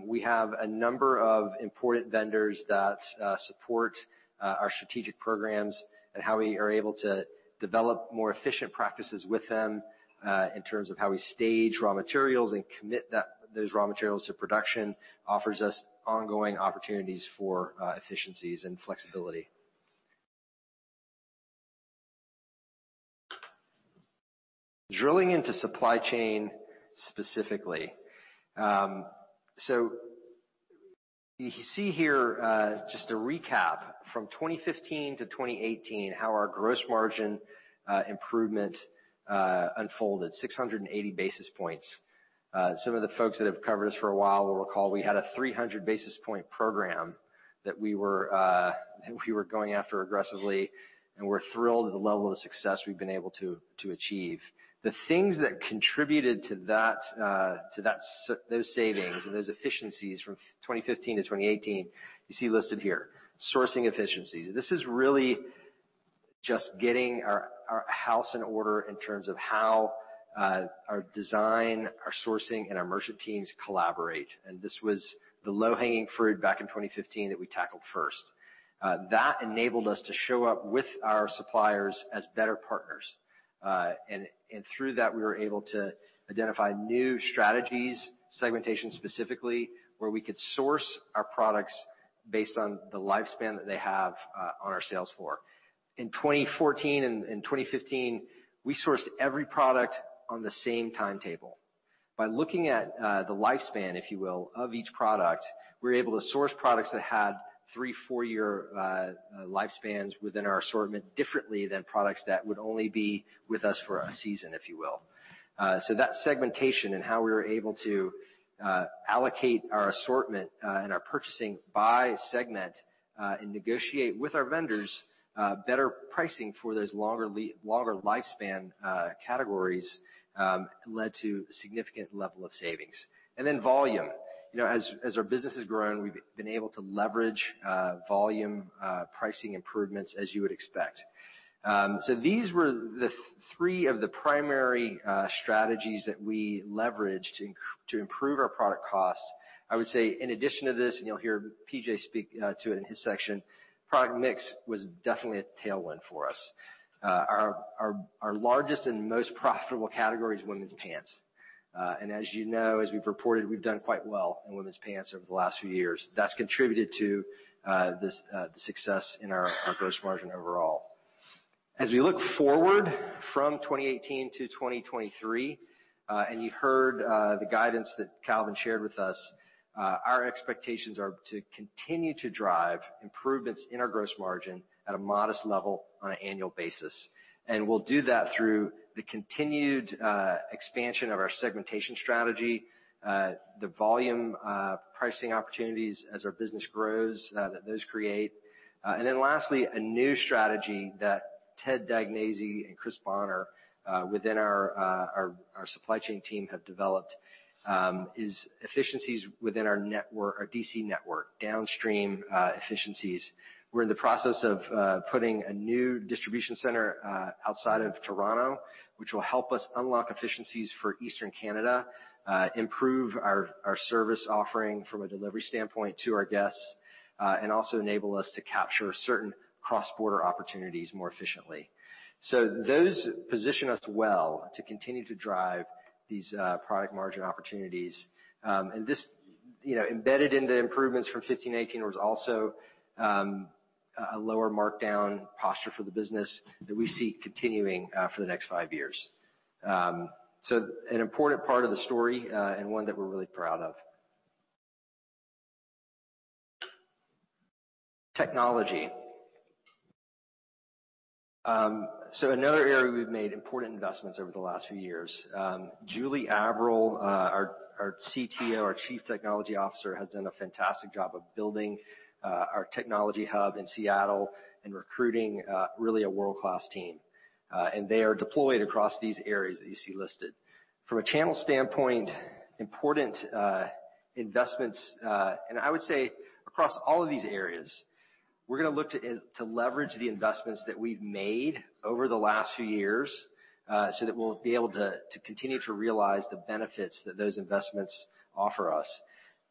S12: We have a number of important vendors that support our strategic programs and how we are able to develop more efficient practices with them in terms of how we stage raw materials and commit those raw materials to production offers us ongoing opportunities for efficiencies and flexibility. Drilling into supply chain specifically. You see here, just a recap from 2015 to 2018, how our gross margin improvement unfolded 680 basis points. Some of the folks that have covered us for a while will recall we had a 300 basis point program that we were going after aggressively, and we're thrilled at the level of success we've been able to achieve. The things that contributed to that, to those savings and those efficiencies from 2015 to 2018, you see listed here, sourcing efficiencies. This is just getting our house in order in terms of how our design, our sourcing, and our merchant teams collaborate. This was the low-hanging fruit back in 2015 that we tackled first. That enabled us to show up with our suppliers as better partners. Through that, we were able to identify new strategies, segmentation specifically, where we could source our products based on the lifespan that they have on our sales floor. In 2014 and 2015, we sourced every product on the same timetable. By looking at the lifespan, if you will, of each product, we are able to source products that had three, four-year lifespans within our assortment differently than products that would only be with us for a season, if you will. That segmentation and how we were able to allocate our assortment and our purchasing by segment and negotiate with our vendors better pricing for those longer lifespan categories led to significant level of savings. Then volume. You know, as our business has grown, we've been able to leverage volume, pricing improvements as you would expect. So these were the three of the primary strategies that we leveraged to improve our product costs. I would say in addition to this, and you'll hear PJ speak to it in his section, product mix was definitely a tailwind for us. Our largest and most profitable category is women's pants. And as you know, as we've reported, we've done quite well in women's pants over the last few years. That's contributed to the success in our gross margin overall. As we look forward from 2018 to 2023, and you heard the guidance that Calvin shared with us, our expectations are to continue to drive improvements in our gross margin at a modest level on an annual basis. We'll do that through the continued expansion of our segmentation strategy, the volume pricing opportunities as our business grows, that those create. Lastly, a new strategy that Ted Dagnese and Chris Bonner within our supply chain team have developed is efficiencies within our network, our DC network, downstream efficiencies. We're in the process of putting a new distribution center outside of Toronto, which will help us unlock efficiencies for Eastern Canada, improve our service offering from a delivery standpoint to our guests and also enable us to capture certain cross-border opportunities more efficiently. Those position us well to continue to drive these product margin opportunities. This, you know, embedded in the improvements from 15, 18 was also a lower markdown posture for the business that we see continuing for the next five years. An important part of the story and one that we're really proud of. Technology. Another area we've made important investments over the last few years, Julie Averill, our CTO, our Chief Technology Officer, has done a fantastic job of building our technology hub in Seattle and recruiting really a world-class team. They are deployed across these areas that you see listed. From a channel standpoint, important investments, and I would say across all of these areas, we're going to look to leverage the investments that we've made over the last few years, so that we'll be able to continue to realize the benefits that those investments offer us.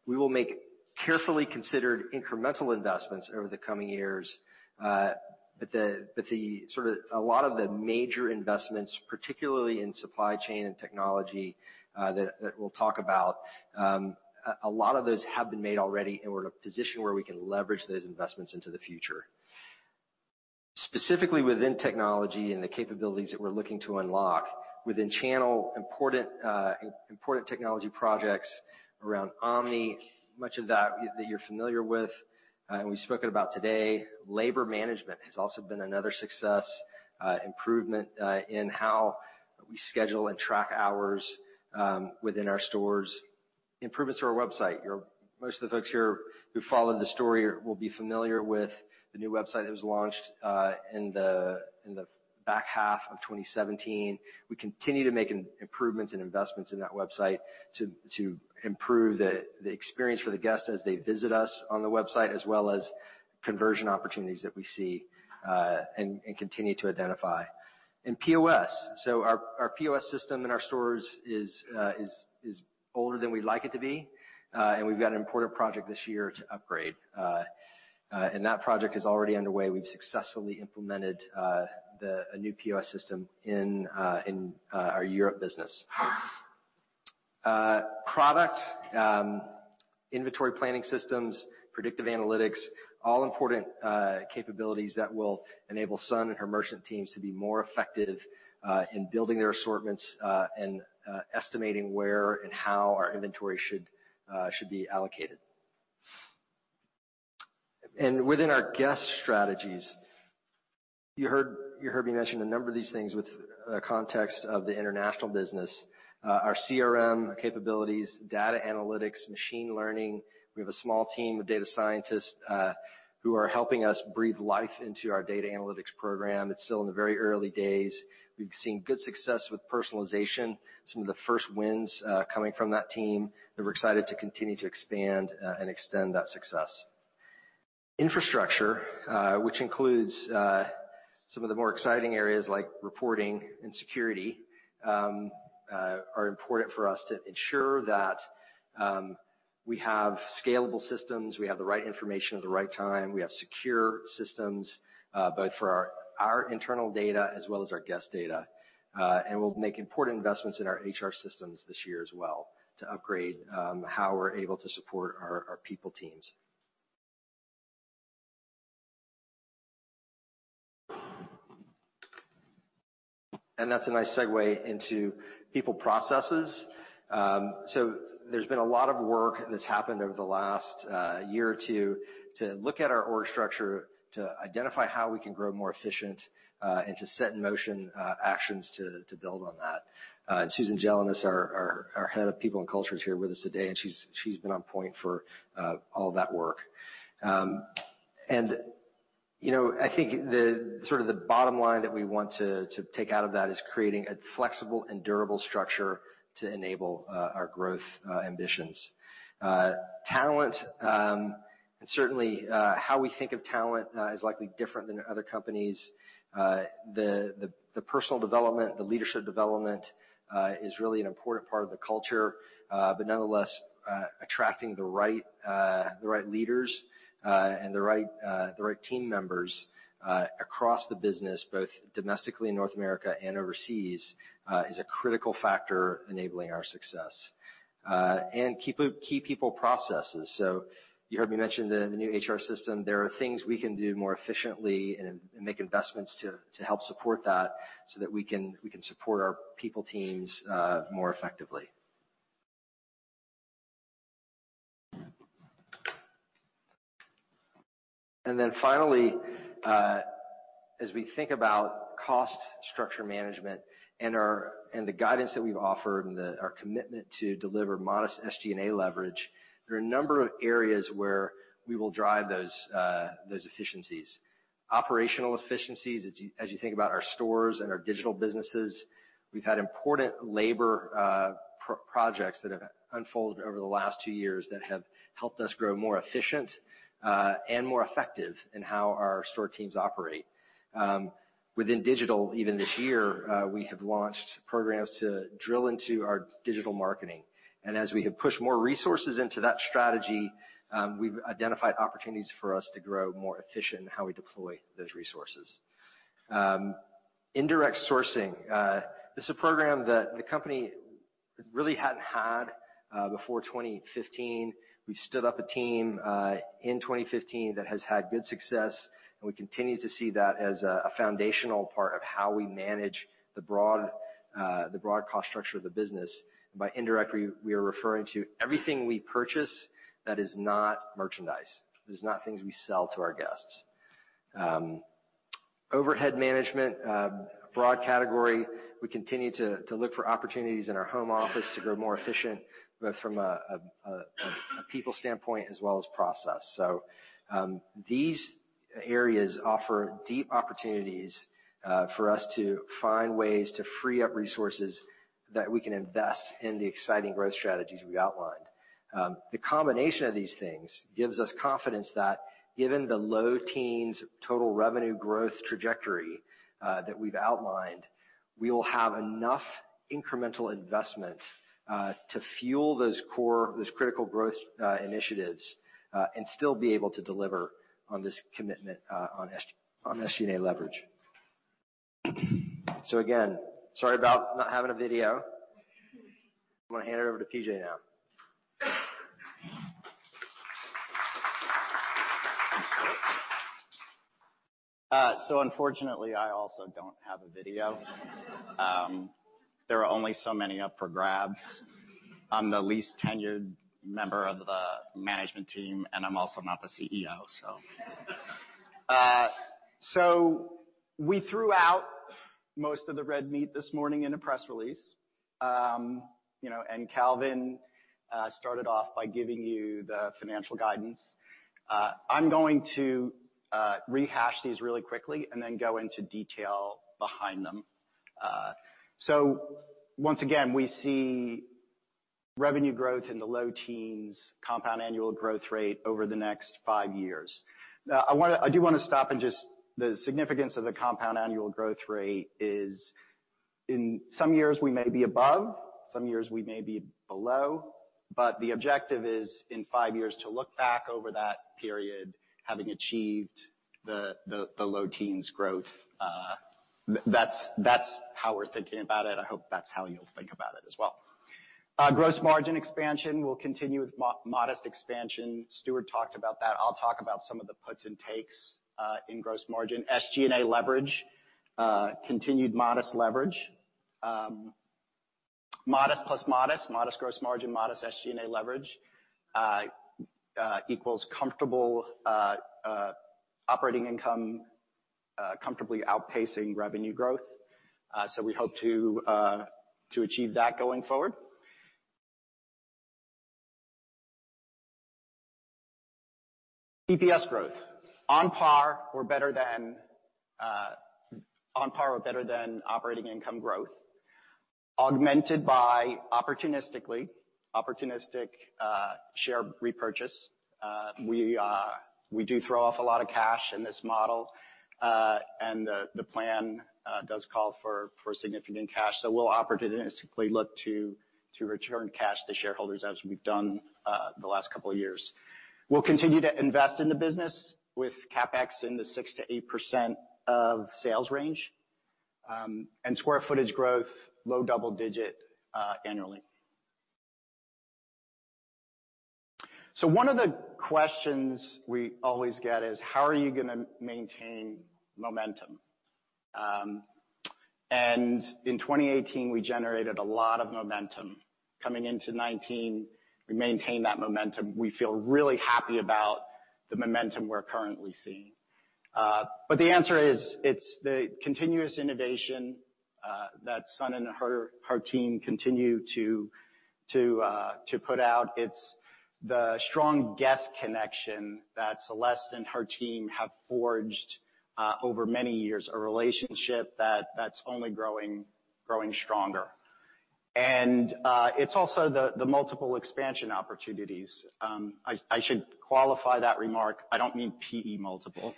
S12: We will make carefully considered incremental investments over the coming years. The sort of a lot of the major investments, particularly in supply chain and technology, that we'll talk about, a lot of those have been made already, and we're in a position where we can leverage those investments into the future. Specifically within technology and the capabilities that we're looking to unlock within channel important technology projects around Omni, much of that that you're familiar with, and we've spoken about today. Labor management has also been another success, improvement in how we schedule and track hours within our stores. Improvements to our website. Most of the folks here who followed the story will be familiar with the new website that was launched in the back half of 2017. We continue to make improvements and investments in that website to improve the experience for the guests as they visit us on the website, as well as conversion opportunities that we see and continue to identify. POS. Our POS system in our stores is older than we'd like it to be and we've got an important project this year to upgrade. That project is already underway. We've successfully implemented a new POS system in our Europe business. Product, inventory planning systems, predictive analytics, all important capabilities that will enable Sun and her merchant teams to be more effective in building their assortments and estimating where and how our inventory should be allocated. Within our guest strategies, you heard me mention a number of these things with the context of the international business. Our CRM capabilities, data analytics, machine learning. We have a small team of data scientists who are helping us breathe life into our data analytics program. It's still in the very early days. We've seen good success with personalization. Some of the first wins coming from that team, and we're excited to continue to expand and extend that success. Infrastructure, which includes some of the more exciting areas like reporting and security, are important for us to ensure that we have scalable systems, we have the right information at the right time, we have secure systems, both for our internal data as well as our guest data. We'll make important investments in our HR systems this year as well to upgrade how we're able to support our people teams. That's a nice segue into people processes. There's been a lot of work that's happened over the last year or two to look at our org structure, to identify how we can grow more efficient, and to set in motion actions to build on that. Susan Gelinas, our Head of People & Culture, is here with us today, and she's been on point for all that work. You know, I think the sort of the bottom line that we want to take out of that is creating a flexible and durable structure to enable our growth ambitions. Talent, certainly, how we think of talent, is likely different than other companies. The personal development, the leadership development, is really an important part of the culture. Nonetheless, attracting the right leaders, and the right team members, across the business, both domestically in North America and overseas, is a critical factor enabling our success. Key people processes. You heard me mention the new HR system. There are things we can do more efficiently and make investments to help support that, so that we can support our people teams more effectively. Finally, as we think about cost structure management and our guidance that we've offered and our commitment to deliver modest SG&A leverage, there are a number of areas where we will drive those efficiencies. Operational efficiencies, as you think about our stores and our digital businesses. We've had important labor projects that have unfolded over the last two years that have helped us grow more efficient and more effective in how our store teams operate. Within digital, even this year, we have launched programs to drill into our digital marketing. As we have pushed more resources into that strategy, we've identified opportunities for us to grow more efficient in how we deploy those resources. Indirect sourcing. This is a program that the company really hadn't had before 2015. We stood up a team in 2015 that has had good success, and we continue to see that as a foundational part of how we manage the broad cost structure of the business. By indirect, we are referring to everything we purchase that is not merchandise. That is not things we sell to our guests. Overhead management, broad category. We continue to look for opportunities in our home office to grow more efficient, both from a people standpoint as well as process. These areas offer deep opportunities for us to find ways to free up resources that we can invest in the exciting growth strategies we outlined. The combination of these things gives us confidence that given the low teens total revenue growth trajectory that we've outlined, we will have enough incremental investment to fuel those core, those critical growth initiatives and still be able to deliver on this commitment on SG&A leverage. Again, sorry about not having a video. I'm going to hand it over to PJ now.
S13: Unfortunately, I also don't have a video. There are only so many up for grabs. I'm the least tenured member of the management team, and I'm also not the CEO. We threw out most of the red meat this morning in a press release. You know, Calvin started off by giving you the financial guidance. I'm going to rehash these really quickly and then go into detail behind them. Once again, we see revenue growth in the low teens CAGR over the next five years. I do want to stop and just the significance of the CAGR is in some years we may be above, some years we may be below, but the objective is in five years to look back over that period having achieved the low teens growth. That's how we're thinking about it. I hope that's how you'll think about it as well. Gross margin expansion will continue with modest expansion. Stuart talked about that. I'll talk about some of the puts and takes in gross margin. SG&A leverage, continued modest leverage. Modest plus modest. Modest gross margin, modest SG&A leverage equals comfortable operating income comfortably outpacing revenue growth. We hope to achieve that going forward. EPS growth. On par or better than operating income growth. Augmented by opportunistic share repurchase. We do throw off a lot of cash in this model. The plan does call for significant cash. We'll opportunistically look to return cash to shareholders as we've done the last couple of years. We'll continue to invest in the business with CapEx in the 6%-8% of sales range. Square footage growth, low double digit, annually. One of the questions we always get is, how are you gonna maintain momentum? In 2018, we generated a lot of momentum. Coming into 2019, we maintained that momentum. We feel really happy about the momentum we're currently seeing. The answer is, it's the continuous innovation that Sun and her team continue to put out. It's the strong guest connection that Celeste and her team have forged over many years, a relationship that's only growing stronger. It's also the multiple expansion opportunities. I should qualify that remark. I don't mean P/E multiple.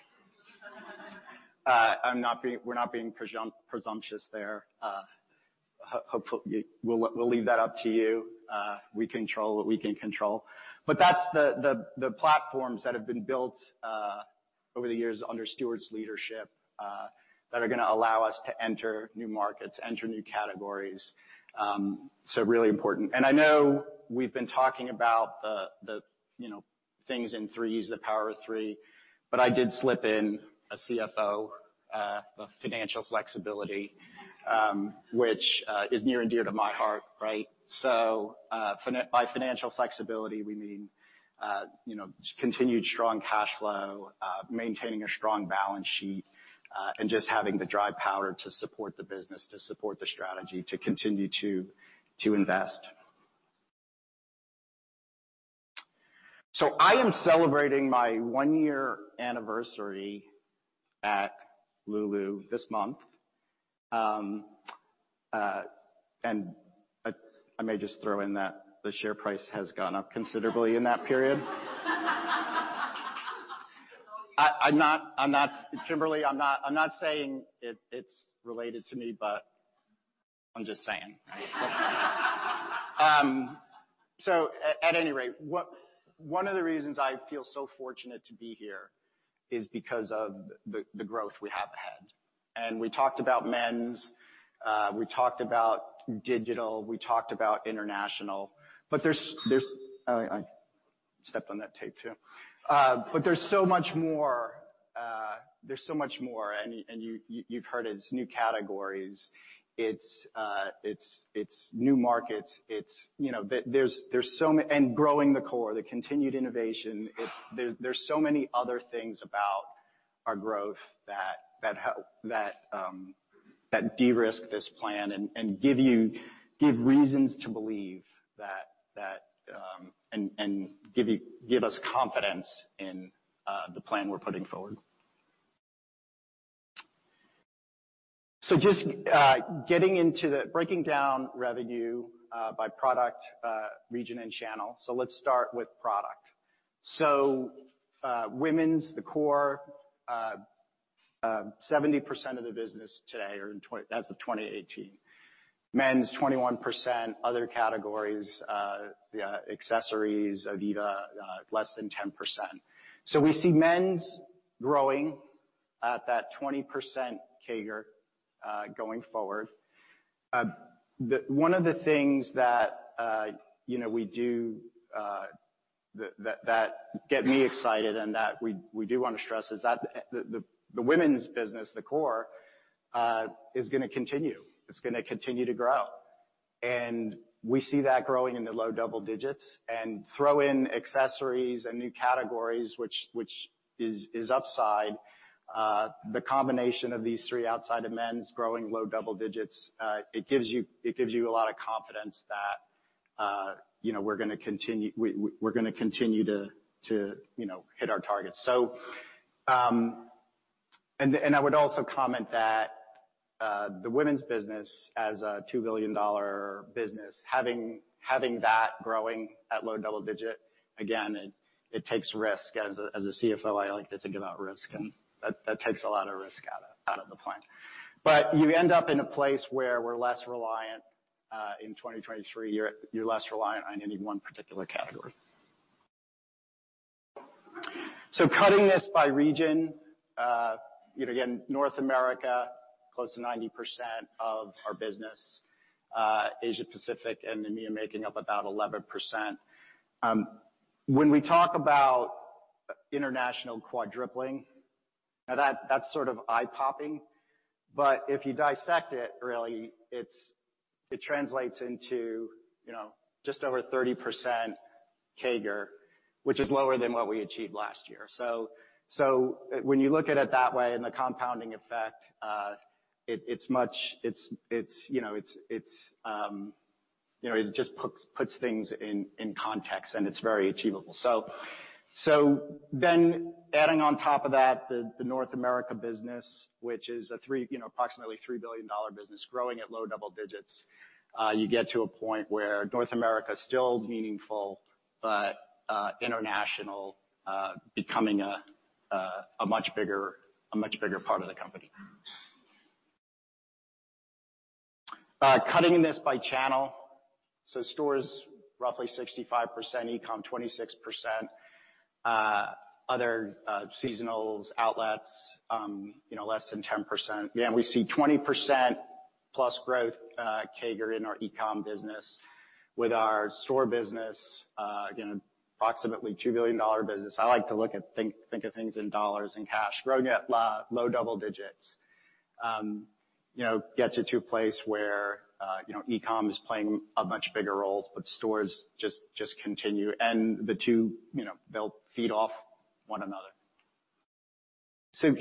S13: We're not being presumptuous there. We'll leave that up to you. We control what we can control. That's the platforms that have been built over the years under Stuart's leadership that are gonna allow us to enter new markets, enter new categories, so really important. I know we've been talking about the, you know, things in threes, the Power of Three, but I did slip in a CFO, the financial flexibility, which is near and dear to my heart, right? By financial flexibility, we mean, you know, continued strong cash flow, maintaining a strong balance sheet, and just having the dry powder to support the business, to support the strategy, to continue to invest. I am celebrating my one-year anniversary at Lululemon this month. And I may just throw in that the share price has gone up considerably in that period. I'm not, Kimberly, I'm not saying it's related to me, but I'm just saying. At any rate, one of the reasons I feel so fortunate to be here is because of the growth we have had. We talked about men's, we talked about digital, we talked about international, but there's, I stepped on that tape, too. But there's so much more, there's so much more and you've heard it's new categories. It's new markets. It's, you know, there's so many and growing the core, the continued innovation. There's so many other things about our growth that de-risk this plan and give reasons to believe that, and give us confidence in the plan we're putting forward. Just getting into breaking down revenue by product, region, and channel. Let's start with product. Women's, the core, 70% of the business today or as of 2018. Men's, 21%. Other categories, accessories, Ivivva, less than 10%. We see men's growing at that 20% CAGR going forward. One of the things that, you know, we do that get me excited and that we do wanna stress is that the women's business, the core, is gonna continue. It's gonna continue to grow. We see that growing in the low double digits and throw in accessories and new categories, which is upside. The combination of these three outside of men's growing low double digits, it gives you a lot of confidence that, you know, we're gonna continue to, you know, hit our targets. And, and I would also comment that the women's business as a $2 billion business, having that growing at low double-digit, again, it takes risk. As a CFO, I like to think about risk, that takes a lot of risk out of the plan. You end up in a place where we're less reliant, in 2023, you're less reliant on any one particular category. Cutting this by region, again, North America, close to 90% of our business. Asia Pacific and EMEA making up about 11%. When we talk about international quadrupling, now that's sort of eye-popping. If you dissect it, really, it translates into just over 30% CAGR, which is lower than what we achieved last year. When you look at it that way and the compounding effect, you know, it just puts things in context, and it's very achievable. Adding on top of that the North America business, which is a, you know, approximately $3 billion business growing at low double digits, you get to a point where North America is still meaningful, but international becoming a much bigger part of the company. Cutting this by channel. Stores roughly 65%, e-com 26%. Other, seasonals, outlets, you know, less than 10%. Again, we see 20% plus growth, CAGR in our e-com business. With our store business, again, approximately $2 billion business. I like to look at, think of things in dollars and cash. Growing at low double digits, you know, gets you to a place where, you know, e-com is playing a much bigger role, but stores just continue. The two, you know, they'll feed off one another.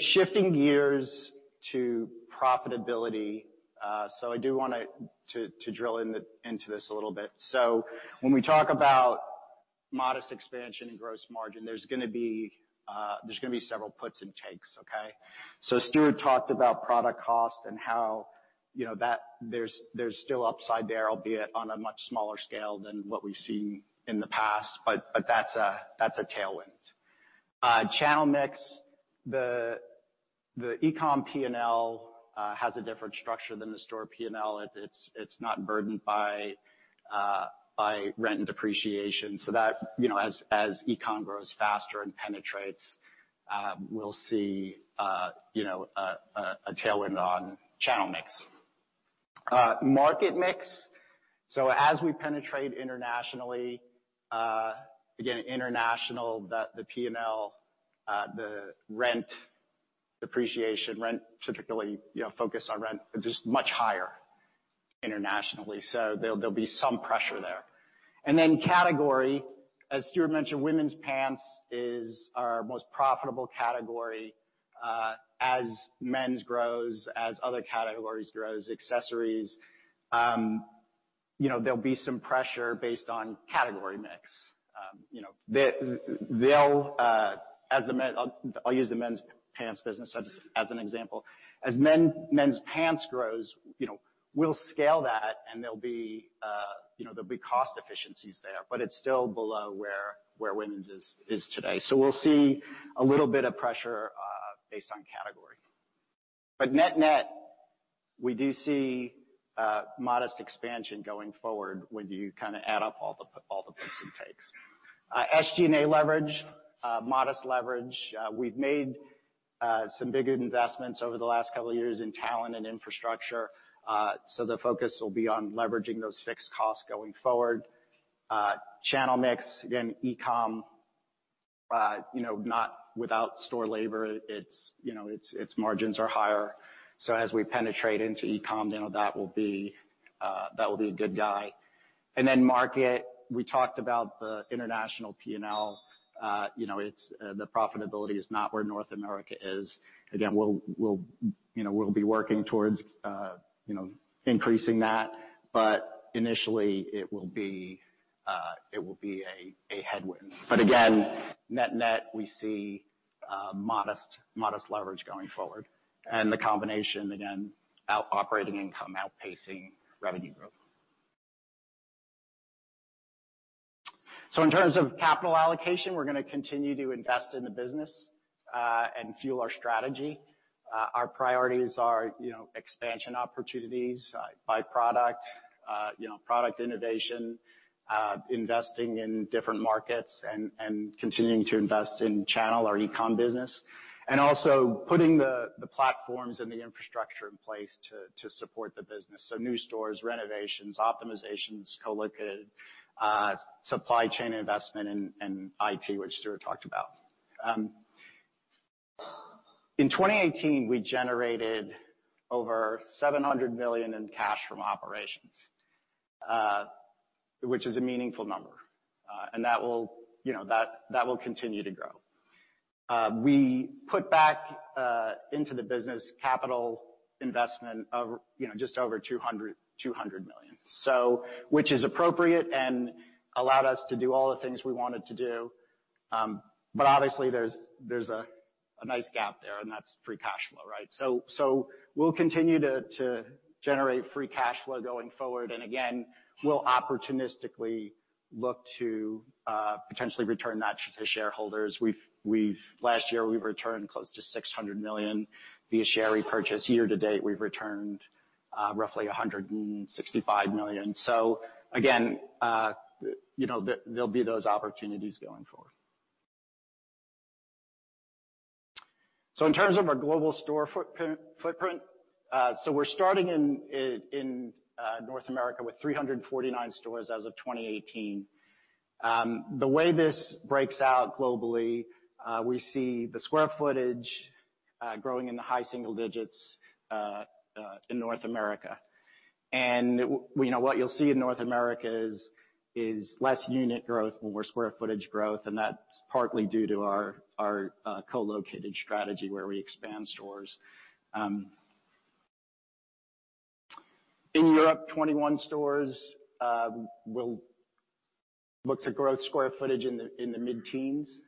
S13: Shifting gears to profitability. I do wanna drill into this a little bit. When we talk about modest expansion in gross margin, there's gonna be several puts and takes, okay? Stuart talked about product cost and how, you know, that there's still upside there, albeit on a much smaller scale than what we've seen in the past, but that's a tailwind. Channel mix, the e-com P&L has a different structure than the store P&L. It's not burdened by rent and depreciation. That, you know, as e-com grows faster and penetrates, we'll see, you know, a tailwind on channel mix. Market mix. As we penetrate internationally, again, international, the P&L, the rent depreciation, rent particularly, you know, focus on rent, just much higher internationally, so there'll be some pressure there. Category, as Stuart mentioned, women's pants is our most profitable category. As men's grows, as other categories grows, accessories, you know, there'll be some pressure based on category mix. You know, I'll use the men's pants business as an example. As men's pants grows, you know, we'll scale that and there'll be, you know, cost efficiencies there, but it's still below where women's is today. We'll see a little bit of pressure based on category. Net-net, we do see modest expansion going forward when you kind of add up all the puts and takes. SG&A leverage, modest leverage. We've made some big investments over the last couple of years in talent and infrastructure, the focus will be on leveraging those fixed costs going forward. Channel mix, again, e-com, you know, not without store labor. Its, you know, its margins are higher. As we penetrate into e-com, you know, that will be a good guy. Then market, we talked about the international P&L. You know, the profitability is not where North America is. We'll, you know, we'll be working towards, you know, increasing that, but initially, it will be a headwind. Again, net-net, we see modest leverage going forward. The combination, again, out-operating income outpacing revenue growth. In terms of capital allocation, we're gonna continue to invest in the business and fuel our strategy. Our priorities are, you know, expansion opportunities, by product, you know, product innovation, investing in different markets and continuing to invest in channel, our e-com business. Also putting the platforms and the infrastructure in place to support the business. New stores, renovations, optimizations, co-located, supply chain investment and IT, which Stuart talked about. In 2018, we generated over $700 million in cash from operations, which is a meaningful number. That will continue to grow. We put back into the business capital investment of just over $200 million. Which is appropriate and allowed us to do all the things we wanted to do. Obviously, there's a nice gap there, and that's free cash flow, right? We'll continue to generate free cash flow going forward. Again, we'll opportunistically look to potentially return that to shareholders. Last year, we returned close to $600 million via share repurchase. Year to date, we've returned roughly $165 million. Again, there'll be those opportunities going forward. In terms of our global store footprint, we're starting in North America with 349 stores as of 2018. The way this breaks out globally, we see the square footage growing in the high single digits in North America. We know what you'll see in North America is less unit growth, more square footage growth, and that's partly due to our co-located strategy where we expand stores. In Europe, 21 stores, we'll look to growth square footage in the mid-teens.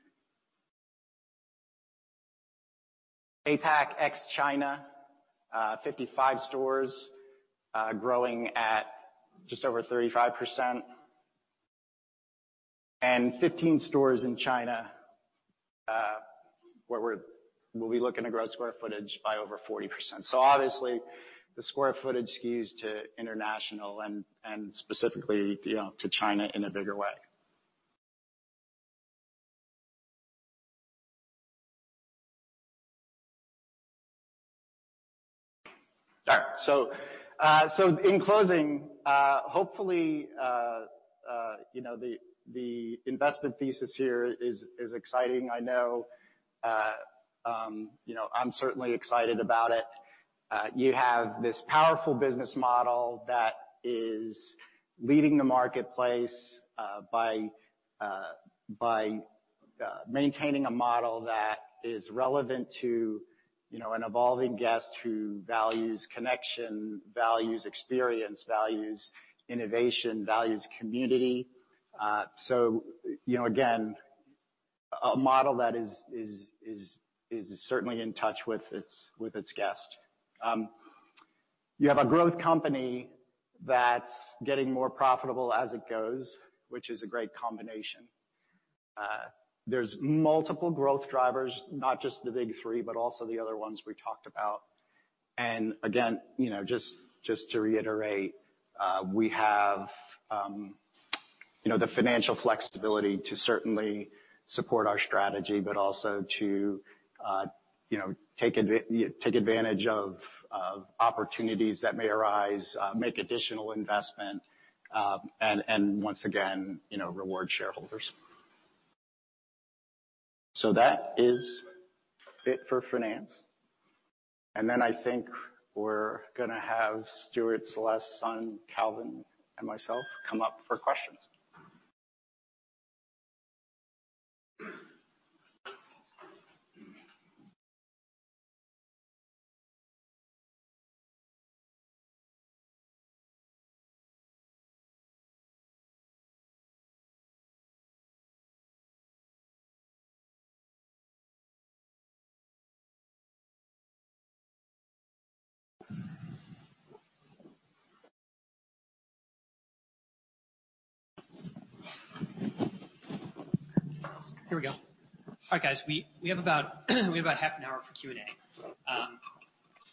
S13: APAC, ex-China, 55 stores, growing at just over 35%. 15 stores in China, where we'll be looking to grow square footage by over 40%. Obviously, the square footage skews to international and specifically, you know, to China in a bigger way. All right. In closing, hopefully, you know, the investment thesis here is exciting. I know, you know, I'm certainly excited about it. You have this powerful business model that is leading the marketplace by maintaining a model that is relevant to, you know, an evolving guest who values connection, values experience, values innovation, values community. You know, again, a model that is certainly in touch with its guest. You have a growth company that's getting more profitable as it goes, which is a great combination. There's multiple growth drivers, not just the big three, but also the other ones we talked about. Again, you know, just to reiterate, we have, you know, the financial flexibility to certainly support our strategy, but also to, you know, take advantage of opportunities that may arise, make additional investment, and once again, you know, reward shareholders. That is it for finance. Then I think we're gonna have Stuart, Celeste, Sun, Calvin, and myself come up for questions.
S1: Here we go. All right, guys, we have about half an hour for Q&A.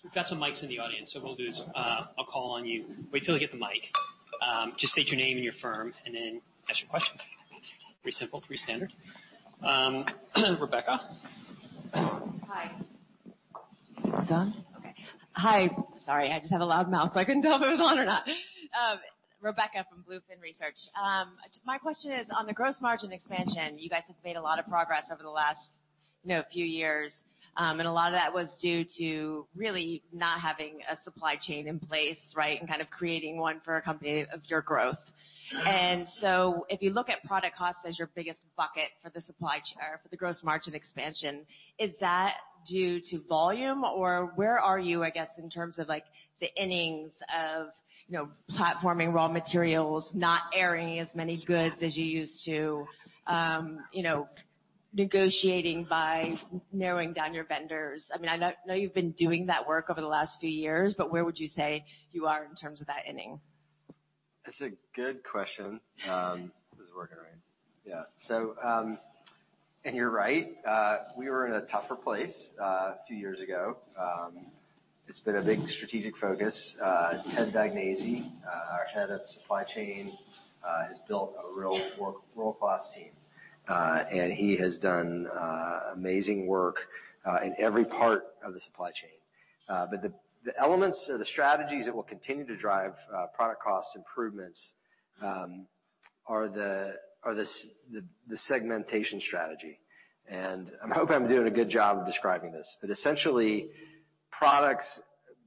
S1: We've got some mics in the audience. What we'll do is, I'll call on you. Wait till you get the mic. Just state your name and your firm, and then ask your question. Pretty simple. Pretty standard. Rebecca.
S14: Hi. Is this on? Okay. Hi. Sorry, I just have a loud mouth, so I couldn't tell if it was on or not. Rebecca from BlueFin Research. My question is on the gross margin expansion, you guys have made a lot of progress over the last, you know, few years. A lot of that was due to really not having a supply chain in place, right? Kind of creating one for a company of your growth. If you look at product cost as your biggest bucket for the gross margin expansion, is that due to volume? Or where are you, I guess, in terms of like the innings of, you know, platforming raw materials, not airing as many goods as you used to, negotiating by narrowing down your vendors. I mean, I know you've been doing that work over the last few years, but where would you say you are in terms of that inning?
S12: That's a good question. This is working, right?
S1: Yeah.
S12: You're right. We were in a tougher place a few years ago. It's been a big strategic focus. Ted Dagnese, our head of supply chain, has built a real world-class team. He has done amazing work in every part of the supply chain. The elements or the strategies that will continue to drive product cost improvements are the segmentation strategy. I'm hoping I'm doing a good job of describing this. Essentially,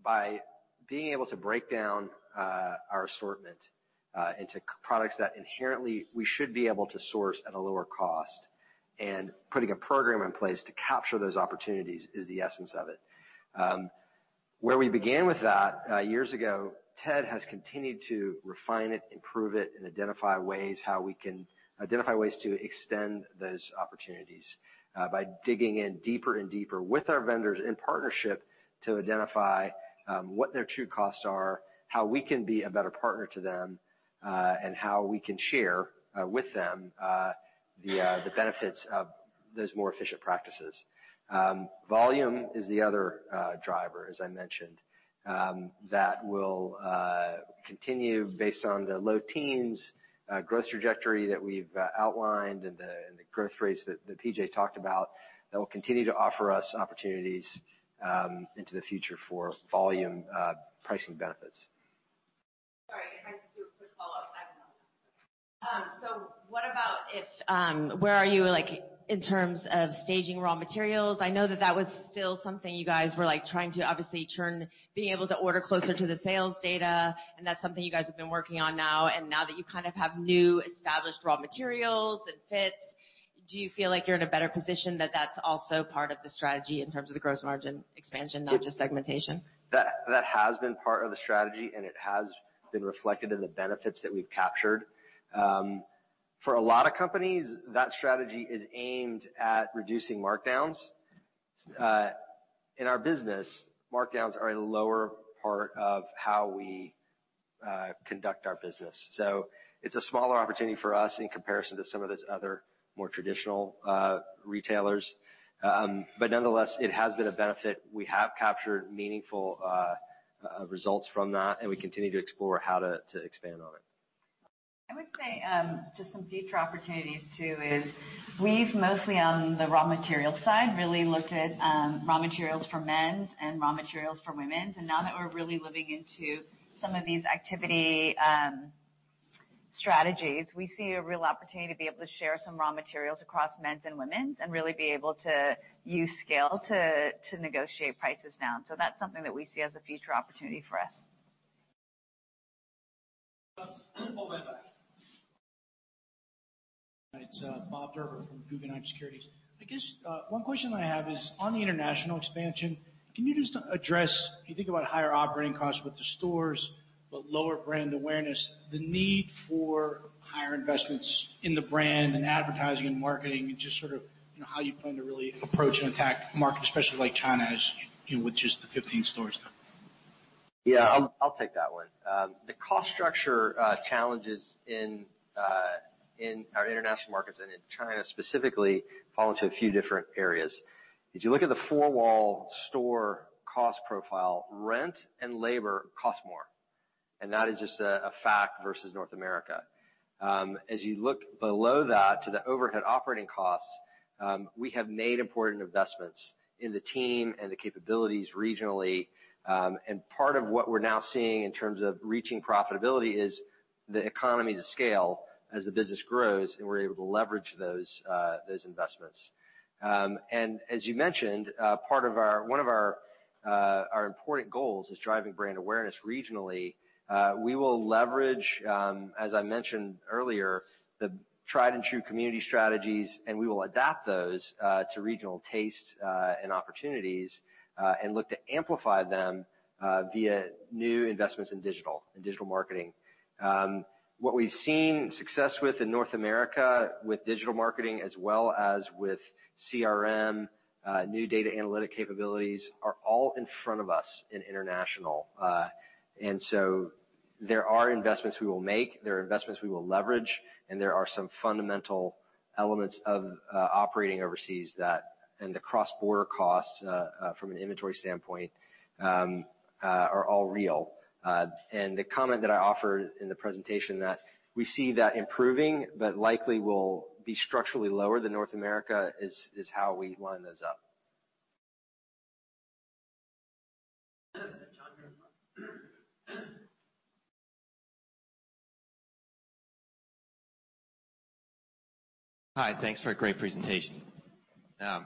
S12: by being able to break down our assortment into products that inherently we should be able to source at a lower cost and putting a program in place to capture those opportunities is the essence of it. Where we began with that years ago, Ted has continued to refine it, improve it, and identify ways to extend those opportunities by digging in deeper and deeper with our vendors in partnership to identify what their true costs are, how we can be a better partner to them, and how we can share with them the benefits of those more efficient practices. Volume is the other driver, as I mentioned, that will continue based on the low teens growth trajectory that we've outlined and the growth rates that PJ talked about. That will continue to offer us opportunities into the future for volume pricing benefits.
S14: Sorry, can I just do a quick follow-up? I don't know. What about if, where are you, like, in terms of staging raw materials? I know that that was still something you guys were, like, trying to obviously turn, being able to order closer to the sales data, and that's something you guys have been working on now. Now that you kind of have new established raw materials and fits. Do you feel like you're in a better position that that's also part of the strategy in terms of the gross margin expansion, not just segmentation?
S12: That has been part of the strategy, and it has been reflected in the benefits that we've captured. For a lot of companies, that strategy is aimed at reducing markdowns. In our business, markdowns are a lower part of how we conduct our business. It's a smaller opportunity for us in comparison to some of those other more traditional retailers. Nonetheless, it has been a benefit. We have captured meaningful results from that, and we continue to explore how to expand on it.
S10: I would say, just some future opportunities too, is we've mostly on the raw material side, really looked at, raw materials for men's and raw materials for women's. Now that we're really living into some of these activity strategies, we see a real opportunity to be able to share some raw materials across men's and women's and really be able to use scale to negotiate prices down. That's something that we see as a future opportunity for us.
S1: One way back.
S15: It's Bob Drbul from Guggenheim Securities. I guess, one question I have is on the international expansion, can you just address, you think about higher operating costs with the stores, but lower brand awareness, the need for higher investments in the brand and advertising and marketing, and just sort of, you know, how you plan to really approach and attack markets, especially like China, as, you know, with just the 15 stores now.
S12: Yeah, I'll take that one. The cost structure challenges in our international markets and in China specifically, fall into a few different areas. If you look at the four-wall store cost profile, rent and labor costs more, and that is just a fact versus North America. As you look below that to the overhead operating costs, we have made important investments in the team and the capabilities regionally. Part of what we're now seeing in terms of reaching profitability is the economies of scale as the business grows, and we're able to leverage those investments. As you mentioned, one of our important goals is driving brand awareness regionally. We will leverage, as I mentioned earlier, the tried and true community strategies, and we will adapt those to regional tastes and opportunities and look to amplify them via new investments in digital marketing. What we've seen success with in North America with digital marketing as well as with CRM, new data analytic capabilities are all in front of us in international. There are investments we will make, there are investments we will leverage, and there are some fundamental elements of operating overseas that, and the cross-border costs from an inventory standpoint, are all real. The comment that I offered in the presentation that we see that improving but likely will be structurally lower than North America is how we line those up.
S1: [inaudible]
S16: Hi. Thanks for a great presentation.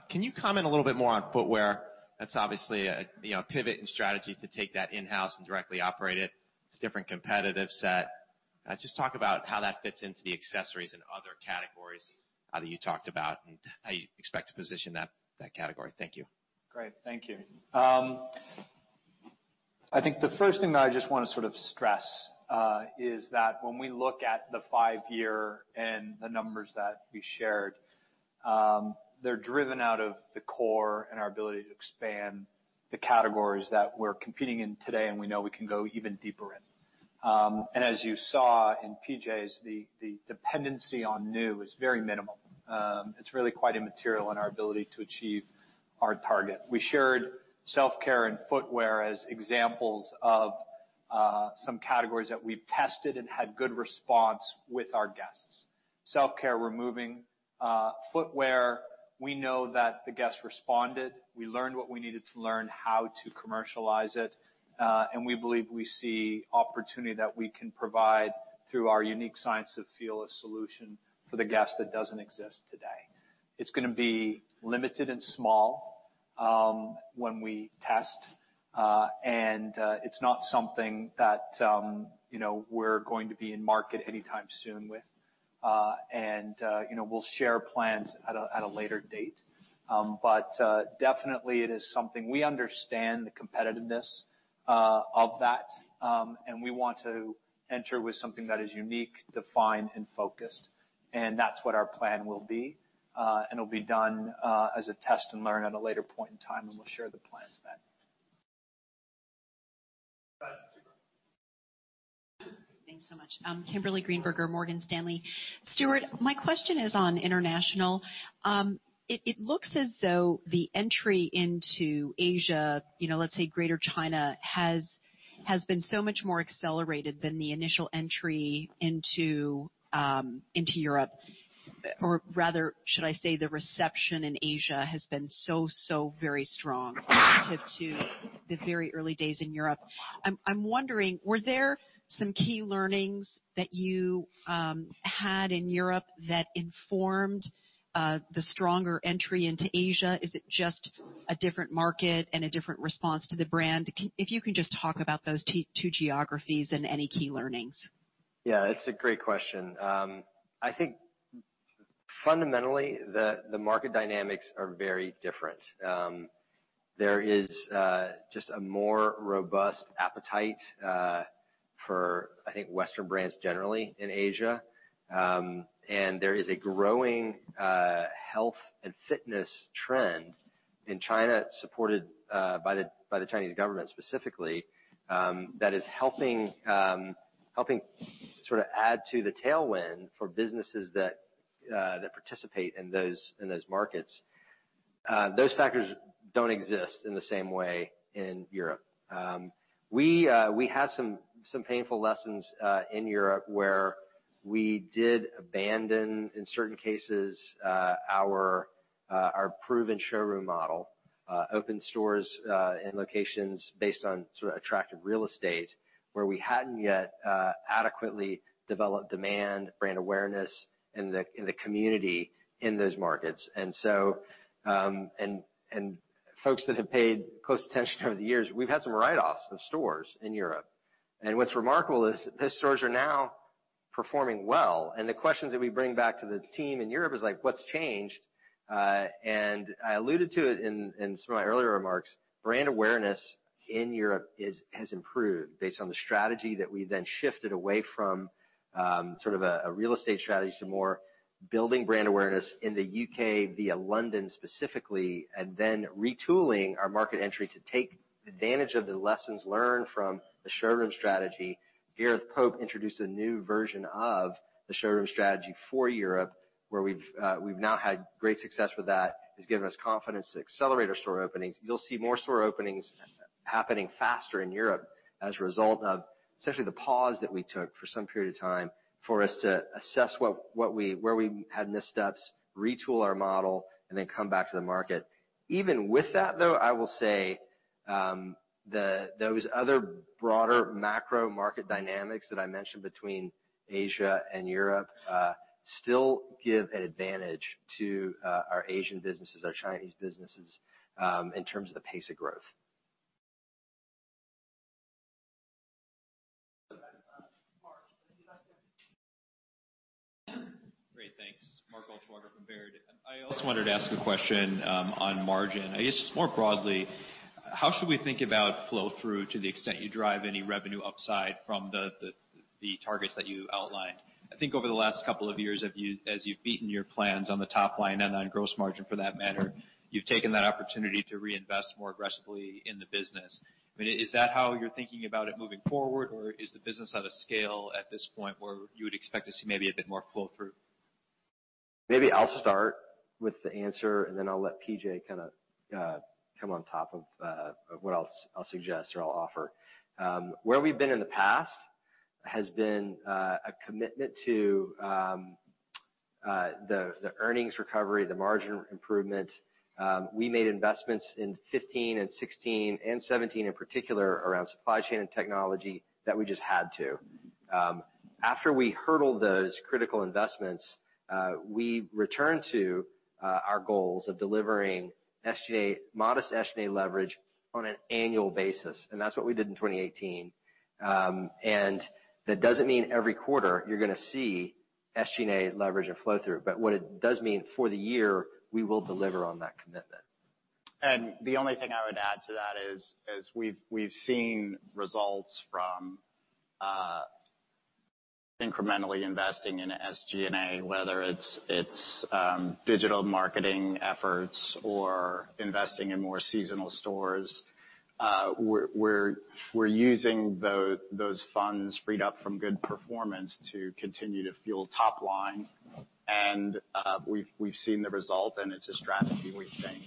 S16: Can you comment a little bit more on footwear? That's obviously a, you know, pivot in strategy to take that in-house and directly operate it. It's a different competitive set. Just talk about how that fits into the accessories and other categories that you talked about and how you expect to position that category. Thank you.
S3: Great. Thank you. I think the first thing that I just want to sort of stress is that when we look at the five-year and the numbers that we shared, they're driven out of the core and our ability to expand the categories that we're competing in today and we know we can go even deeper in. As you saw in PJ's, the dependency on new is very minimal. It's really quite immaterial in our ability to achieve our target. We shared self-care and footwear as examples of some categories that we've tested and had good response with our guests. Self-care, we're moving. Footwear, we know that the guests responded. We learned what we needed to learn how to commercialize it. We believe we see opportunity that we can provide through our unique Science of Feel as solution for the guest that doesn't exist today. It's gonna be limited and small when we test. It's not something that, you know, we're going to be in market anytime soon with. You know, we'll share plans at a later date. Definitely it is something We understand the competitiveness of that. We want to enter with something that is unique, defined, and focused. That's what our plan will be. It'll be done as a test and learn at a later point in time. We'll share the plans then.
S17: Thanks so much. Kimberly Greenberger, Morgan Stanley. Stuart, my question is on international. It looks as though the entry into Asia, you know, let's say Greater China, has been so much more accelerated than the initial entry into Europe, or rather, should I say the reception in Asia has been so very strong relative to the very early days in Europe. I'm wondering, were there some key learnings that you had in Europe that informed the stronger entry into Asia? Is it just a different market and a different response to the brand? Can If you can just talk about those two geographies and any key learnings.
S12: Yeah, it's a great question. I think fundamentally, the market dynamics are very different. There is just a more robust appetite for, I think, Western brands generally in Asia. There is a growing health and fitness trend in China, supported by the Chinese government specifically, that is helping sort of add to the tailwind for businesses that participate in those markets. Those factors don't exist in the same way in Europe. We had some painful lessons in Europe where we did abandon, in certain cases, our proven showroom model. Opened stores in locations based on sort of attractive real estate where we hadn't yet adequately developed demand, brand awareness in the community in those markets. Folks that have paid close attention over the years, we've had some write-offs of stores in Europe. What's remarkable is those stores are now performing well. The questions that we bring back to the team in Europe is like, "What's changed?" I alluded to it in some of my earlier remarks, brand awareness in Europe has improved based on the strategy that we then shifted away from sort of a real estate strategy to more building brand awareness in the U.K. via London specifically, and then retooling our market entry to take advantage of the lessons learned from the showroom strategy. Gareth Pope introduced a new version of the showroom strategy for Europe, where we've now had great success with that. It's given us confidence to accelerate our store openings. You'll see more store openings happening faster in Europe as a result of essentially the pause that we took for some period of time for us to assess what we had missed steps, retool our model, and then come back to the market. Even with that, though, I will say, those other broader macro market dynamics that I mentioned between Asia and Europe still give an advantage to our Asian businesses, our Chinese businesses, in terms of the pace of growth.
S1: Mark.
S18: Great. Thanks. Mark Altschwager from Baird. I also wanted to ask a question, on margin. I guess just more broadly, how should we think about flow-through to the extent you drive any revenue upside from the targets that you outlined? I think over the last couple of years, as you've beaten your plans on the top line and on gross margin for that matter, you've taken that opportunity to reinvest more aggressively in the business. I mean, is that how you're thinking about it moving forward, or is the business at a scale at this point where you would expect to see maybe a bit more flow-through?
S12: Maybe I'll start with the answer, and then I'll let PJ come on top of what I'll suggest or I'll offer. Where we've been in the past has been a commitment to the earnings recovery, the margin improvement. We made investments in 2015 and 2016 and 2017 in particular around supply chain and technology that we just had to. After we hurdled those critical investments, we returned to our goals of delivering SG&A, modest SG&A leverage on an annual basis, and that's what we did in 2018. That doesn't mean every quarter you're gonna see SG&A leverage or flow-through, but what it does mean for the year, we will deliver on that commitment.
S13: The only thing I would add to that is we've seen results from incrementally investing in SG&A, whether digital marketing efforts or investing in more seasonal stores. We're using those funds freed up from good performance to continue to fuel top line. We've seen the result, and it's a strategy we think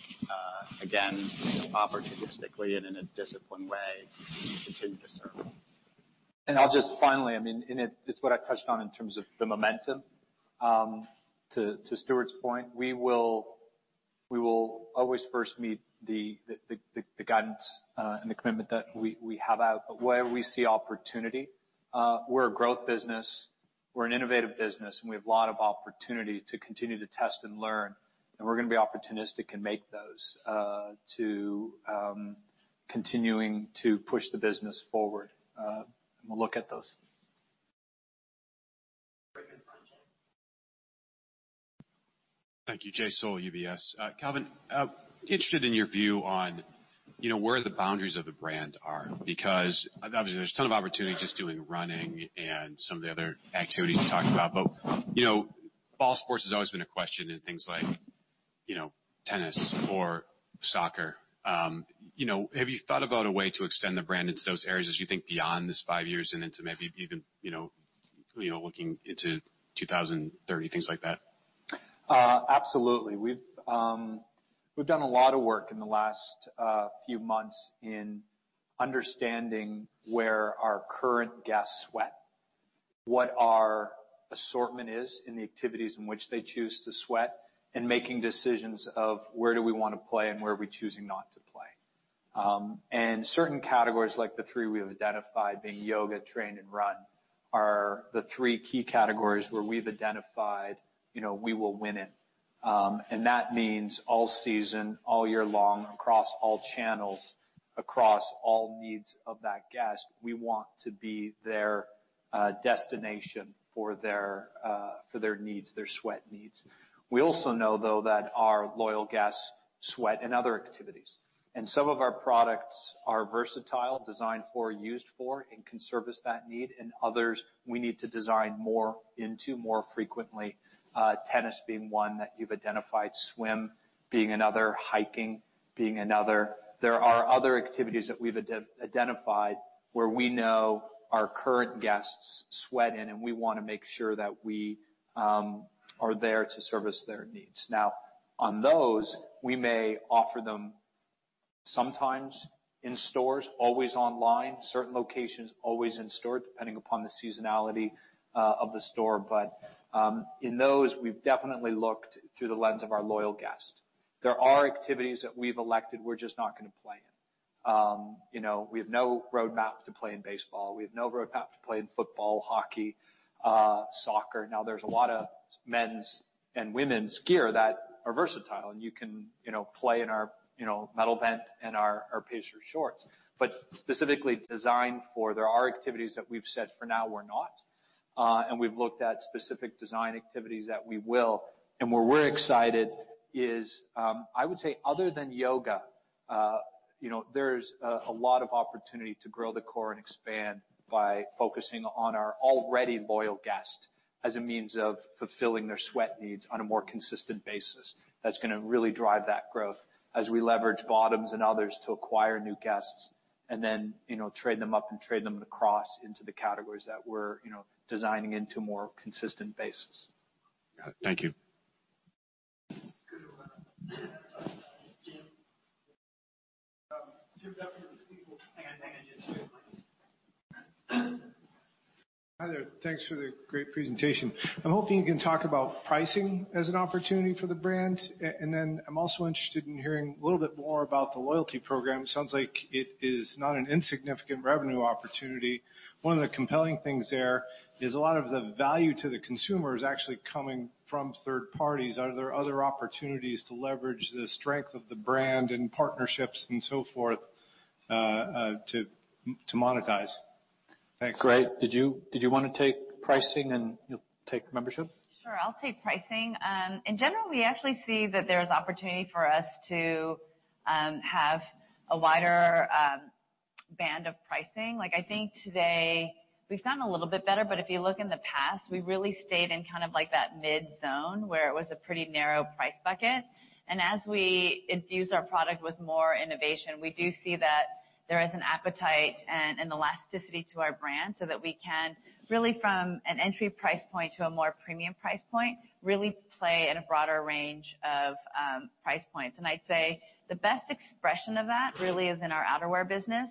S13: again, opportunistically and in a disciplined way, we continue to serve.
S3: I'll just finally, I mean, it's what I touched on in terms of the momentum. To Stuart's point, we will always first meet the guidance and the commitment that we have out, but where we see opportunity, we're a growth business, we're an innovative business, and we have a lot of opportunity to continue to test and learn, and we're going to be opportunistic and make those to continuing to push the business forward. We'll look at those.
S19: Thank you. Jay Sole, UBS. Calvin, interested in your view on, you know, where the boundaries of the brand are. Because obviously there's a ton of opportunity just doing running and some of the other activities you talked about. You know, ball sports has always been a question and things like, you know, tennis or soccer. You know, have you thought about a way to extend the brand into those areas as you think beyond this five years and into maybe even, you know, you know, looking into 2030, things like that?
S3: Absolutely. We've done a lot of work in the last few months in understanding where our current guests sweat, what our assortment is in the activities in which they choose to sweat, and making decisions of where do we want to play and where are we choosing not to play. Certain categories like the three we have identified, being yoga, train, and run, are the three key categories where we've identified, you know, we will win in. That means all season, all year long, across all channels, across all needs of that guest. We want to be their destination for their for their needs, their sweat needs. We also know, though, that our loyal guests sweat in other activities. And some of our products are versatile, designed for, used for, and can service that need, and others we need to design more into more frequently. Tennis being one that you've identified, swim being another, hiking being another. There are other activities that we've identified where we know our current guests sweat in, and we wanna make sure that we are there to service their needs. Now, on those, we may offer them sometimes in stores, always online, certain locations, always in store, depending upon the seasonality of the store. In those, we've definitely looked through the lens of our loyal guest. There are activities that we've elected, we're just not gonna play in. You know, we have no roadmap to play in baseball. We have no roadmap to play in football, hockey, soccer. Now, there's a lot of men's and women's gear that are versatile and you can, you know, play in our, you know, Metal Vent and our Pace Breaker shorts, but specifically design for. There are activities that we've said for now we're not. We've looked at specific design activities that we will. Where we're excited is, I would say other than yoga, you know, there's a lot of opportunity to grow the core and expand by focusing on our already loyal guest as a means of fulfilling their sweat needs on a more consistent basis. That's gonna really drive that growth as we leverage bottoms and others to acquire new guests and then, you know, trade them up and trade them across into the categories that we're, you know, designing into more consistent basis.
S19: Thank you.
S1: [inaudible]
S20: Hi, there. Thanks for the great presentation. I'm hoping you can talk about pricing as an opportunity for the brand. I'm also interested in hearing a little bit more about the loyalty program. It sounds like it is not an insignificant revenue opportunity. One of the compelling things there is a lot of the value to the consumer is actually coming from third parties. Are there other opportunities to leverage the strength of the brand and partnerships and so forth, to monetize? Thanks.
S3: Did you wanna take pricing and you'll take membership?
S10: Sure. I'll take pricing. In general, we actually see that there's opportunity for us to have a wider band of pricing. Like, I think today we've gotten a little bit better, but if you look in the past, we really stayed in kind of like that mid zone where it was a pretty narrow price bucket. As we infuse our product with more innovation, we do see that there is an appetite and an elasticity to our brand so that we can really, from an entry price point to a more premium price point, really play in a broader range of price points. I'd say the best expression of that really is in our outerwear business.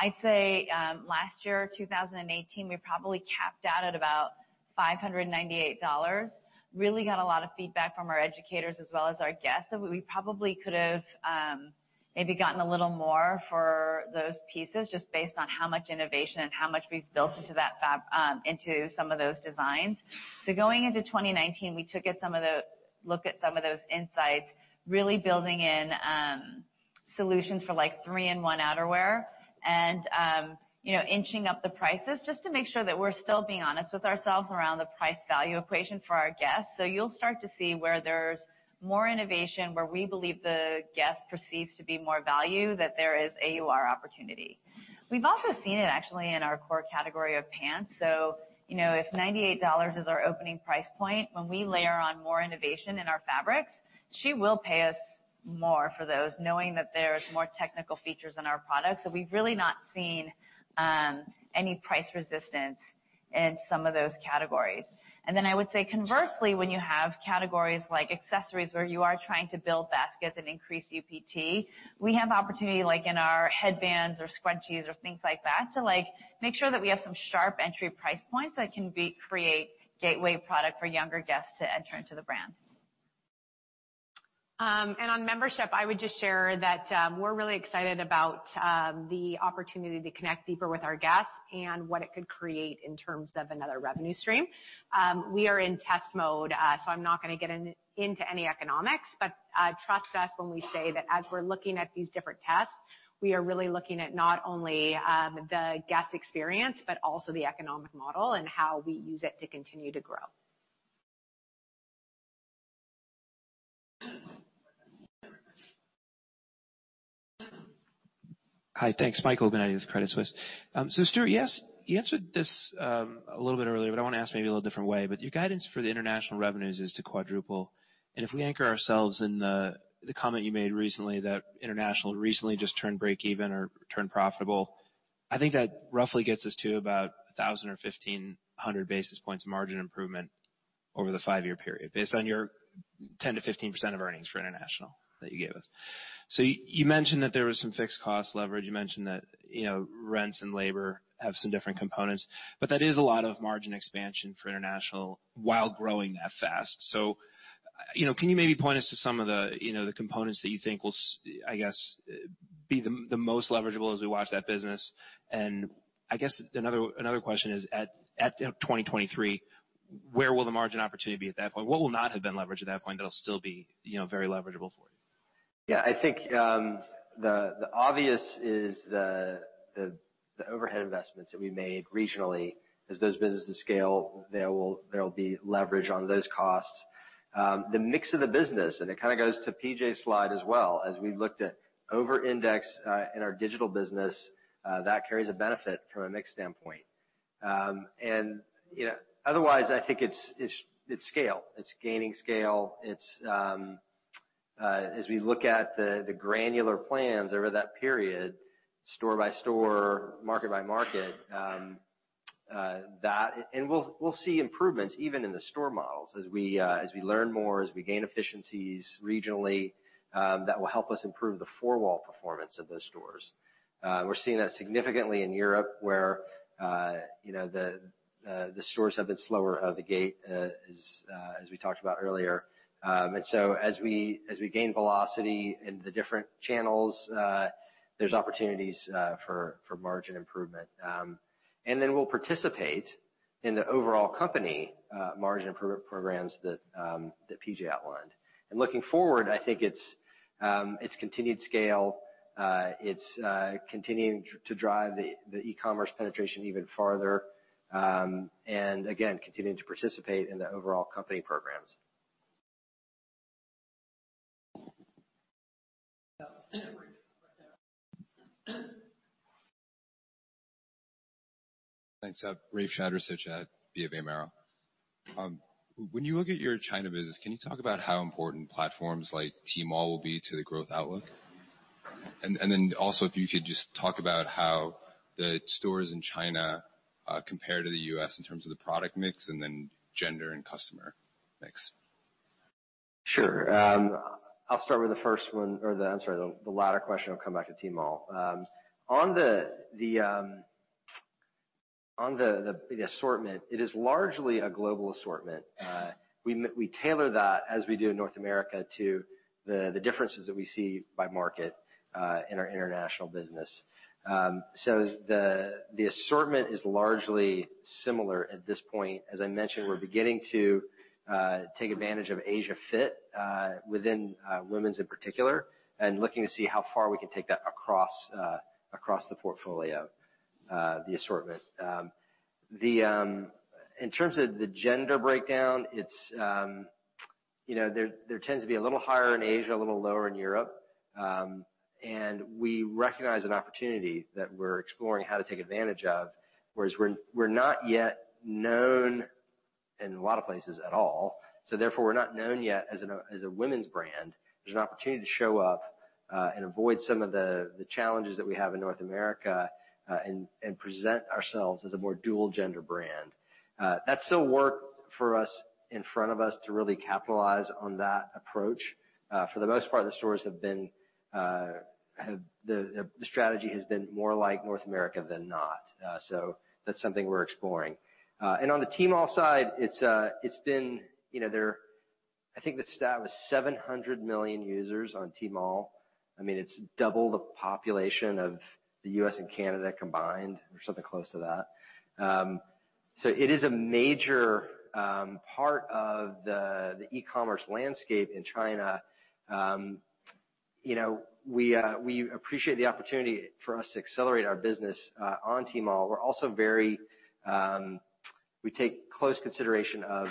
S10: I'd say last year, 2018, we probably capped out at about $598. Really got a lot of feedback from our educators as well as our guests that we probably could have maybe gotten a little more for those pieces just based on how much innovation and how much we've built into some of those designs. Going into 2019, we took at look at some of those insights, really building in solutions for like 3-in-1 outerwear and, you know, inching up the prices just to make sure that we're still being honest with ourselves around the price value equation for our guests. You'll start to see where there's more innovation, where we believe the guest perceives to be more value, that there is AUR opportunity. We've also seen it actually in our core category of pants. You know, if $98 is our opening price point, when we layer on more innovation in our fabrics, she will pay us more for those, knowing that there's more technical features in our products. We've really not seen any price resistance in some of those categories. I would say conversely, when you have categories like accessories where you are trying to build baskets and increase UPT, we have opportunity like in our headbands or scrunchies or things like that, to, like, make sure that we have some sharp entry price points that can create gateway product for younger guests to enter into the brand.
S11: On membership, I would just share that we're really excited about the opportunity to connect deeper with our guests and what it could create in terms of another revenue stream. We are in test mode, so I'm not gonna get into any economics. Trust us when we say that as we're looking at these different tests, we are really looking at not only the guest experience, but also the economic model and how we use it to continue to grow.
S21: Hi. Thanks. Michael Binetti with Credit Suisse. Stuart, yes, you answered this a little bit earlier, but I wanna ask maybe a little different way. Your guidance for the international revenues is to quadruple, and if we anchor ourselves in the comment you made recently that international recently just turned breakeven or turned profitable, I think that roughly gets us to about 1,000 or 1,500 basis points margin improvement over the five-year period, based on your 10% to 15% of earnings for international that you gave us. You mentioned that there was some fixed cost leverage. You mentioned that, you know, rents and labor have some different components, but that is a lot of margin expansion for international while growing that fast. You know, can you maybe point us to some of the, you know, the components that you think will I guess be the most leverageable as we watch that business. I guess another question is at 2023, where will the margin opportunity be at that point? What will not have been leveraged at that point that'll still be, you know, very leverageable for you?
S12: I think the obvious is the overhead investments that we made regionally. As those businesses scale, there will be leverage on those costs. The mix of the business, it kind of goes to PJ's slide as well, as we looked at over-index in our digital business, that carries a benefit from a mix standpoint. You know, otherwise, I think it's scale. It's gaining scale. It's as we look at the granular plans over that period, store by store, market by market, we'll see improvements even in the store models as we learn more, as we gain efficiencies regionally, that will help us improve the four-wall performance of those stores. We're seeing that significantly in Europe, where the stores have been slower out of the gate as we talked about earlier. As we gain velocity in the different channels, there's opportunities for margin improvement. Then we'll participate in the overall company margin improvement programs that PJ outlined. Looking forward, I think it's continued scale, it's continuing to drive the e-commerce penetration even farther, and again continuing to participate in the overall company programs.
S22: Thanks. Rafe Jadrosich, B of A Merrill. When you look at your China business, can you talk about how important platforms like Tmall will be to the growth outlook? Then also, if you could just talk about how the stores in China compare to the U.S. in terms of the product mix and then gender and customer mix.
S12: Sure. I'll start with the first one, I'm sorry, the latter question. I'll come back to Tmall. On the assortment, it is largely a global assortment. We tailor that as we do in North America to the differences that we see by market in our international business. The assortment is largely similar at this point. As I mentioned, we're beginning to take advantage of Asia Fit within women's in particular, and looking to see how far we can take that across the portfolio, the assortment. In terms of the gender breakdown, it's, you know, there tends to be a little higher in Asia, a little lower in Europe. We recognize an opportunity that we're exploring how to take advantage of, whereas we're not yet known in a lot of places at all. Therefore, we're not known yet as a women's brand. There's an opportunity to show up and avoid some of the challenges that we have in North America and present ourselves as a more dual gender brand. That's still work for us, in front of us to really capitalize on that approach. For the most part, the stores have been. The strategy has been more like North America than not. That's something we're exploring. On the Tmall side, it's been, you know, there I think the stat was 700 million users on Tmall. I mean, it's double the population of the U.S. and Canada combined or something close to that. It is a major part of the e-commerce landscape in China. You know, we appreciate the opportunity for us to accelerate our business on Tmall. We take close consideration of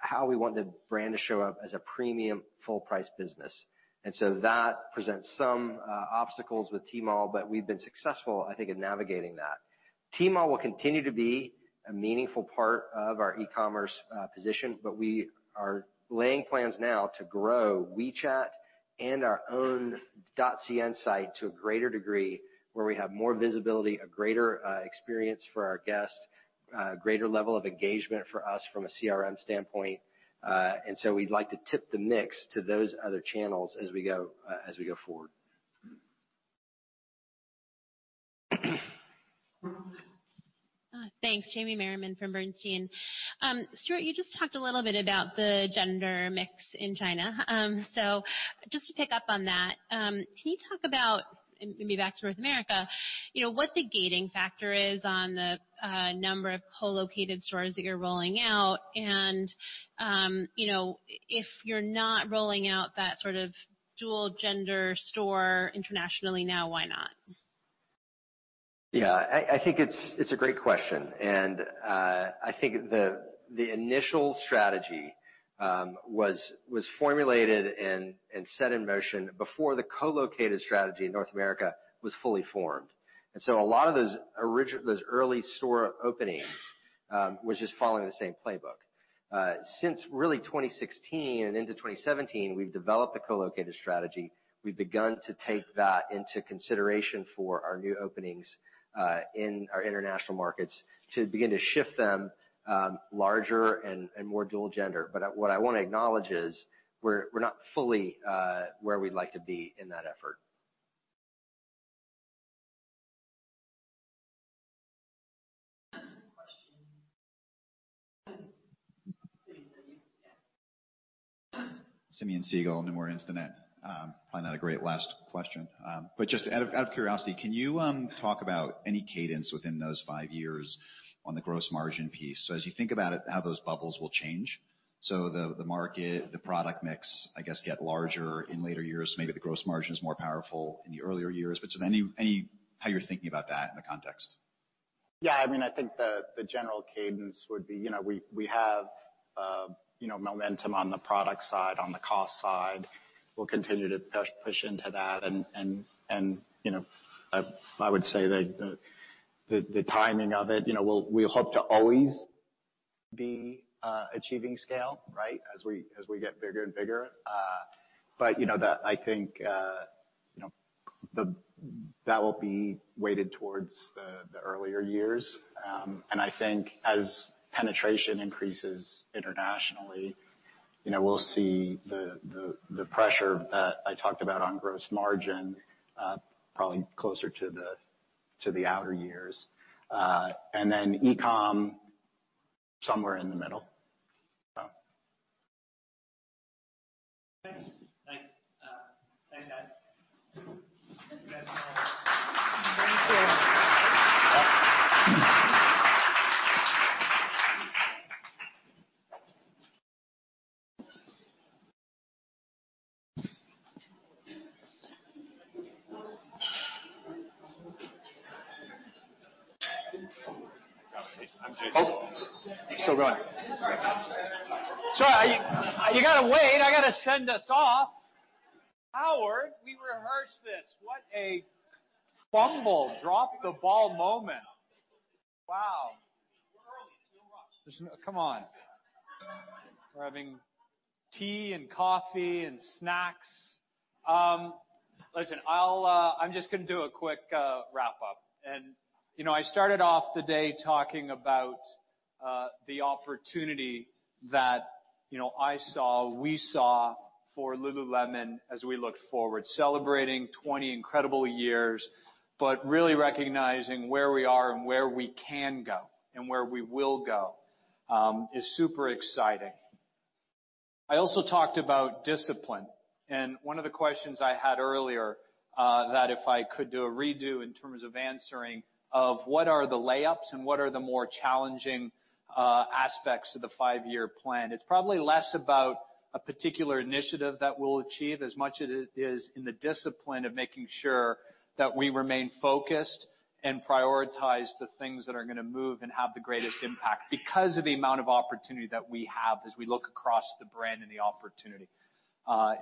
S12: how we want the brand to show up as a premium full-price business. That presents some obstacles with Tmall, but we've been successful, I think, in navigating that. Tmall will continue to be a meaningful part of our e-commerce position, but we are laying plans now to grow WeChat and our own .cn site to a greater degree, where we have more visibility, a greater experience for our guests, greater level of engagement for us from a CRM standpoint, and so we'd like to tip the mix to those other channels as we go as we go forward.
S23: Thanks. Jamie Merriman from Bernstein. Stuart, you just talked a little bit about the gender mix in China. Just to pick up on that, can you talk about, and maybe back to North America, you know, what the gating factor is on the number of co-located stores that you're rolling out? You know, if you're not rolling out that sort of dual gender store internationally now, why not?
S12: I think it's a great question. I think the initial strategy was formulated and set in motion before the co-located strategy in North America was fully formed. A lot of those early store openings was just following the same playbook. Since really 2016 and into 2017, we've developed the co-located strategy. We've begun to take that into consideration for our new openings in our international markets to begin to shift them larger and more dual gender. What I want to acknowledge is we're not fully where we'd like to be in that effort.
S24: Simeon Siegel, Nomura Instinet. I find that a great last question. Just out of curiosity, can you talk about any cadence within those five years on the gross margin piece? As you think about it, how those bubbles will change. The market, the product mix, I guess, get larger in later years. Maybe the gross margin is more powerful in the earlier years. How you're thinking about that in the context?
S13: Yeah. I mean, I think the general cadence would be, you know, we have, you know, momentum on the product side, on the cost side. We'll continue to push into that and, you know, I would say that the timing of it, you know, we hope to always be achieving scale, right. As we get bigger and bigger. You know that I think, you know, that will be weighted towards the earlier years. I think as penetration increases internationally, you know, we'll see the pressure that I talked about on gross margin, probably closer to the, to the outer years. Then e-com somewhere in the middle.
S1: Thanks. Thanks, guys.
S10: Thank you.
S3: Oh. Still going. Sorry. You gotta wait. I gotta send us off. Howard, we rehearsed this. What a fumble drop the ball moment. Wow.
S1: We're early. There's no rush.
S3: Come on. We're having tea and coffee and snacks. Listen, I'll, I'm just gonna do a quick wrap up. You know, I started off today talking about the opportunity that, you know, I saw, we saw for Lululemon as we looked forward. Celebrating 20 incredible years, but really recognizing where we are and where we can go and where we will go, is super exciting. I also talked about discipline, and one of the questions I had earlier, that if I could do a redo in terms of answering of what are the layups and what are the more challenging aspects of the five-year plan. It's probably less about a particular initiative that we'll achieve as much as it is in the discipline of making sure that we remain focused and prioritize the things that are gonna move and have the greatest impact because of the amount of opportunity that we have as we look across the brand and the opportunity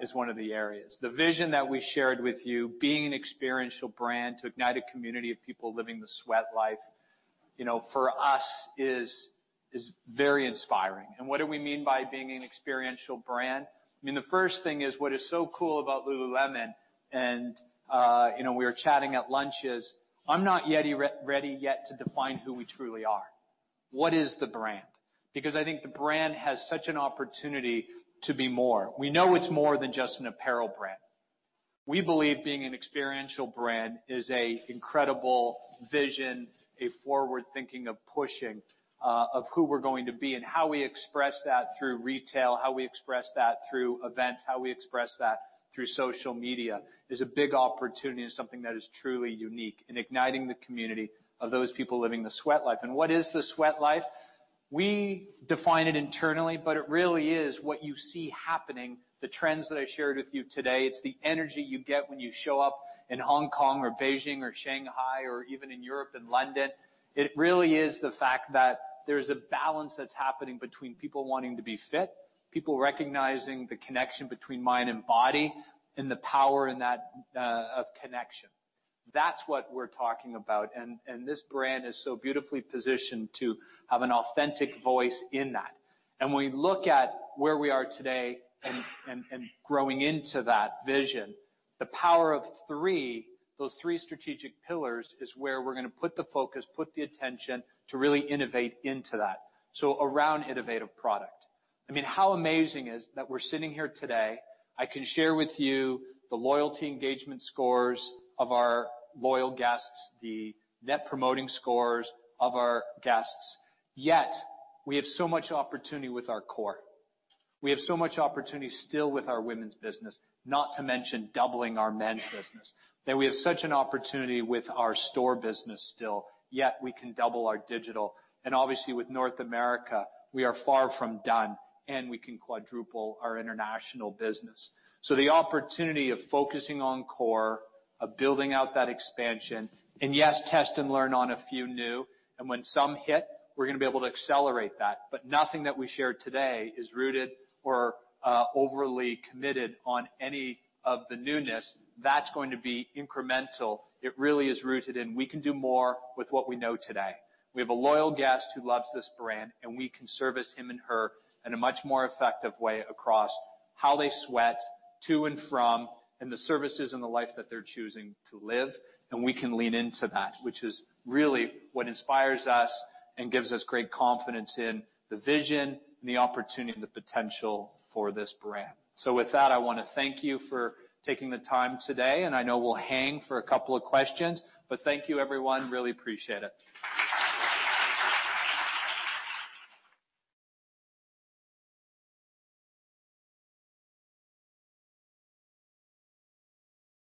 S3: is one of the areas. The vision that we shared with you, being an experiential brand to ignite a community of people living the Sweatlife, you know, for us is very inspiring. What do we mean by being an experiential brand? I mean, the first thing is what is so cool about Lululemon, and, you know, we were chatting at lunch is, I'm not yet ready yet to define who we truly are. What is the brand? I think the brand has such an opportunity to be more. We know it's more than just an apparel brand. We believe being an experiential brand is an incredible vision, a forward-thinking of pushing of who we're going to be and how we express that through retail, how we express that through events, how we express that through social media is a big opportunity and something that is truly unique in igniting the community of those people living the Sweatlife. What is the Sweatlife? We define it internally, but it really is what you see happening, the trends that I shared with you today. It's the energy you get when you show up in Hong Kong or Beijing or Shanghai or even in Europe and London. It really is the fact that there's a balance that's happening between people wanting to be fit, people recognizing the connection between mind and body, and the power in that of connection. That's what we're talking about. This brand is so beautifully positioned to have an authentic voice in that. When we look at where we are today and growing into that vision, the Power of Three, those three strategic pillars, is where we're gonna put the focus, put the attention to really innovate into that. Around innovative product. I mean, how amazing is that we're sitting here today. I can share with you the loyalty engagement scores of our loyal guests, the net promoting scores of our guests, yet we have so much opportunity with our core. We have so much opportunity still with our women's business, not to mention doubling our men's business. We have such an opportunity with our store business still, yet we can double our digital. Obviously with North America, we are far from done, and we can quadruple our international business. The opportunity of focusing on core, of building out that expansion, and yes, test and learn on a few new, and when some hit, we're gonna be able to accelerate that. Nothing that we shared today is rooted or overly committed on any of the newness. That's going to be incremental. It really is rooted in we can do more with what we know today. We have a loyal guest who loves this brand. We can service him and her in a much more effective way across how they sweat to and from, and the services and the life that they're choosing to live and we can lean into that. Which is really what inspires us and gives us great confidence in the vision and the opportunity and the potential for this brand. With that, I wanna thank you for taking the time today, and I know we'll hang for a couple of questions. Thank you everyone. Really appreciate it.